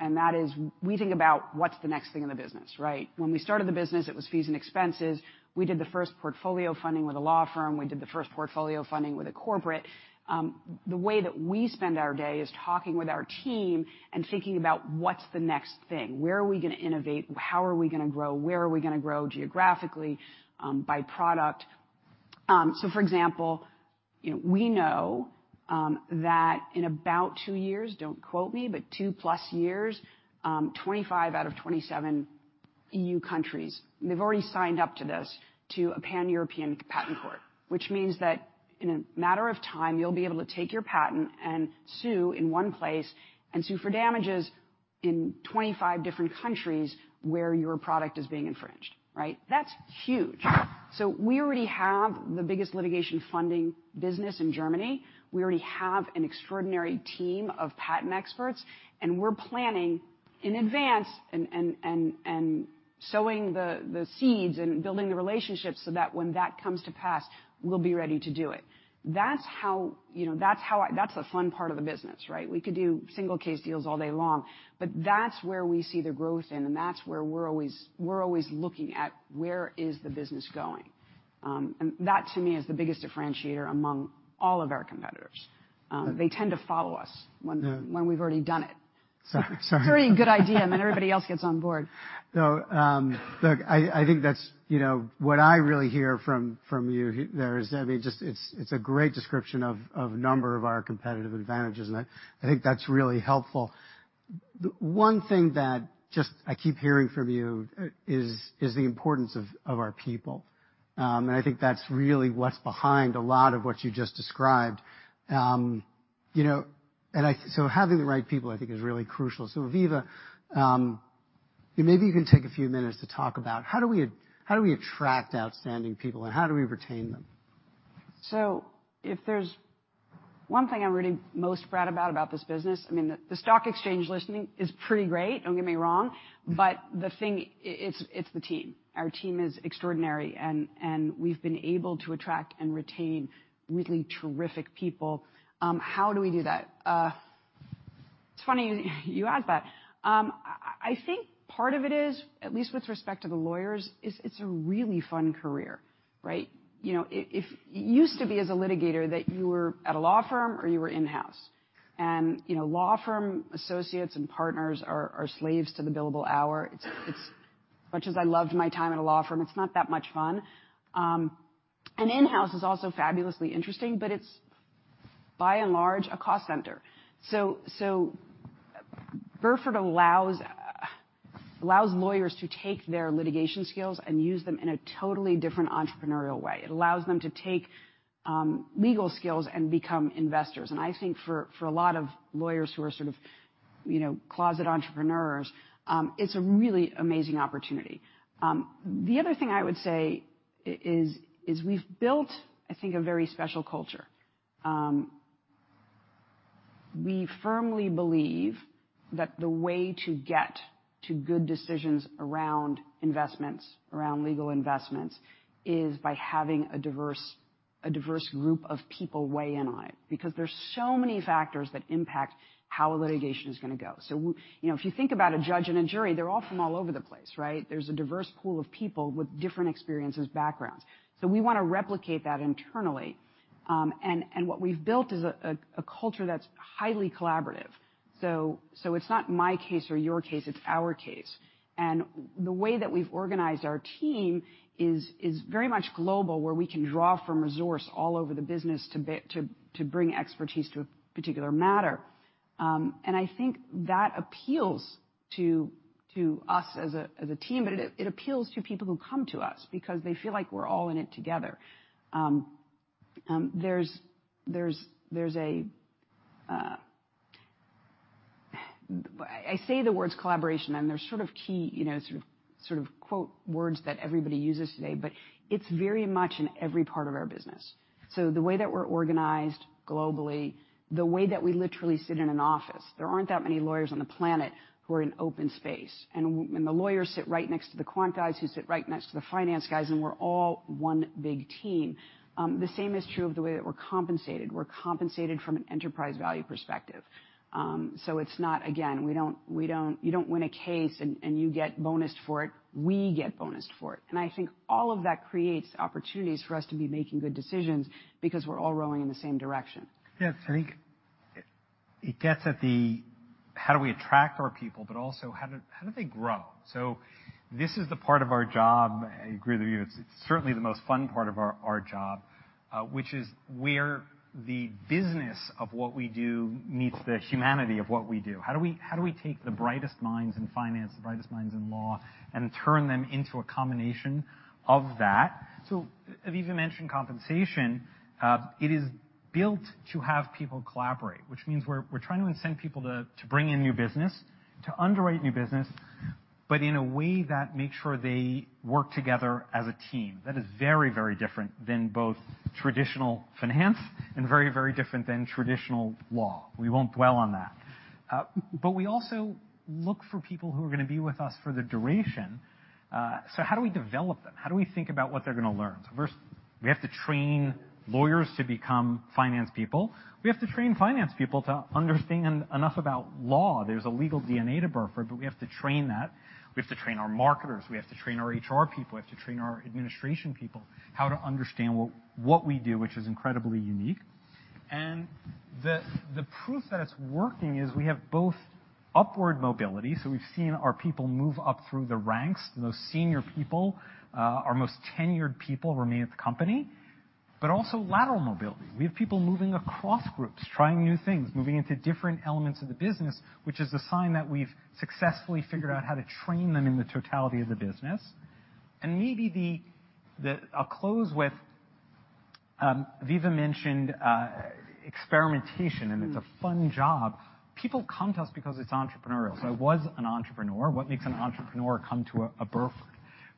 That is we think about what's the next thing in the business, right? When we started the business, it was fees and expenses. We did the first portfolio funding with a law firm. We did the first portfolio funding with a corporate. The way that we spend our day is talking with our team and thinking about what's the next thing. Where are we gonna innovate? How are we gonna grow? Where are we gonna grow geographically, by product? For example, you know, that in about 2 years, don't quote me, but +2 years, 25 EU out of 27 EU countries, they've already signed up to this, to a Unified Patent Court. Which means that in a matter of time, you'll be able to take your patent and sue in one place, and sue for damages in 25 different countries where your product is being infringed, right? That's huge. We already have the biggest litigation funding business in Germany. We already have an extraordinary team of patent experts, and we're planning in advance and sowing the seeds and building the relationships so that when that comes to pass, we'll be ready to do it. That's how, you know, that's the fun part of the business, right? We could do single case deals all day long, but that's where we see the growth in, and that's where we're always looking at where the business is going. That to me is the biggest differentiator among all of our competitors. They tend to follow us when when we've already done it. Yeah Sorry. It's a very good idea, and then everybody else gets on board. No. Look, I think that's, you know, what I really hear from you there is, I mean, just it's a great description of a number of our competitive advantages, and I think that's really helpful. One thing that I just keep hearing from you is the importance of our people. I think that's really what's behind a lot of what you just described. You know, so having the right people, I think is really crucial. Aviva, maybe you can take a few minutes to talk about how do we attract outstanding people and how do we retain them? If there's one thing I'm really most proud about this business, I mean, the stock exchange listing is pretty great, don't get me wrong. The thing, it's the team. Our team is extraordinary, and we've been able to attract and retain really terrific people. How do we do that? It's funny you ask that. I think part of it is, at least with respect to the lawyers, is. It's a really fun career, right? You know, it used to be as a litigator that you were at a law firm or you were in-house. You know, law firm associates and partners are slaves to the billable hour. As much as I loved my time at a law firm, it's not that much fun. In-house is also fabulously interesting, but it's by and large a cost center. Burford allows lawyers to take their litigation skills and use them in a totally different entrepreneurial way. It allows them to take legal skills and become investors. I think for a lot of lawyers who are sort of you know, closet entrepreneurs. It's a really amazing opportunity. The other thing I would say is we've built, I think, a very special culture. We firmly believe that the way to get to good decisions around investments, around legal investments, is by having a diverse group of people weigh in on it. Because there's so many factors that impact how litigation is gonna go. You know, if you think about a judge and a jury, they're all from all over the place, right? There's a diverse pool of people with different experiences, backgrounds. We wanna replicate that internally. What we've built is a culture that's highly collaborative. It's not my case or your case, it's our case. The way that we've organized our team is very much global, where we can draw from resources all over the business to bring expertise to a particular matter. I think that appeals to us as a team, but it appeals to people who come to us because they feel like we're all in it together. I say the words collaboration, and they're sort of key, you know, sort of quote words that everybody uses today, but it's very much in every part of our business. The way that we're organized globally, the way that we literally sit in an office, there aren't that many lawyers on the planet who are in open space. The lawyers sit right next to the quant guys, who sit right next to the finance guys, and we're all one big team. The same is true of the way that we're compensated. We're compensated from an enterprise value perspective. It's not, again, we don't you don't win a case and you get bonused for it. We get bonused for it. I think all of that creates opportunities for us to be making good decisions because we're all rowing in the same direction. Yeah. I think it gets at the how do we attract our people, but also how do they grow? This is the part of our job, I agree with you, it's certainly the most fun part of our job, which is where the business of what we do meets the humanity of what we do. How do we take the brightest minds in finance, the brightest minds in law, and turn them into a combination of that. Aviva mentioned compensation. It is built to have people collaborate, which means we're trying to incent people to bring in new business, to underwrite new business, but in a way that makes sure they work together as a team. That is very, very different than both traditional finance and very, very different than traditional law. We won't dwell on that. We also look for people who are gonna be with us for the duration. How do we develop them? How do we think about what they're gonna learn? First, we have to train lawyers to become finance people. We have to train finance people to understand enough about law. There's a legal D&A to Burford, but we have to train that. We have to train our marketers, we have to train our HR people, we have to train our administration people how to understand what we do, which is incredibly unique. The proof that it's working is we have both upward mobility, so we've seen our people move up through the ranks. The most senior people, our most tenured people remain at the company. Also lateral mobility. We have people moving across groups, trying new things, moving into different elements of the business, which is a sign that we've successfully figured out how to train them in the totality of the business. Maybe I'll close with Aviva mentioned experimentation, and it's a fun job. People come to us because it's entrepreneurial. I was an entrepreneur. What makes an entrepreneur come to a Burford,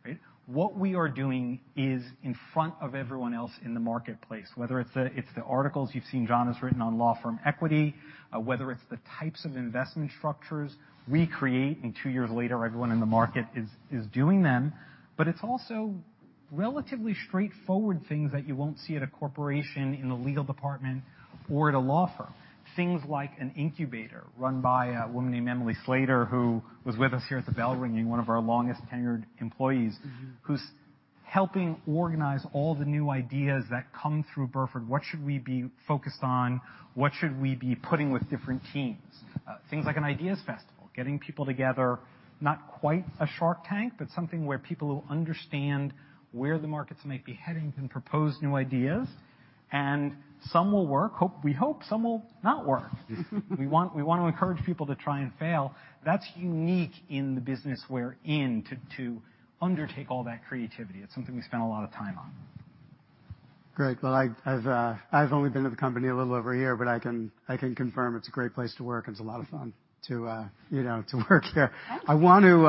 right? What we are doing is in front of everyone else in the marketplace. Whether it's the articles you've seen John has written on law firm equity, whether it's the types of investment structures we create, and two years later, everyone in the market is doing them. It's also relatively straightforward things that you won't see at a corporation, in a legal department, or at a law firm. Things like an incubator run by a woman named Emily Slater, who was with us here at the bell ringing, one of our longest-tenured employees. who's helping organize all the new ideas that come through Burford. What should we be focused on? What should we be putting with different teams? Things like an ideas festival, getting people together, not quite a shark tank, but something where people will understand where the markets might be heading and propose new ideas. Some will work, we hope some will not work. We want, we wanna encourage people to try and fail. That's unique in the business we're in to undertake all that creativity. It's something we spend a lot of time on. Great. Well, I've only been with the company a little over a year, but I can confirm it's a great place to work, and it's a lot of fun to, you know, to work here. Yeah. I want to,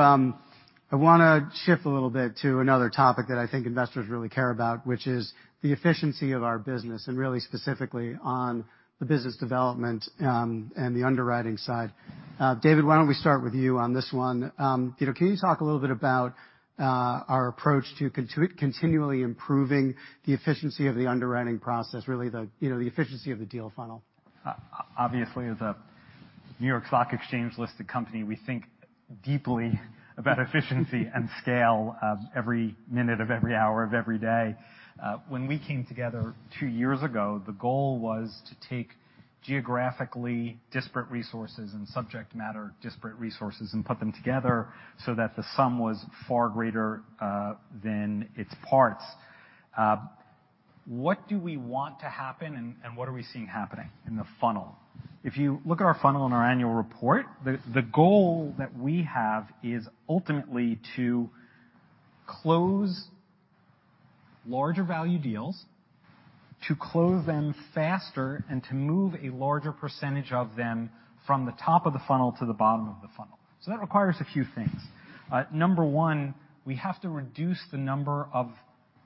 I wanna shift a little bit to another topic that I think investors really care about, which is the efficiency of our business, and really specifically on the business development, and the underwriting side. David, why don't we start with you on this one? You know, can you talk a little bit about our approach to continually improving the efficiency of the underwriting process, really the, you know, the efficiency of the deal funnel? Obviously as a NYSE-listed company, we think deeply about efficiency and scale every minute of every hour of every day. When we came together two years ago, the goal was to take geographically disparate resources and subject matter disparate resources and put them together so that the sum was far greater than its parts. What do we want to happen, and what are we seeing happening in the funnel? If you look at our funnel in our annual report, the goal that we have is ultimately to close larger value deals, to close them faster and to move a larger percentage of them from the top of the funnel to the bottom of the funnel. That requires a few things. Number one, we have to reduce the number of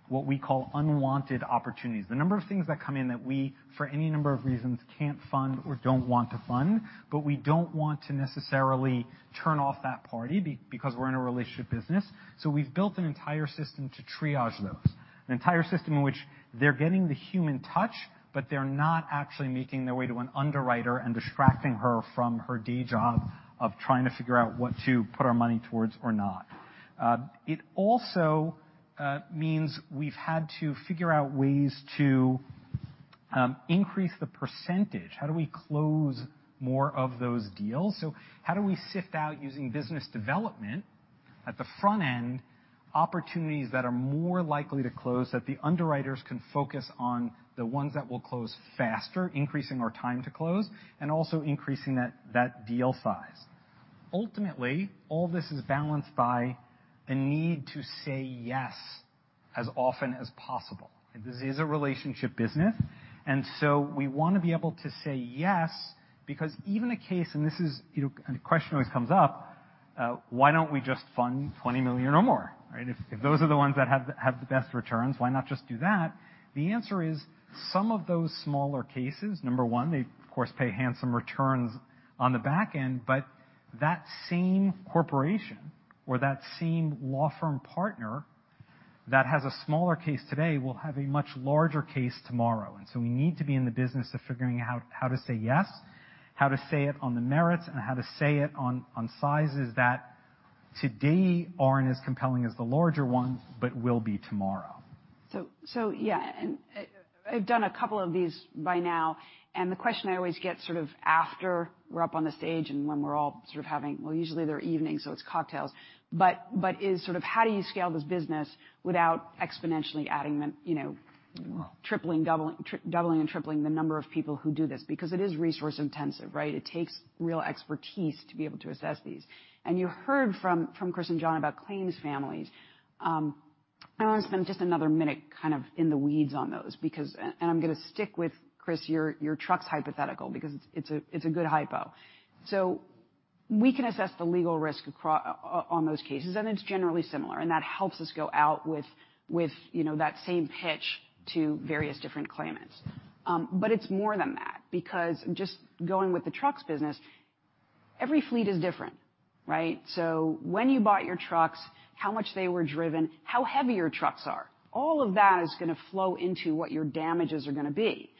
what we call unwanted opportunities. The number of things that come in that we, for any number of reasons, can't fund or don't want to fund, but we don't want to necessarily turn off that party because we're in a relationship business. We've built an entire system to triage those. An entire system in which they're getting the human touch, but they're not actually making their way to an underwriter and distracting her from her day job of trying to figure out what to put our money towards or not. It also means we've had to figure out ways to increase the percentage. How do we close more of those deals? How do we sift out using business development at the front end, opportunities that are more likely to close that the underwriters can focus on the ones that will close faster, increasing our time to close, and also increasing that deal size. Ultimately, all this is balanced by a need to say yes, as often as possible. This is a relationship business. We wanna be able to say yes, because even a case, and this is, you know, and the question always comes up, why don't we just fund $20 million or more, right? If those are the ones that have the best returns, why not just do that? The answer is, some of those smaller cases, number one, they of course pay handsome returns on the back end, but that same corporation or that same law firm partner that has a smaller case today, will have a much larger case tomorrow. We need to be in the business of figuring out how to say yes, how to say it on the merits, and how to say it on sizes that today aren't as compelling as the larger ones, but will be tomorrow. Yeah. I've done a couple of these by now, and the question I always get sort of after we're up on the stage and when we're all sort of having. Well, usually they're evenings, so it's cocktails. But is sort of how do you scale this business without exponentially adding the, you know, tripling, doubling, and tripling the number of people who do this because it is resource intensive, right? It takes real expertise to be able to assess these. You heard from Chris and John about claims families. I wanna spend just another minute kind of in the weeds on those because, and I'm gonna stick with Chris, your trucks hypothetical because it's a good hypo. We can assess the legal risk on those cases, and it's generally similar. That helps us go out with you know that same pitch to various different claimants. It's more than that because just going with the trucks business, every fleet is different, right? When you bought your trucks, how much they were driven, how heavy your trucks are, all of that is gonna flow into what your damages are gonna be.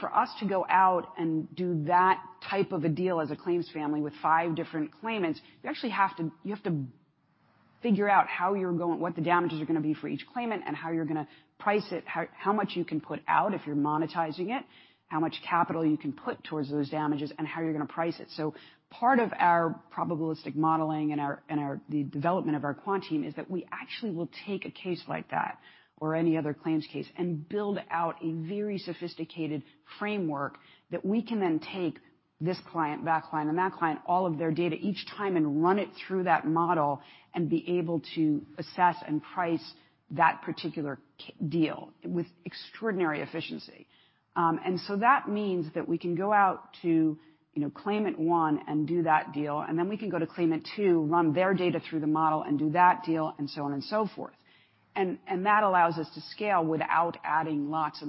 For us to go out and do that type of a deal as a claims family with five different claimants, you actually have to figure out what the damages are gonna be for each claimant and how you're gonna price it, how much you can put out if you're monetizing it, how much capital you can put towards those damages, and how you're gonna price it. Part of our probabilistic modeling and the development of our quant team is that we actually will take a case like that or any other claims case and build out a very sophisticated framework that we can then take this client, that client, and that client, all of their data each time and run it through that model and be able to assess and price that particular deal with extraordinary efficiency. That means that we can go out to, you know, claimant one and do that deal, and then we can go to claimant two, run their data through the model and do that deal, and so on and so forth. That allows us to scale without adding lots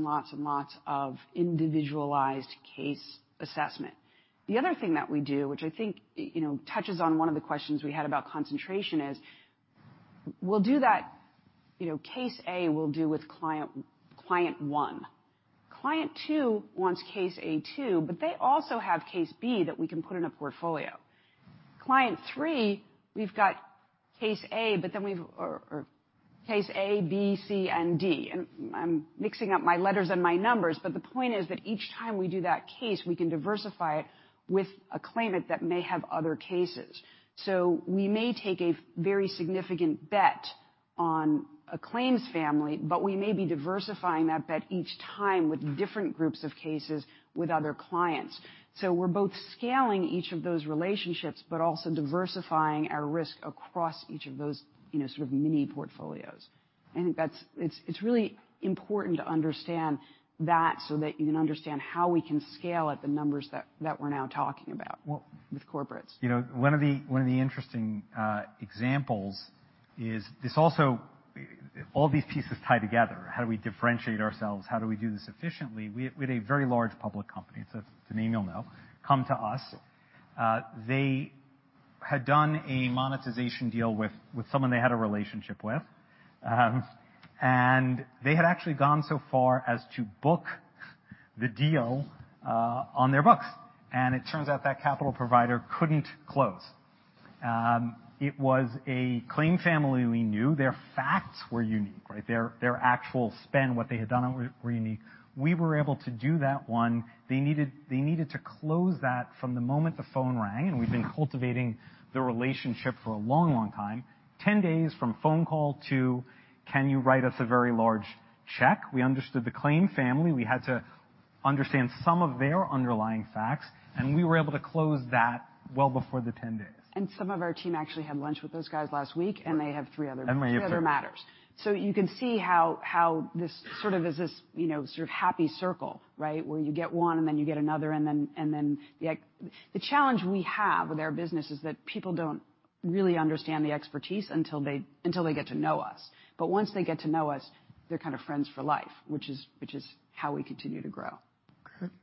of individualized case assessment. The other thing that we do, which I think, you know, touches on one of the questions we had about concentration is, we'll do that, you know, case A, we'll do with client one. Client two wants case A too, but they also have case B that we can put in a portfolio. Client three, we've got case A, or case A, B, C, and D. I'm mixing up my letters and my numbers, but the point is that each time we do that case, we can diversify it with a claimant that may have other cases. We may take a very significant bet on a claims family, but we may be diversifying that bet each time with different groups of cases with other clients. We're both scaling each of those relationships, but also diversifying our risk across each of those, you know, sort of mini portfolios. I think that's it really important to understand that so that you can understand how we can scale at the numbers that we're now talking about with corporates. You know, one of the interesting examples is this also. All these pieces tie together. How do we differentiate ourselves? How do we do this efficiently? We had a very large public company, it's a name you'll know, come to us. They had done a monetization deal with someone they had a relationship with. They had actually gone so far as to book the deal on their books. It turns out that capital provider couldn't close. It was a claim family we knew. Their facts were unique, right? Their actual spend, what they had done were unique. We were able to do that one. They needed to close that from the moment the phone rang, and we've been cultivating the relationship for a long, long time. 10 days from phone call to can you write us a very large check. We understood the claim family. We had to understand some of their underlying facts, and we were able to close that well before the 10 days. Some of our team actually had lunch with those guys last week, and they have three other matters. We have You can see how this sort of is this, you know, sort of happy circle, right? Where you get one, and then you get another, and then the challenge we have with our business is that people don't really understand the expertise until they get to know us. Once they get to know us, they're kind of friends for life, which is how we continue to grow.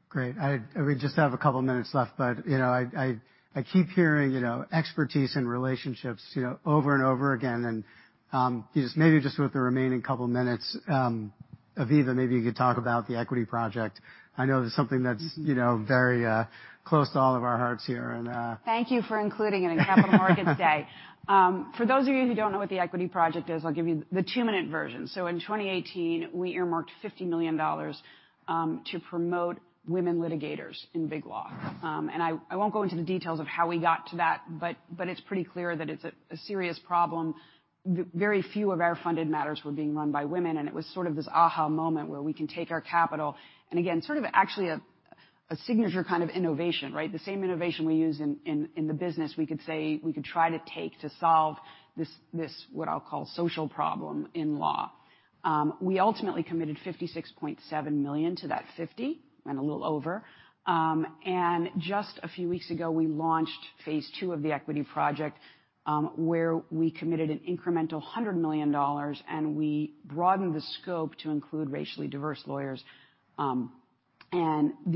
Great. We just have a couple minutes left, but, you know, I keep hearing, you know, expertise in relationships, you know, over and over again. Maybe just with the remaining couple minutes, Aviva, maybe you could talk about The Equity Project. I know it's something that's, you know, very close to all of our hearts here, and. Thank you for including it in Capital Markets Day. For those of you who don't know what The Equity Project is, I'll give you the two minute version. In 2018, we earmarked $50 million to promote women litigators in Big Law. I won't go into the details of how we got to that, but it's pretty clear that it's a serious problem. Very few of our funded matters were being run by women, and it was sort of this aha moment where we can take our capital, and again, sort of actually a signature kind of innovation, right? The same innovation we use in the business, we could try to take to solve this what I'll call social problem in law. We ultimately committed $56.7 million to that $50 million and a little over. Just a few weeks ago, we launched phase two of the Equity Project, where we committed an incremental $100 million, and we broadened the scope to include racially diverse lawyers. The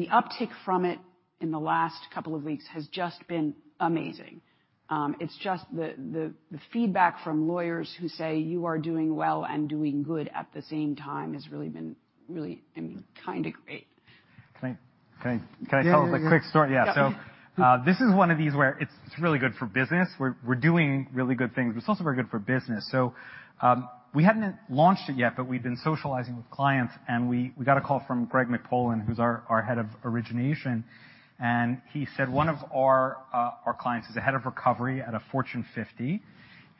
uptick from it in the last couple of weeks has just been amazing. It's just the feedback from lawyers who say, "You are doing well and doing good at the same time," has really been, I mean, kinda great. Can I tell them a quick story? Yeah, yeah. Yeah. This is one of these where it's really good for business. We're doing really good things, but it's also very good for business. We hadn't launched it yet, but we'd been socializing with clients, and we got a call from Greg McPolin, who's our head of origination. He said one of our clients is a head of recovery at a Fortune 50.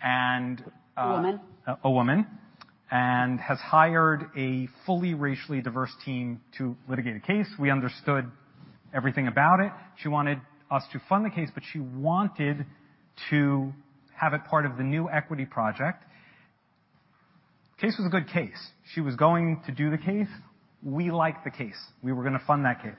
A woman. A woman has hired a fully racially diverse team to litigate a case. We understood everything about it. She wanted us to fund the case, but she wanted to have it part of The Equity Project. Case was a good case. She was going to do the case. We liked the case. We were gonna fund that case.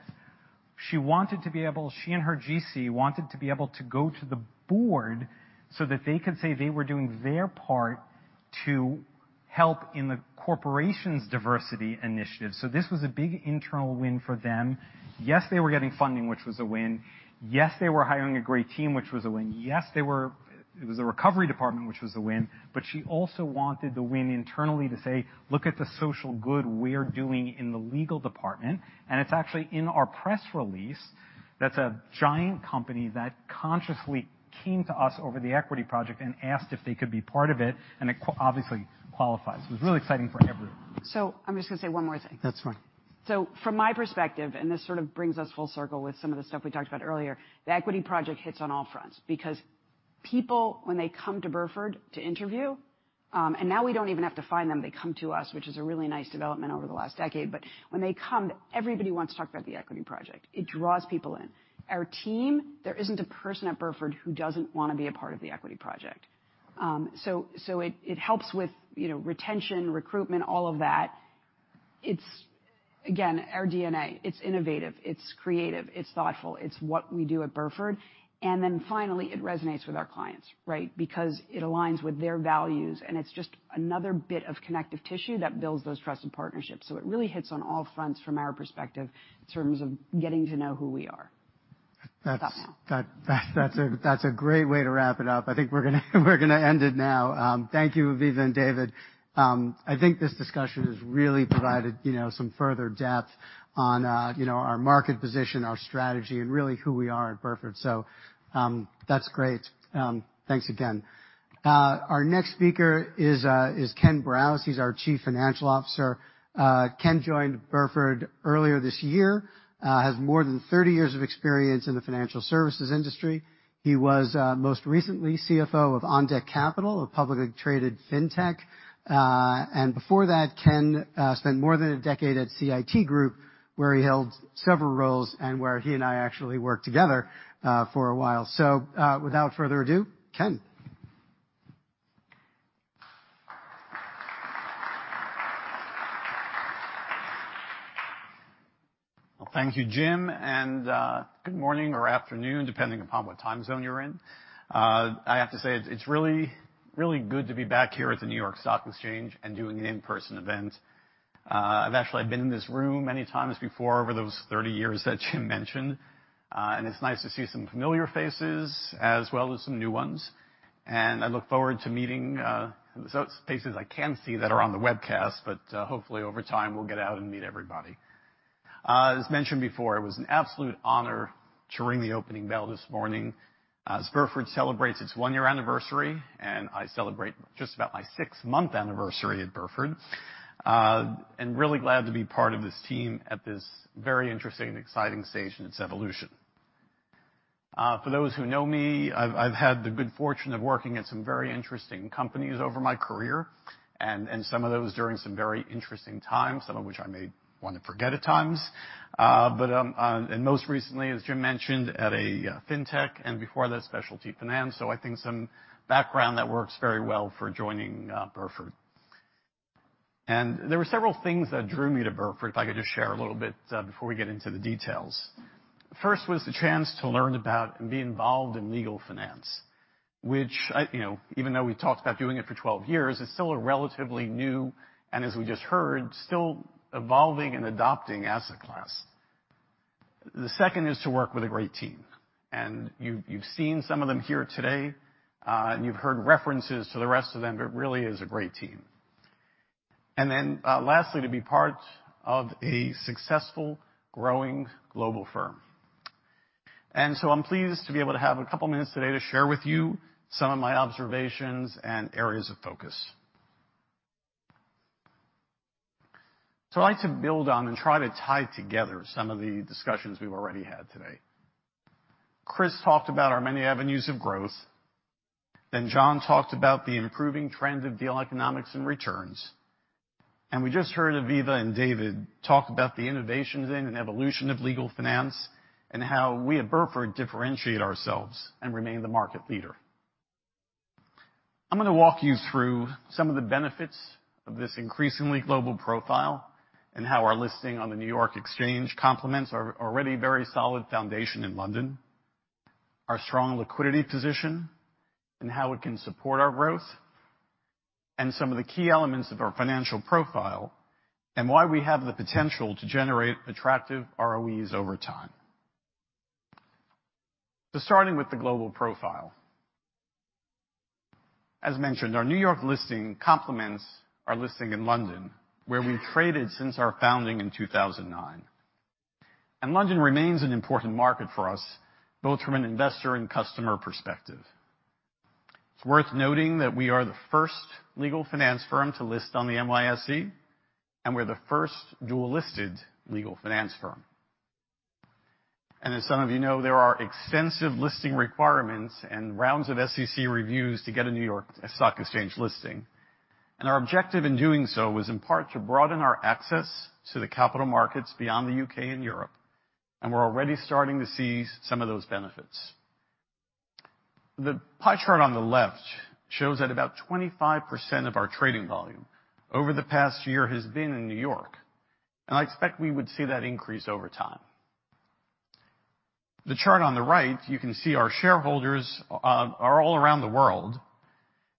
She and her GC wanted to be able to go to the board so that they could say they were doing their part to help in the corporation's diversity initiative. This was a big internal win for them. Yes, they were getting funding, which was a win. Yes, they were hiring a great team, which was a win. Yes, it was a recovery department, which was a win. She also wanted the win internally to say, "Look at the social good we're doing in the legal department." It's actually in our press release. That's a giant company that consciously came to us over The Equity Project and asked if they could be part of it, and it obviously qualifies. It was really exciting for everyone. I'm just gonna say one more thing. That's fine. From my perspective, and this sort of brings us full circle with some of the stuff we talked about earlier, the Equity Project hits on all fronts. Because people, when they come to Burford to interview, and now we don't even have to find them, they come to us, which is a really nice development over the last decade. When they come, everybody wants to talk about the Equity Project. It draws people in. Our team, there isn't a person at Burford who doesn't wanna be a part of the Equity Project. So it helps with, you know, retention, recruitment, all of that. It's, again, our D&A. It's innovative, it's creative, it's thoughtful, it's what we do at Burford. Then finally it resonates with our clients, right? Because it aligns with their values, and it's just another bit of connective tissue that builds those trusted partnerships. It really hits on all fronts from our perspective in terms of getting to know who we are. Stop now. That's a great way to wrap it up. I think we're gonna end it now. Thank you, Aviva and David. I think this discussion has really provided, you know, some further depth on, you know, our market position, our strategy, and really who we are at Burford. That's great. Thanks again. Our next speaker is Ken Brause. He's our Chief Financial Officer. Ken joined Burford earlier this year. He has more than 30 years of experience in the financial services industry. He was most recently CFO of OnDeck Capital, a publicly traded fintech. And before that, Ken spent more than a decade at CIT Group, where he held several roles and where he and I actually worked together for a while. Without further ado, Ken. Well, thank you, Jim, and good morning or afternoon, depending upon what time zone you're in. I have to say, it's really good to be back here at the NYSE and doing an in-person event. I've actually been in this room many times before over those 30 years that Jim mentioned. It's nice to see some familiar faces as well as some new ones. I look forward to meeting those faces I can't see that are on the webcast, but hopefully over time, we'll get out and meet everybody. As mentioned before, it was an absolute honor to ring the opening bell this morning, as Burford celebrates its one-year anniversary, and I celebrate just about my six-month anniversary at Burford. Really glad to be part of this team at this very interesting and exciting stage in its evolution. For those who know me, I've had the good fortune of working at some very interesting companies over my career, and some of those during some very interesting times, some of which I may wanna forget at times. Most recently, as Jim mentioned, at a fintech, and before that, specialty finance. I think some background that works very well for joining Burford. There were several things that drew me to Burford, if I could just share a little bit before we get into the details. First was the chance to learn about and be involved in legal finance, which I, you know, even though we talked about doing it for 12 years, is still a relatively new, and as we just heard, still evolving and adapting asset class. The second is to work with a great team. You've seen some of them here today. You've heard references to the rest of them, but it really is a great team. Lastly, to be part of a successful growing global firm. I'm pleased to be able to have a couple minutes today to share with you some of my observations and areas of focus. I'd like to build on and try to tie together some of the discussions we've already had today. Chris talked about our many avenues of growth, then John talked about the improving trends of deal economics and returns, and we just heard Aviva and David talk about the innovations in and evolution of legal finance, and how we at Burford differentiate ourselves and remain the market leader. I'm gonna walk you through some of the benefits of this increasingly global profile and how our listing on NYSE complements our already very solid foundation in London, our strong liquidity position and how it can support our growth, and some of the key elements of our financial profile, and why we have the potential to generate attractive ROEs over time. Starting with the global profile. As mentioned, our New York listing complements our listing in London, where we traded since our founding in 2009. London remains an important market for us, both from an investor and customer perspective. It's worth noting that we are the first legal finance firm to list on the NYSE, and we're the first dual-listed legal finance firm. As some of you know, there are extensive listing requirements and rounds of SEC reviews to get a NYSE listing. Our objective in doing so was in part to broaden our access to the capital markets beyond the U.K. and Europe, and we're already starting to see some of those benefits. The pie chart on the left shows that about 25% of our trading volume over the past year has been in New York, and I expect we would see that increase over time. The chart on the right, you can see our shareholders are all around the world,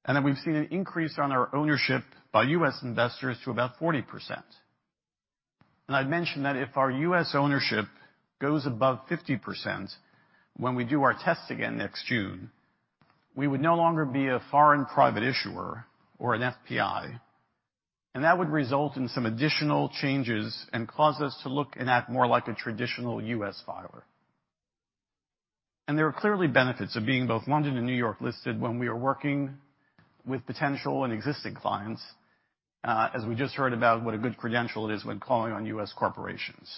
and that we've seen an increase on our ownership by U.S. investors to about 40%. I'd mentioned that if our U.S. ownership goes above 50% when we do our test again next June, we would no longer be a foreign private issuer or an FPI, and that would result in some additional changes and cause us to look and act more like a traditional U.S. filer. There are clearly benefits of being both London and New York-listed when we are working with potential and existing clients, as we just heard about what a good credential it is when calling on U.S. corporations.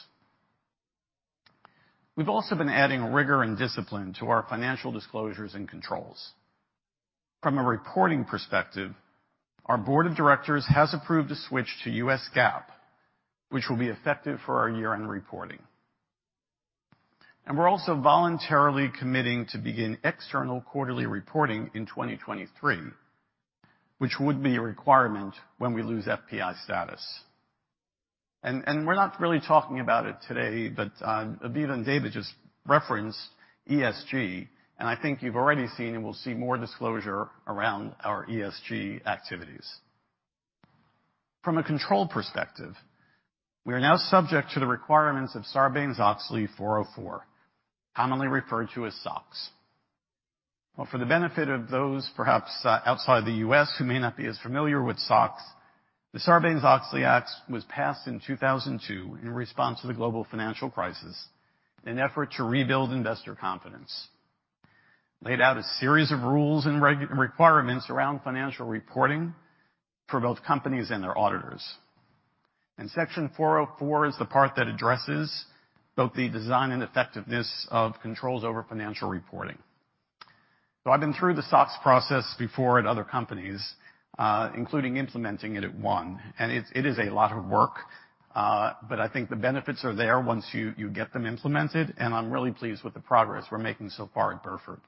We've also been adding rigor and discipline to our financial disclosures and controls. From a reporting perspective, our board of directors has approved a switch to U.S. GAAP, which will be effective for our year-end reporting. We're also voluntarily committing to begin external quarterly reporting in 2023, which would be a requirement when we lose FPI status. We're not really talking about it today, but Aviva and David just referenced ESG, and I think you've already seen and will see more disclosure around our ESG activities. From a control perspective, we are now subject to the requirements of Sarbanes-Oxley 404, commonly referred to as SOX. Well, for the benefit of those perhaps outside the U.S. who may not be as familiar with SOX, the Sarbanes-Oxley Act was passed in 2002 in response to the global financial crisis in effort to rebuild investor confidence. Laid out a series of rules and requirements around financial reporting for both companies and their auditors. Section 404 is the part that addresses both the design and effectiveness of controls over financial reporting. I've been through the SOX process before at other companies, including implementing it at one, and it is a lot of work, but I think the benefits are there once you get them implemented, and I'm really pleased with the progress we're making so far at Burford.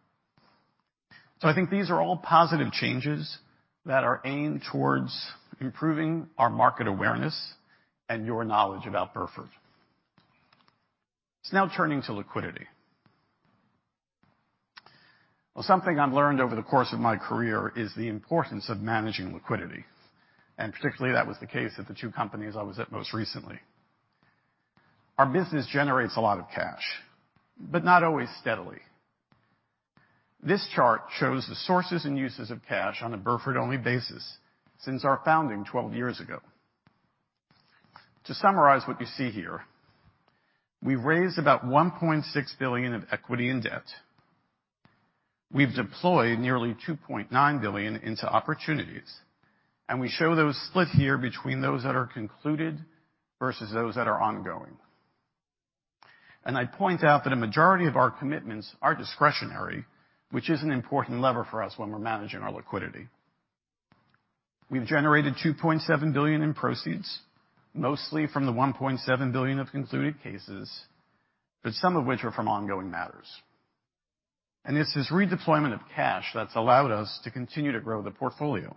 I think these are all positive changes that are aimed toward improving our market awareness and your knowledge about Burford. Now turning to liquidity. Well, something I've learned over the course of my career is the importance of managing liquidity, and particularly that was the case at the two companies I was at most recently. Our business generates a lot of cash, but not always steadily. This chart shows the sources and uses of cash on a Burford-only basis since our founding 12 years ago. To summarize what you see here, we've raised about $1.6 billion of equity and debt. We've deployed nearly $2.9 billion into opportunities, and we show those split here between those that are concluded versus those that are ongoing. I point out that a majority of our commitments are discretionary, which is an important lever for us when we're managing our liquidity. We've generated $2.7 billion in proceeds, mostly from the $1.7 billion of concluded cases, but some of which are from ongoing matters. It's this redeployment of cash that's allowed us to continue to grow the portfolio.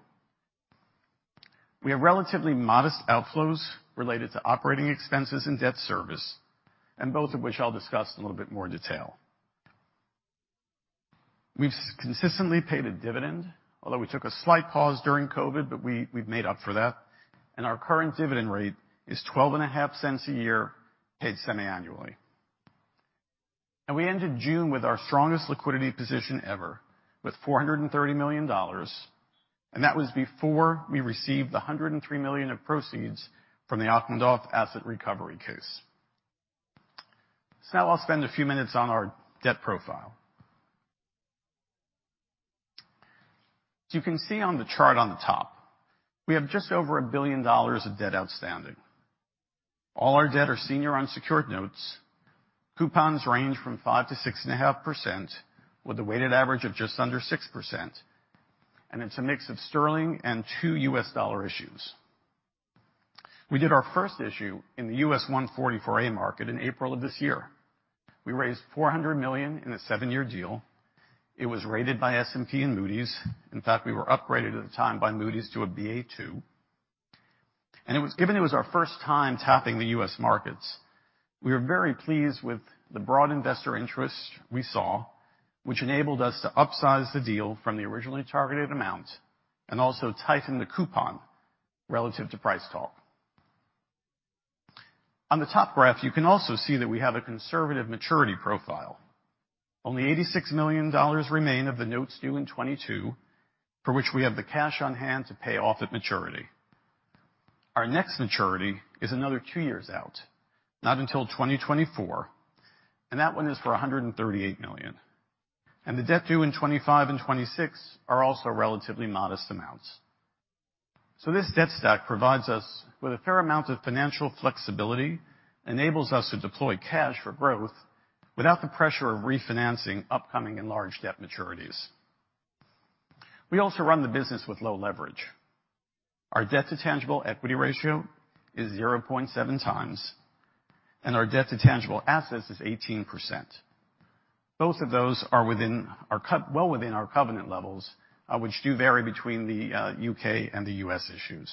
We have relatively modest outflows related to operating expenses and debt service, and both of which I'll discuss in a little bit more detail. We've consistently paid a dividend, although we took a slight pause during COVID, but we've made up for that. Our current dividend rate is $0.125 a year, paid semiannually. We ended June with our strongest liquidity position ever with $430 million, and that was before we received the $103 million of proceeds from the Akhmedov asset recovery case. Now I'll spend a few minutes on our debt profile. You can see on the chart on the top, we have just over $1 billion of debt outstanding. All our debt are senior unsecured notes. Coupons range from 5%-6.5% with a weighted average of just under 6%, and it's a mix of sterling and two U.S. dollar issues. We did our first issue in the U.S. 144A market in April of this year. We raised $400 million in a seven year deal. It was rated by S&P and Moody's. In fact, we were upgraded at the time by Moody's to a Ba2. It was, given it was our first time tapping the U.S. markets, we were very pleased with the broad investor interest we saw, which enabled us to upsize the deal from the originally targeted amount and also tighten the coupon relative to price talk. On the top graph, you can also see that we have a conservative maturity profile. Only $86 million remain of the notes due in 2022, for which we have the cash on hand to pay off at maturity. Our next maturity is another two years out, not until 2024, and that one is for $138 million. The debt due in 2025 and 2026 are also relatively modest amounts. This debt stack provides us with a fair amount of financial flexibility, enables us to deploy cash for growth without the pressure of refinancing upcoming and large debt maturities. We also run the business with low leverage. Our debt-to-tangible equity ratio is 0.7 times, and our debt to tangible assets is 18%. Both of those are well within our covenant levels, which do vary between the U.K. and the U.S. issues.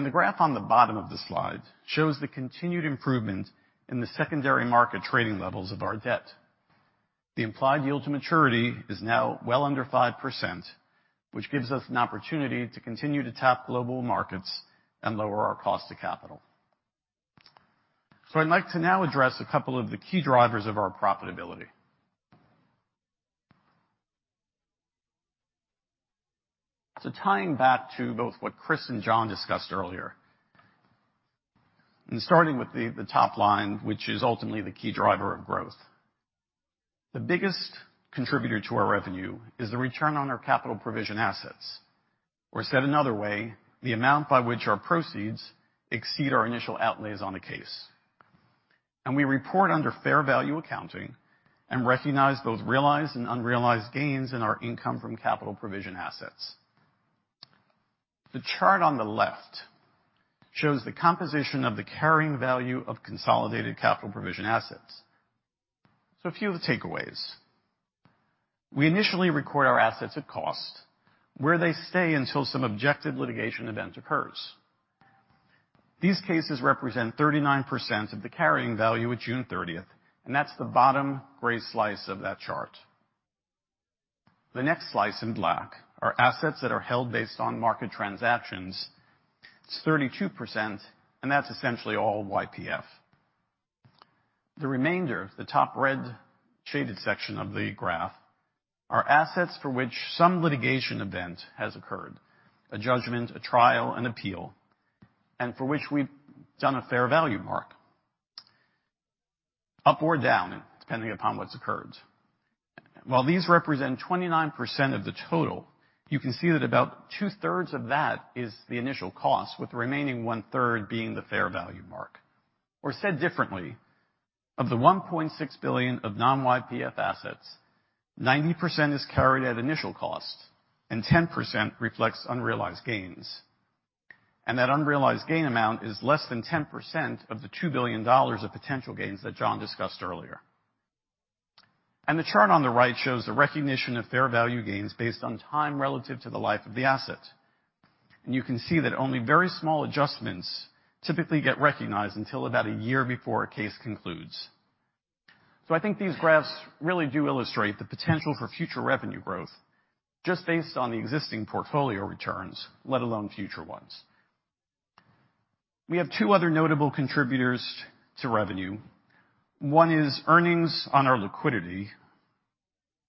The graph on the bottom of the slide shows the continued improvement in the secondary market trading levels of our debt. The implied yield to maturity is now well under 5%, which gives us an opportunity to continue to tap global markets and lower our cost of capital. I'd like to now address a couple of the key drivers of our profitability. Tying back to both what Chris and John discussed earlier, and starting with the top line, which is ultimately the key driver of growth. The biggest contributor to our revenue is the return on our capital provision assets. Or said another way, the amount by which our proceeds exceed our initial outlays on a case. We report under fair value accounting and recognize those realized and unrealized gains in our income from capital provision assets. The chart on the left shows the composition of the carrying value of consolidated capital provision assets. A few of the takeaways. We initially record our assets at cost, where they stay until some objective litigation event occurs. These cases represent 39% of the carrying value at June 30, and that's the bottom gray slice of that chart. The next slice in black are assets that are held based on market transactions. It's 32%, and that's essentially all YPF. The remainder, the top red shaded section of the graph, are assets for which some litigation event has occurred, a judgment, a trial, an appeal, and for which we've done a fair value mark, up or down, depending upon what's occurred. While these represent 29% of the total, you can see that about two-thirds of that is the initial cost, with the remaining one-third being the fair value mark. Said differently, of the $1.6 billion of non-YPF assets, 90% is carried at initial cost and 10% reflects unrealized gains. That unrealized gain amount is less than 10% of the $2 billion of potential gains that John discussed earlier. The chart on the right shows the recognition of fair value gains based on time relative to the life of the asset. You can see that only very small adjustments typically get recognized until about a year before a case concludes. I think these graphs really do illustrate the potential for future revenue growth just based on the existing portfolio returns, let alone future ones. We have two other notable contributors to revenue. One is earnings on our liquidity,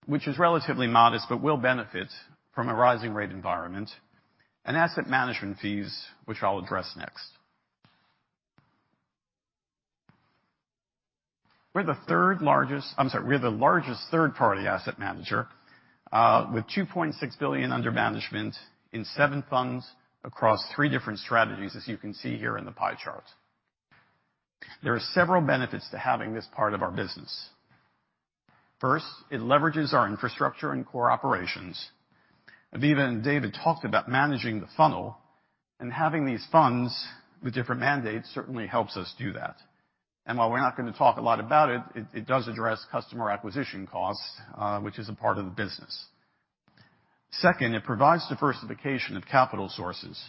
which is relatively modest but will benefit from a rising rate environment, and asset management fees, which I'll address next. We're the largest third-party asset manager with $2.6 billion under management in seven funds across three different strategies, as you can see here in the pie chart. There are several benefits to having this part of our business. First, it leverages our infrastructure and core operations. Aviva and David talked about managing the funnel, and having these funds with different mandates certainly helps us do that. While we're not gonna talk a lot about it does address customer acquisition costs, which is a part of the business. Second, it provides diversification of capital sources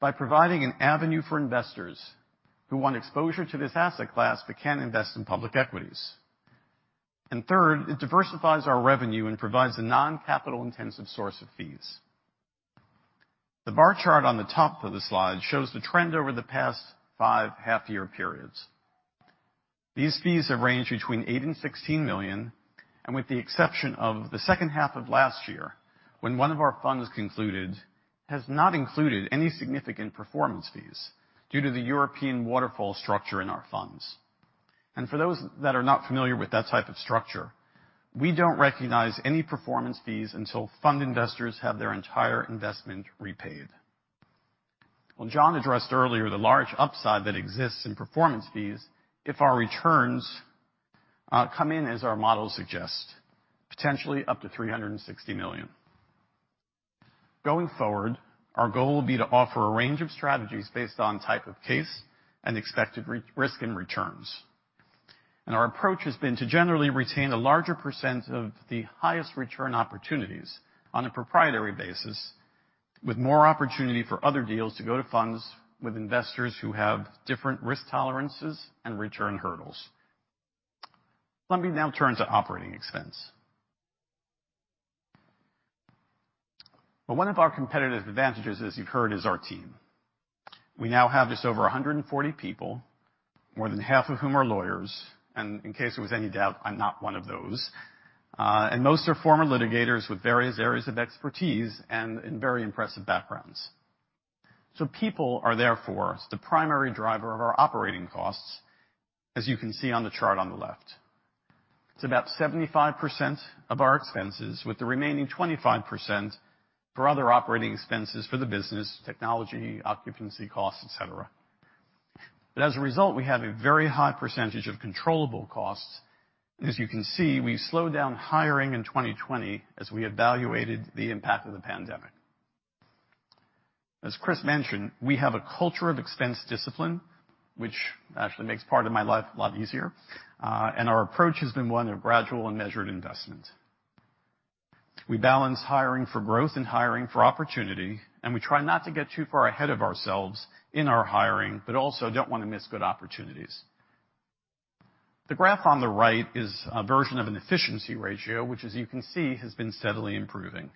by providing an avenue for investors who want exposure to this asset class but can't invest in public equities. Third, it diversifies our revenue and provides a non-capital intensive source of fees. The bar chart on the top of the slide shows the trend over the past 5 half-year periods. These fees have ranged between $8 million and $16 million, and with the exception of the second half of last year, when one of our funds concluded, has not included any significant performance fees due to the European waterfall structure in our funds. For those that are not familiar with that type of structure, we don't recognize any performance fees until fund investors have their entire investment repaid. Well, John addressed earlier the large upside that exists in performance fees if our returns come in as our models suggest, potentially up to $360 million. Going forward, our goal will be to offer a range of strategies based on type of case and expected risk-return. Our approach has been to generally retain a larger percent of the highest return opportunities on a proprietary basis, with more opportunity for other deals to go to funds with investors who have different risk tolerances and return hurdles. Let me now turn to operating expense. Well, one of our competitive advantages, as you've heard, is our team. We now have just over 140 people, more than half of whom are lawyers, and in case there was any doubt, I'm not one of those. Most are former litigators with various areas of expertise and very impressive backgrounds. People are therefore the primary driver of our operating costs, as you can see on the chart on the left. It's about 75% of our expenses, with the remaining 25% for other operating expenses for the business, technology, occupancy costs, etc.. As a result, we have a very high percentage of controllable costs. As you can see, we slowed down hiring in 2020 as we evaluated the impact of the pandemic. As Chris mentioned, we have a culture of expense discipline, which actually makes part of my life a lot easier. Our approach has been one of gradual and measured investment. We balance hiring for growth and hiring for opportunity, and we try not to get too far ahead of ourselves in our hiring, but also don't wanna miss good opportunities. The graph on the right is a version of an efficiency ratio, which, as you can see, has been steadily improving.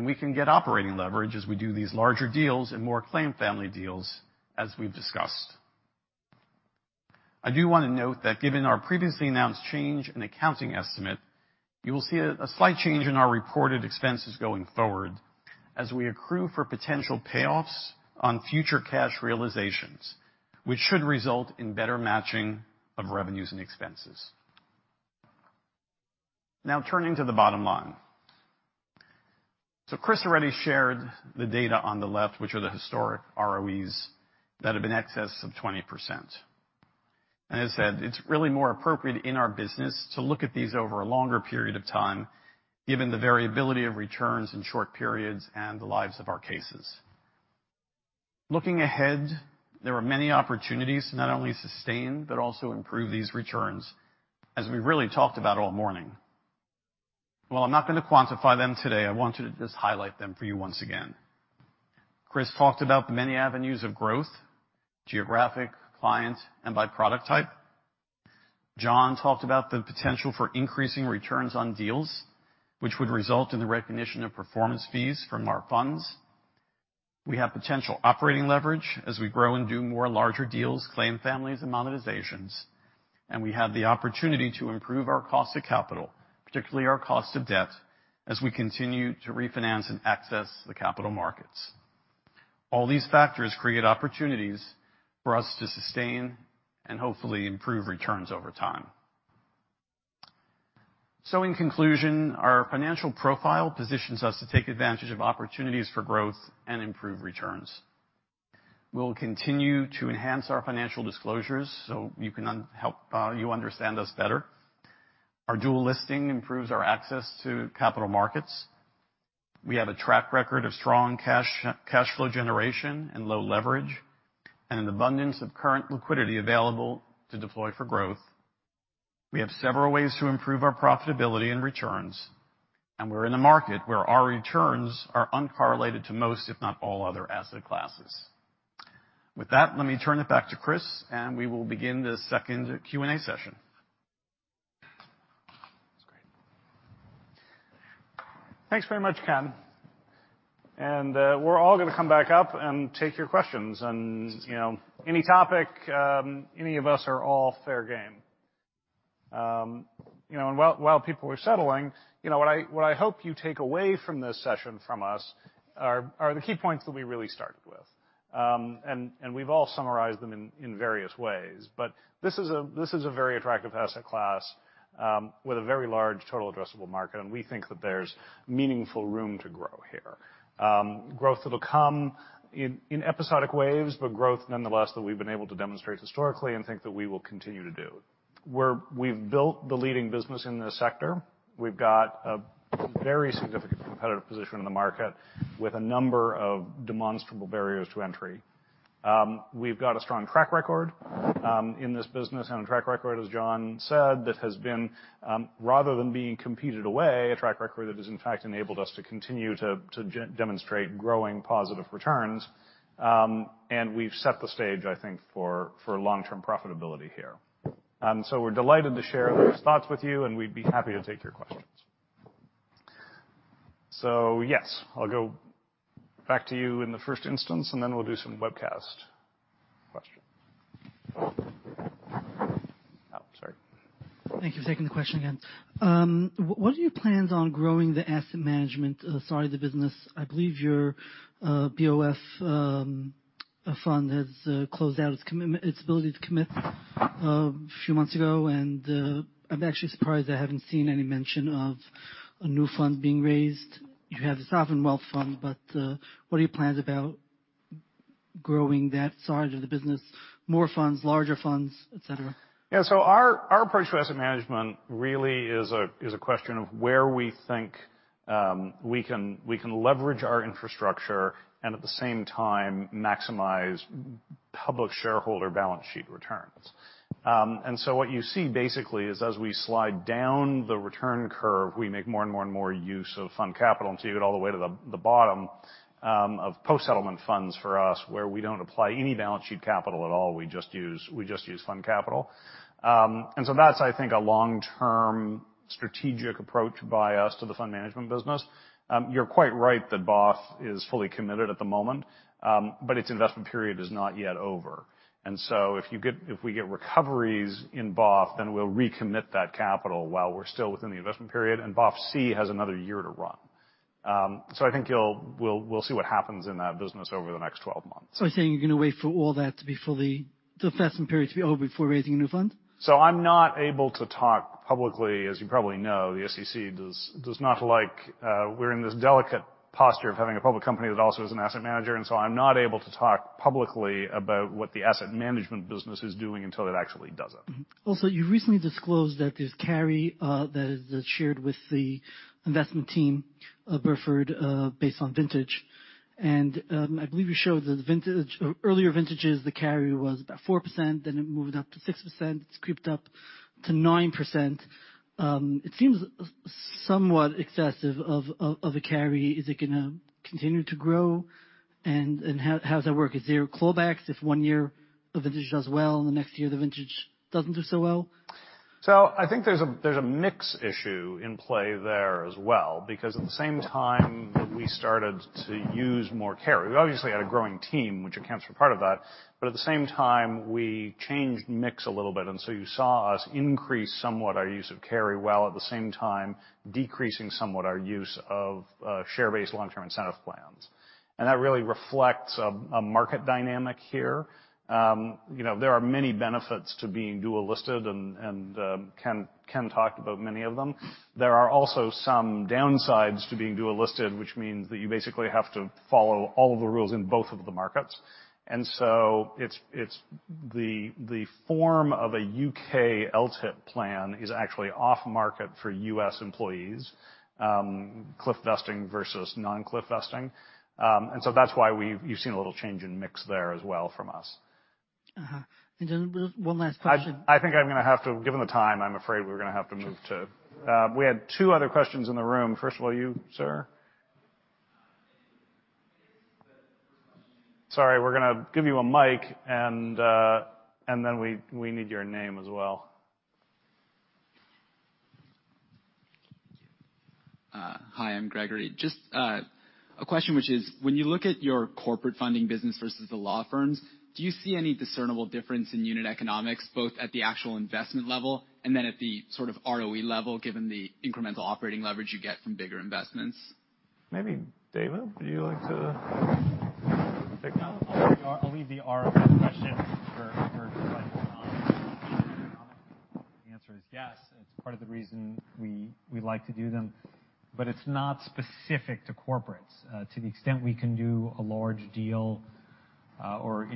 We can get operating leverage as we do these larger deals and more claim family deals, as we've discussed. I do wanna note that given our previously announced change in accounting estimate, you will see a slight change in our reported expenses going forward as we accrue for potential payoffs on future cash realizations, which should result in better matching of revenues and expenses. Now turning to the bottom line. Chris already shared the data on the left, which are the historic ROEs that have been in excess of 20%. As said, it's really more appropriate in our business to look at these over a longer period of time, given the variability of returns in short periods and the lives of our cases. Looking ahead, there are many opportunities to not only sustain, but also improve these returns, as we really talked about all morning. While I'm not gonna quantify them today, I want to just highlight them for you once again. Chris talked about the many avenues of growth, geographic, client, and by product type. John talked about the potential for increasing returns on deals, which would result in the recognition of performance fees from our funds. We have potential operating leverage as we grow and do more larger deals, claim families, and monetizations. We have the opportunity to improve our cost of capital, particularly our cost of debt, as we continue to refinance and access the capital markets. All these factors create opportunities for us to sustain and hopefully improve returns over time. In conclusion, our financial profile positions us to take advantage of opportunities for growth and improve returns. We'll continue to enhance our financial disclosures so you can understand us better. Our dual listing improves our access to capital markets. We have a track record of strong cash flow generation and low leverage, and an abundance of current liquidity available to deploy for growth. We have several ways to improve our profitability and returns, and we're in a market where our returns are uncorrelated to most, if not all, other asset classes. With that, let me turn it back to Chris, and we will begin the second Q&A session. That's great. Thanks very much, Ken. We're all gonna come back up and take your questions and, you know, any topic, any of us are all fair game. You know, while people are settling, you know, what I hope you take away from this session from us are the key points that we really started with. We've all summarized them in various ways. This is a very attractive asset class with a very large total addressable market, and we think that there's meaningful room to grow here. Growth that'll come in episodic waves, but growth nonetheless that we've been able to demonstrate historically and think that we will continue to do. We've built the leading business in this sector. We've got a very significant competitive position in the market with a number of demonstrable barriers to entry. We've got a strong track record in this business, and a track record, as John said, that has been, rather than being competed away, in fact enabled us to continue to demonstrate growing positive returns. We've set the stage, I think, for long-term profitability here. We're delighted to share those thoughts with you, and we'd be happy to take your questions. Yes, I'll go back to you in the first instance, and then we'll do some webcast questions. Oh, sorry. Thank you for taking the question again. What are your plans on growing the asset management side of the business? I believe your BOF fund has closed out its ability to commit a few months ago, and I'm actually surprised I haven't seen any mention of a new fund being raised. You have the Sovereign Wealth Fund, but what are your plans about growing that side of the business? More funds, larger funds, etc.? Yeah. Our approach to asset management really is a question of where we think we can leverage our infrastructure and at the same time maximize public shareholder balance sheet returns. What you see basically is as we slide down the return curve, we make more and more use of fund capital until you get all the way to the bottom of post-settlement funds for us, where we don't apply any balance sheet capital at all. We just use fund capital. That's, I think, a long-term strategic approach by us to the fund management business. You're quite right that BOF is fully committed at the moment. Its investment period is not yet over. If we get recoveries in BOF, then we'll recommit that capital while we're still within the investment period. BOF C has another year to run. I think we'll see what happens in that business over the next 12 months. Are you saying you're gonna wait for all that to be the investment period to be over before raising a new fund? I'm not able to talk publicly. As you probably know, the SEC does not like we're in this delicate posture of having a public company that also is an asset manager, and so I'm not able to talk publicly about what the asset management business is doing until it actually does it. Also, you recently disclosed that there's carry that is shared with the investment team of Burford based on vintage. I believe you showed that the vintage, earlier vintages, the carry was about 4%, then it moved up to 6%. It's crept up to 9%. It seems somewhat excessive of a carry. Is it gonna continue to grow? How does that work? Is there clawbacks if one year a vintage does well and the next year the vintage doesn't do so well? I think there's a mix issue in play there as well, because at the same time that we started to use more carry, we obviously had a growing team, which accounts for part of that, but at the same time, we changed mix a little bit. You saw us increase somewhat our use of carry, while at the same time decreasing somewhat our use of share-based long-term incentive plans. That really reflects a market dynamic here. You know, there are many benefits to being dual-listed and Ken talked about many of them. There are also some downsides to being dual-listed, which means that you basically have to follow all the rules in both of the markets. It's the form of a U.K. LTIP plan is actually off-market for U.S. employees, cliff vesting versus non-cliff vesting. That's why you've seen a little change in mix there as well from us. One last question. I think I'm gonna have to. Given the time, I'm afraid we're gonna have to move to. We had two other questions in the room. First of all, you, sir. Sorry, we're gonna give you a mic and then we need your name as well. Hi, I'm Gregory. Just, a question which is, when you look at your corporate funding business versus the law firms, do you see any discernible difference in unit economics, both at the actual investment level and then at the sort of ROE level, given the incremental operating leverage you get from bigger investments? Maybe David, would you like to take that one? I'll leave the ROE question. The answer is yes. It's part of the reason we like to do them. But it's not specific to corporates. To the extent we can do a large deal or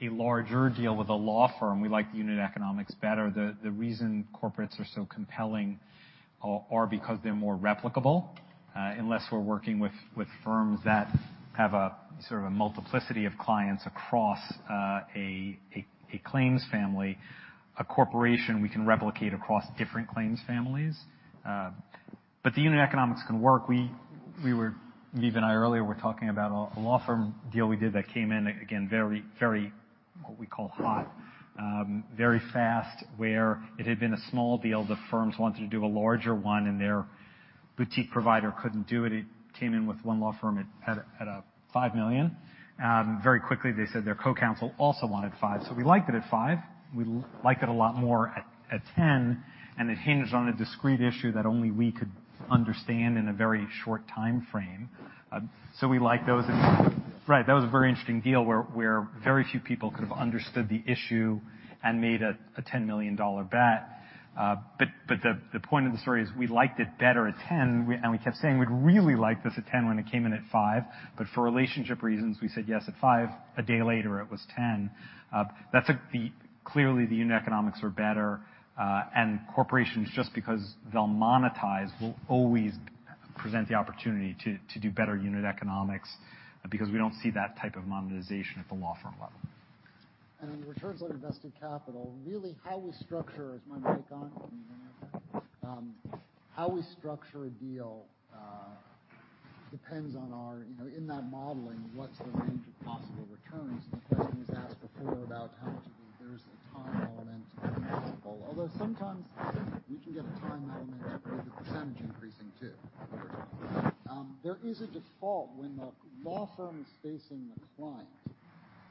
a larger deal with a law firm, we like the unit economics better. The reason corporates are so compelling are because they're more replicable. Unless we're working with firms that have sort of a multiplicity of clients across a claim family. A corporation we can replicate across different claim families. But the unit economics can work. Niamh and I earlier were talking about a law firm deal we did that came in again, very what we call hot, very fast, where it had been a small deal. The firms wanted to do a larger one and their boutique provider couldn't do it. It came in with one law firm at $5 million. Very quickly, they said their co-counsel also wanted $5 million. We liked it at $5 million. We liked it a lot more at $10 million, and it hinged on a discrete issue that only we could understand in a very short time frame. We liked those. Right. That was a very interesting deal where very few people could have understood the issue and made a $10 million bet. The point of the story is we liked it better at $10 million, and we kept saying we'd really like this at $10 million when it came in at $5 million, but for relationship reasons, we said yes at $5 million. A day later, it was $10 million. Clearly, the unit economics are better, and corporations, just because they'll monetize, will always present the opportunity to do better unit economics because we don't see that type of monetization at the law firm level. In returns on invested capital, really how we structure is my take on it. How we structure a deal depends on our, you know, in that modeling, what's the range of possible returns? The question was asked before about how much of it there is a time element possible. Although sometimes we can get a time element with the percentage increasing too over time. There is a default when the law firm is facing the client.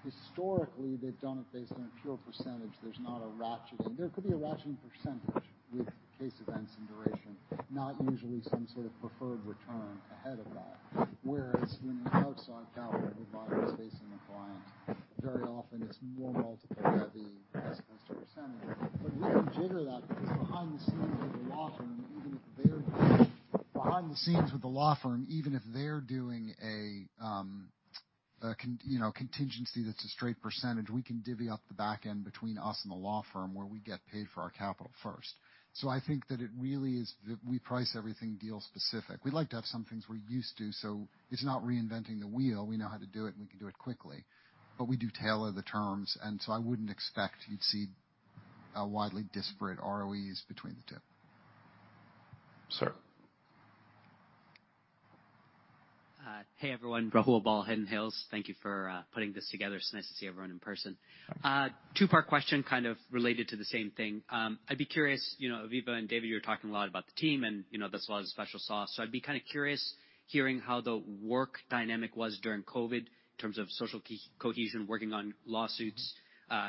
Historically, they've done it based on a pure percentage. There's not a ratcheting. There could be a ratcheting percentage with case events and duration, not usually some sort of preferred return ahead of that. Whereas when the outside capital provider is facing the client, very often it's more multiple heavy as opposed to percentage. We can jigger that because behind the scenes with the law firm, even if they're doing a contingency that's a straight percentage, we can divvy up the back end between us and the law firm where we get paid for our capital first. I think that it really is that we price everything deal specific. We like to have some things we're used to, so it's not reinventing the wheel. We know how to do it, and we can do it quickly. We do tailor the terms, and so I wouldn't expect you'd see a widely disparate ROEs between the two. Sir. Hey, everyone. Rahul Bahl, Hidden Hills. Thank you for putting this together. It's nice to see everyone in person. Two-part question, kind of related to the same thing. I'd be curious, you know, Aviva and David, you're talking a lot about the team and, you know, this was a special sauce. I'd be kinda curious hearing how the work dynamic was during COVID in terms of social cohesion, working on lawsuits,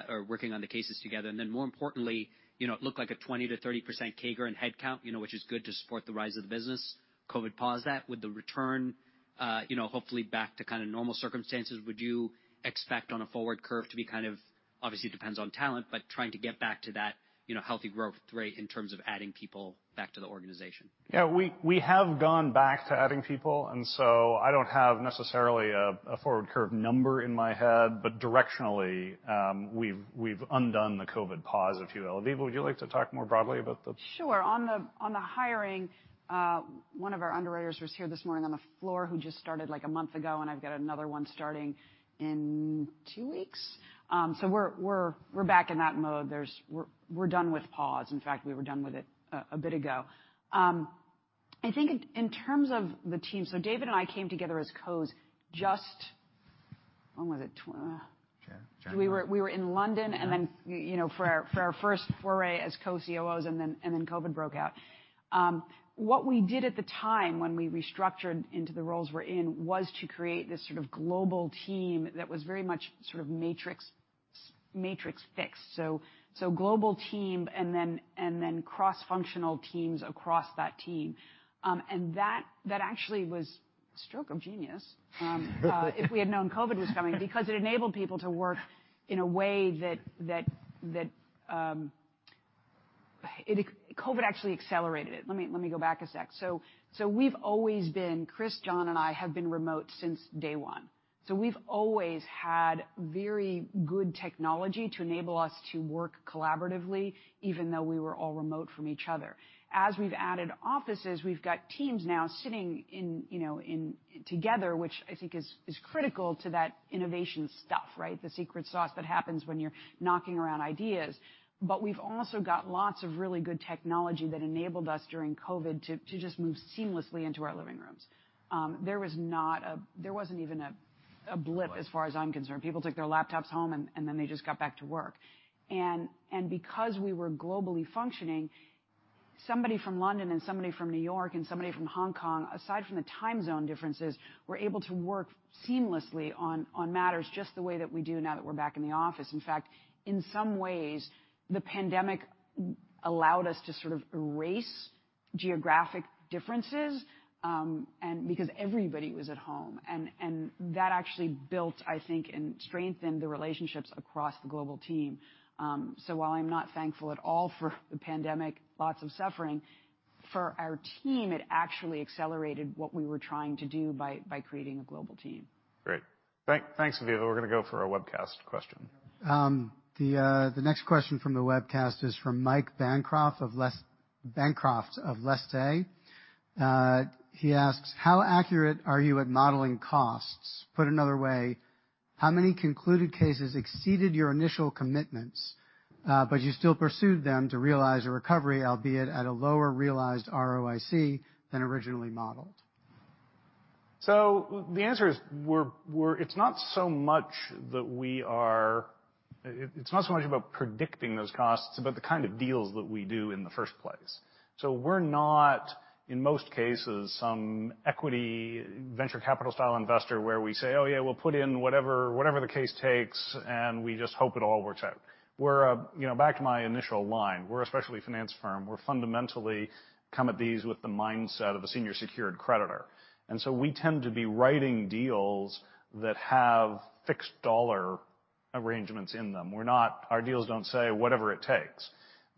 or working on the cases together. Then more importantly, you know, it looked like a 20%-30% CAGR in headcount, you know, which is good to support the rise of the business. COVID paused that. With the return, you know, hopefully back to kinda normal circumstances, would you expect on a forward curve to be kind of, obviously depends on talent, but trying to get back to that, you know, healthy growth rate in terms of adding people back to the organization? Yeah. We have gone back to adding people, and so I don't have necessarily a forward curve number in my head. But directionally, we've undone the COVID pause, if you will. Aviva, would you like to talk more broadly about the- Sure. On the hiring, one of our underwriters was here this morning on the floor who just started, like, a month ago, and I've got another one starting in two weeks. We're back in that mode. We're done with pause. In fact, we were done with it a bit ago. I think in terms of the team, David and I came together as co-COOs just. When was it? Jan-January. We were in London, you know, for our first foray as co-COOs, and then COVID broke out. What we did at the time when we restructured into the roles we're in was to create this sort of global team that was very much sort of matrixed. Global team and then cross-functional teams across that team. That actually was a stroke of genius. If we had known COVID was coming because it enabled people to work in a way that COVID actually accelerated it. Let me go back a sec. Chris, John, and I have been remote since day one. We've always had very good technology to enable us to work collaboratively, even though we were all remote from each other. As we've added offices, we've got teams now sitting in, you know, in together, which I think is critical to that innovation stuff, right? The secret sauce that happens when you're knocking around ideas. We've also got lots of really good technology that enabled us during COVID to just move seamlessly into our living rooms. There wasn't even a blip as far as I'm concerned. People took their laptops home and then they just got back to work. Because we were globally functioning, somebody from London and somebody from New York and somebody from Hong Kong, aside from the time zone differences, were able to work seamlessly on matters just the way that we do now that we're back in the office. In fact, in some ways, the pandemic allowed us to sort of erase geographic differences, and because everybody was at home, that actually built, I think, and strengthened the relationships across the global team. While I'm not thankful at all for the pandemic, lots of suffering for our team, it actually accelerated what we were trying to do by creating a global team. Great. Thanks, Aviva. We're gonna go for a webcast question. The next question from the webcast is from Mike Bancroft of Leste. He asks, "How accurate are you at modeling costs? Put another way, how many concluded cases exceeded your initial commitments, but you still pursued them to realize a recovery, albeit at a lower realized ROIC than originally modeled? The answer is, we're, it's not so much about predicting those costs, but the kind of deals that we do in the first place. We're not, in most cases, some equity venture capital style investor where we say, "Oh, yeah, we'll put in whatever the case takes, and we just hope it all works out." We're, you know, back to my initial line, we're a specialty finance firm. We're fundamentally come at these with the mindset of a senior secured creditor, and so we tend to be writing deals that have fixed dollar arrangements in them. We're not, our deals don't say whatever it takes.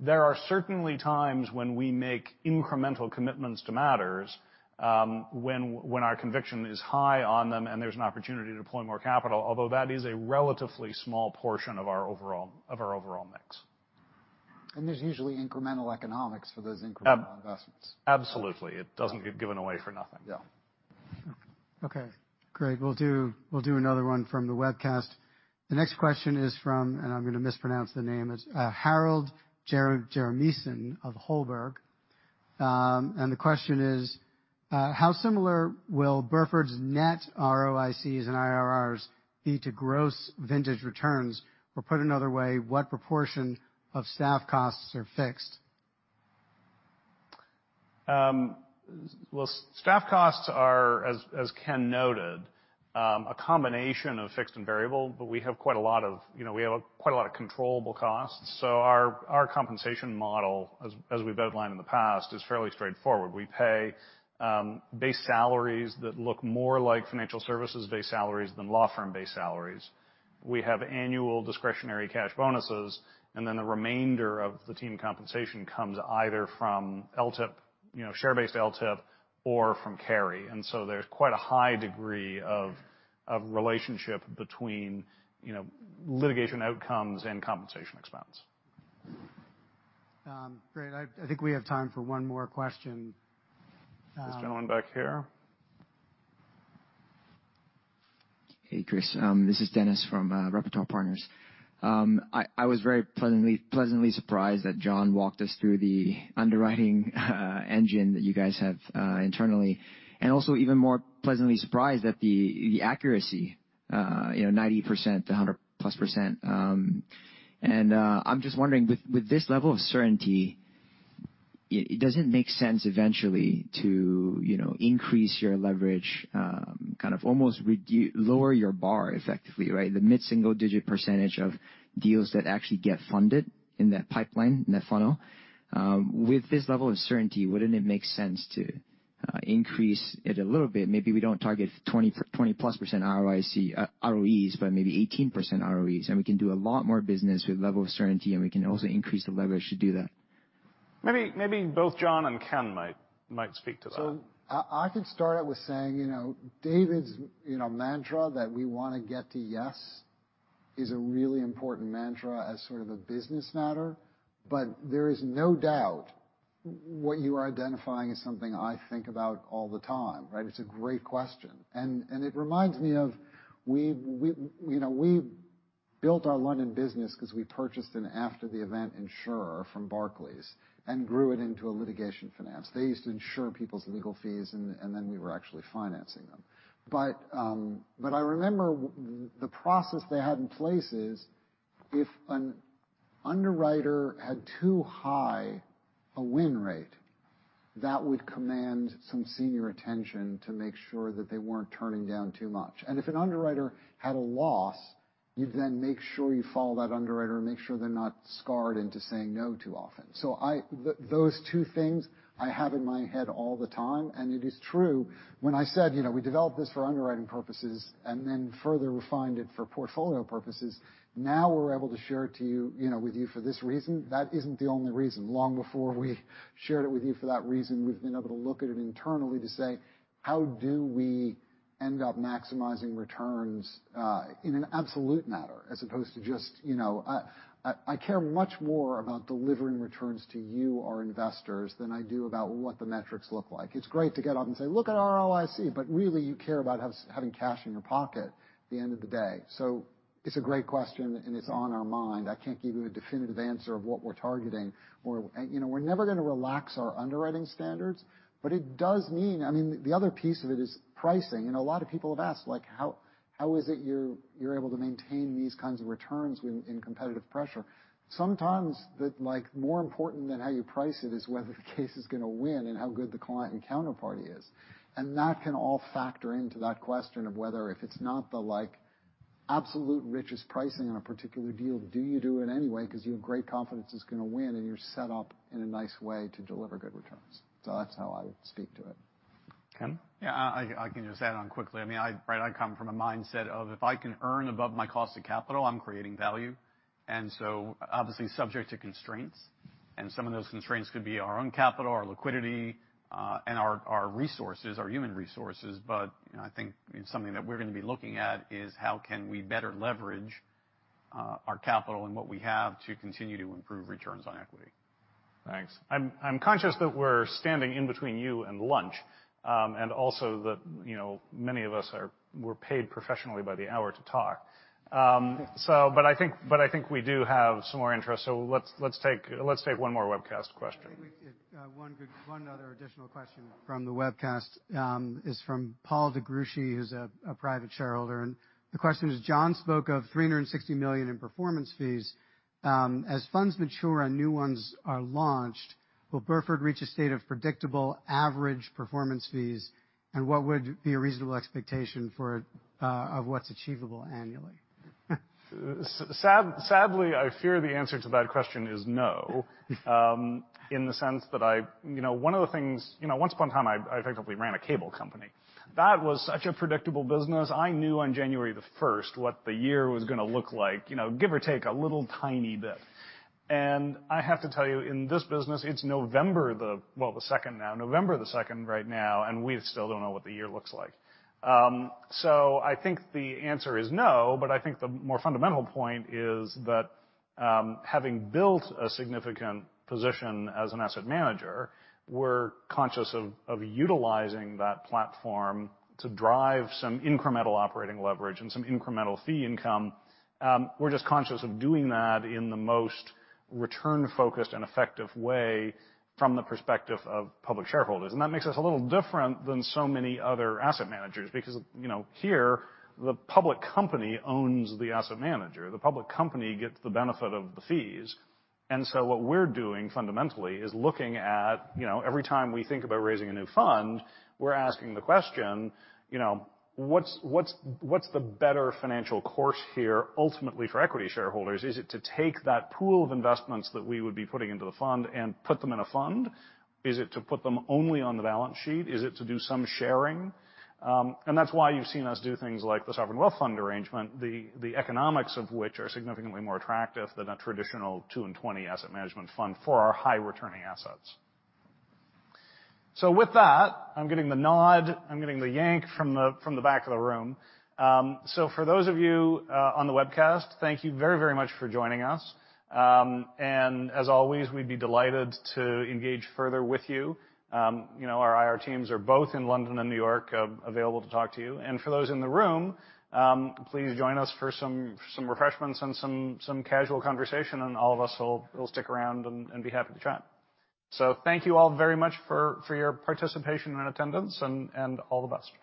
There are certainly times when we make incremental commitments to matters, when our conviction is high on them and there's an opportunity to deploy more capital, although that is a relatively small portion of our overall mix. There's usually incremental economics for those incremental investments. Absolutely. It doesn't get given away for nothing. Yeah. Okay, great. We'll do another one from the webcast. The next question is from, and I'm going to mispronounce the name, it's Harald Jeremiassen of Holberg. The question is, how similar will Burford's net ROICs and IRRs be to gross vintage returns? Or put another way, what proportion of staff costs are fixed? Well, staff costs are, as Ken noted, a combination of fixed and variable, but we have quite a lot of controllable costs. Our compensation model, as we've outlined in the past, is fairly straightforward. We pay base salaries that look more like financial services-based salaries than law firm-based salaries. We have annual discretionary cash bonuses, and then the remainder of the team compensation comes either from LTIP, you know, share-based LTIP or from carry. There's quite a high degree of relationship between, you know, litigation outcomes and compensation expense. Great. I think we have time for one more question. This gentleman back here. Hey, Chris. This is Dennis from Repertoire Partners. I was very pleasantly surprised that John walked us through the underwriting engine that you guys have internally, and also even more pleasantly surprised at the accuracy, you know, 90% to +100%. I'm just wondering, with this level of certainty, it doesn't make sense eventually to, you know, increase your leverage, kind of almost lower your bar effectively, right? The mid-single digit percentage of deals that actually get funded in that pipeline, in that funnel. With this level of certainty, wouldn't it make sense to increase it a little bit? Maybe we don't target +20% ROIC, ROEs, but maybe 18% ROEs, and we can do a lot more business with level of certainty, and we can also increase the leverage to do that. Maybe both John and Ken might speak to that. I could start out with saying, you know, David's mantra that we wanna get to yes is a really important mantra as sort of a business matter. There is no doubt what you are identifying is something I think about all the time, right? It's a great question. It reminds me of, you know, we built our London business 'cause we purchased an after-the-event insurance from Barclays and grew it into a litigation finance. They used to insure people's legal fees, and then we were actually financing them. I remember the process they had in place is, if an underwriter had too high a win rate, that would command some senior attention to make sure that they weren't turning down too much. If an underwriter had a loss, you then make sure you follow that underwriter and make sure they're not scarred into saying no too often. Those two things I have in my head all the time, and it is true when I said, you know, we developed this for underwriting purposes and then further refined it for portfolio purposes. Now we're able to share it to you know, with you for this reason. That isn't the only reason. Long before we shared it with you for that reason, we've been able to look at it internally to say, "How do we end up maximizing returns in an absolute matter as opposed to just, you know?" I care much more about delivering returns to you, our investors, than I do about what the metrics look like. It's great to get up and say, "Look at ROIC," but really you care about having cash in your pocket at the end of the day. It's a great question, and it's on our mind. I can't give you a definitive answer of what we're targeting or. You know, we're never gonna relax our underwriting standards, but it does mean. I mean, the other piece of it is pricing. A lot of people have asked, like how is it you're able to maintain these kinds of returns in competitive pressure. Sometimes, like, more important than how you price it is whether the case is gonna win and how good the client and counterparty is. That can all factor into that question of whether if it's not the like, absolute richest pricing on a particular deal, do you do it anyway 'cause you have great confidence it's gonna win and you're set up in a nice way to deliver good returns. That's how I would speak to it. Ken? Yeah. I can just add on quickly. I mean, right, I come from a mindset of if I can earn above my cost of capital, I'm creating value, and so obviously subject to constraints. Some of those constraints could be our own capital, our liquidity, and our resources, our human resources. You know, I think something that we're gonna be looking at is how can we better leverage our capital and what we have to continue to improve returns on equity. Thanks. I'm conscious that we're standing in between you and lunch, and also that, you know, many of us, we're paid professionally by the hour to talk. I think we do have some more interest, so let's take one more webcast question. One other additional question from the webcast is from Paul Degruschi who's a private shareholder. The question is: John spoke of $360 million in performance fees. As funds mature and new ones are launched, will Burford reach a state of predictable average performance fees, and what would be a reasonable expectation of what's achievable annually? Sadly, I fear the answer to that question is no. In the sense that I you know, once upon a time I effectively ran a cable company. That was such a predictable business. I knew on January 1 what the year was gonna look like, you know, give or take a little tiny bit. I have to tell you, in this business, it's November 2 now. November 2 right now, and we still don't know what the year looks like. I think the answer is no, but I think the more fundamental point is that, having built a significant position as an asset manager, we're conscious of utilizing that platform to drive some incremental operating leverage and some incremental fee income. We're just conscious of doing that in the most return-focused and effective way from the perspective of public shareholders. That makes us a little different than so many other asset managers because, you know, here, the public company owns the asset manager. The public company gets the benefit of the fees. What we're doing fundamentally is looking at, you know, every time we think about raising a new fund, we're asking the question, you know, what's the better financial course here ultimately for equity shareholders? Is it to take that pool of investments that we would be putting into the fund and put them in a fund? Is it to put them only on the balance sheet? Is it to do some sharing? That's why you've seen us do things like the sovereign wealth fund arrangement, the economics of which are significantly more attractive than a traditional two and twenty asset management fund for our high-returning assets. With that, I'm getting the nod, I'm getting the yank from the back of the room. For those of you on the webcast, thank you very, very much for joining us. As always, we'd be delighted to engage further with you. You know, our IR teams are both in London and New York available to talk to you. For those in the room, please join us for some refreshments and some casual conversation, and all of us will stick around and be happy to chat. Thank you all very much for your participation and attendance and all the best.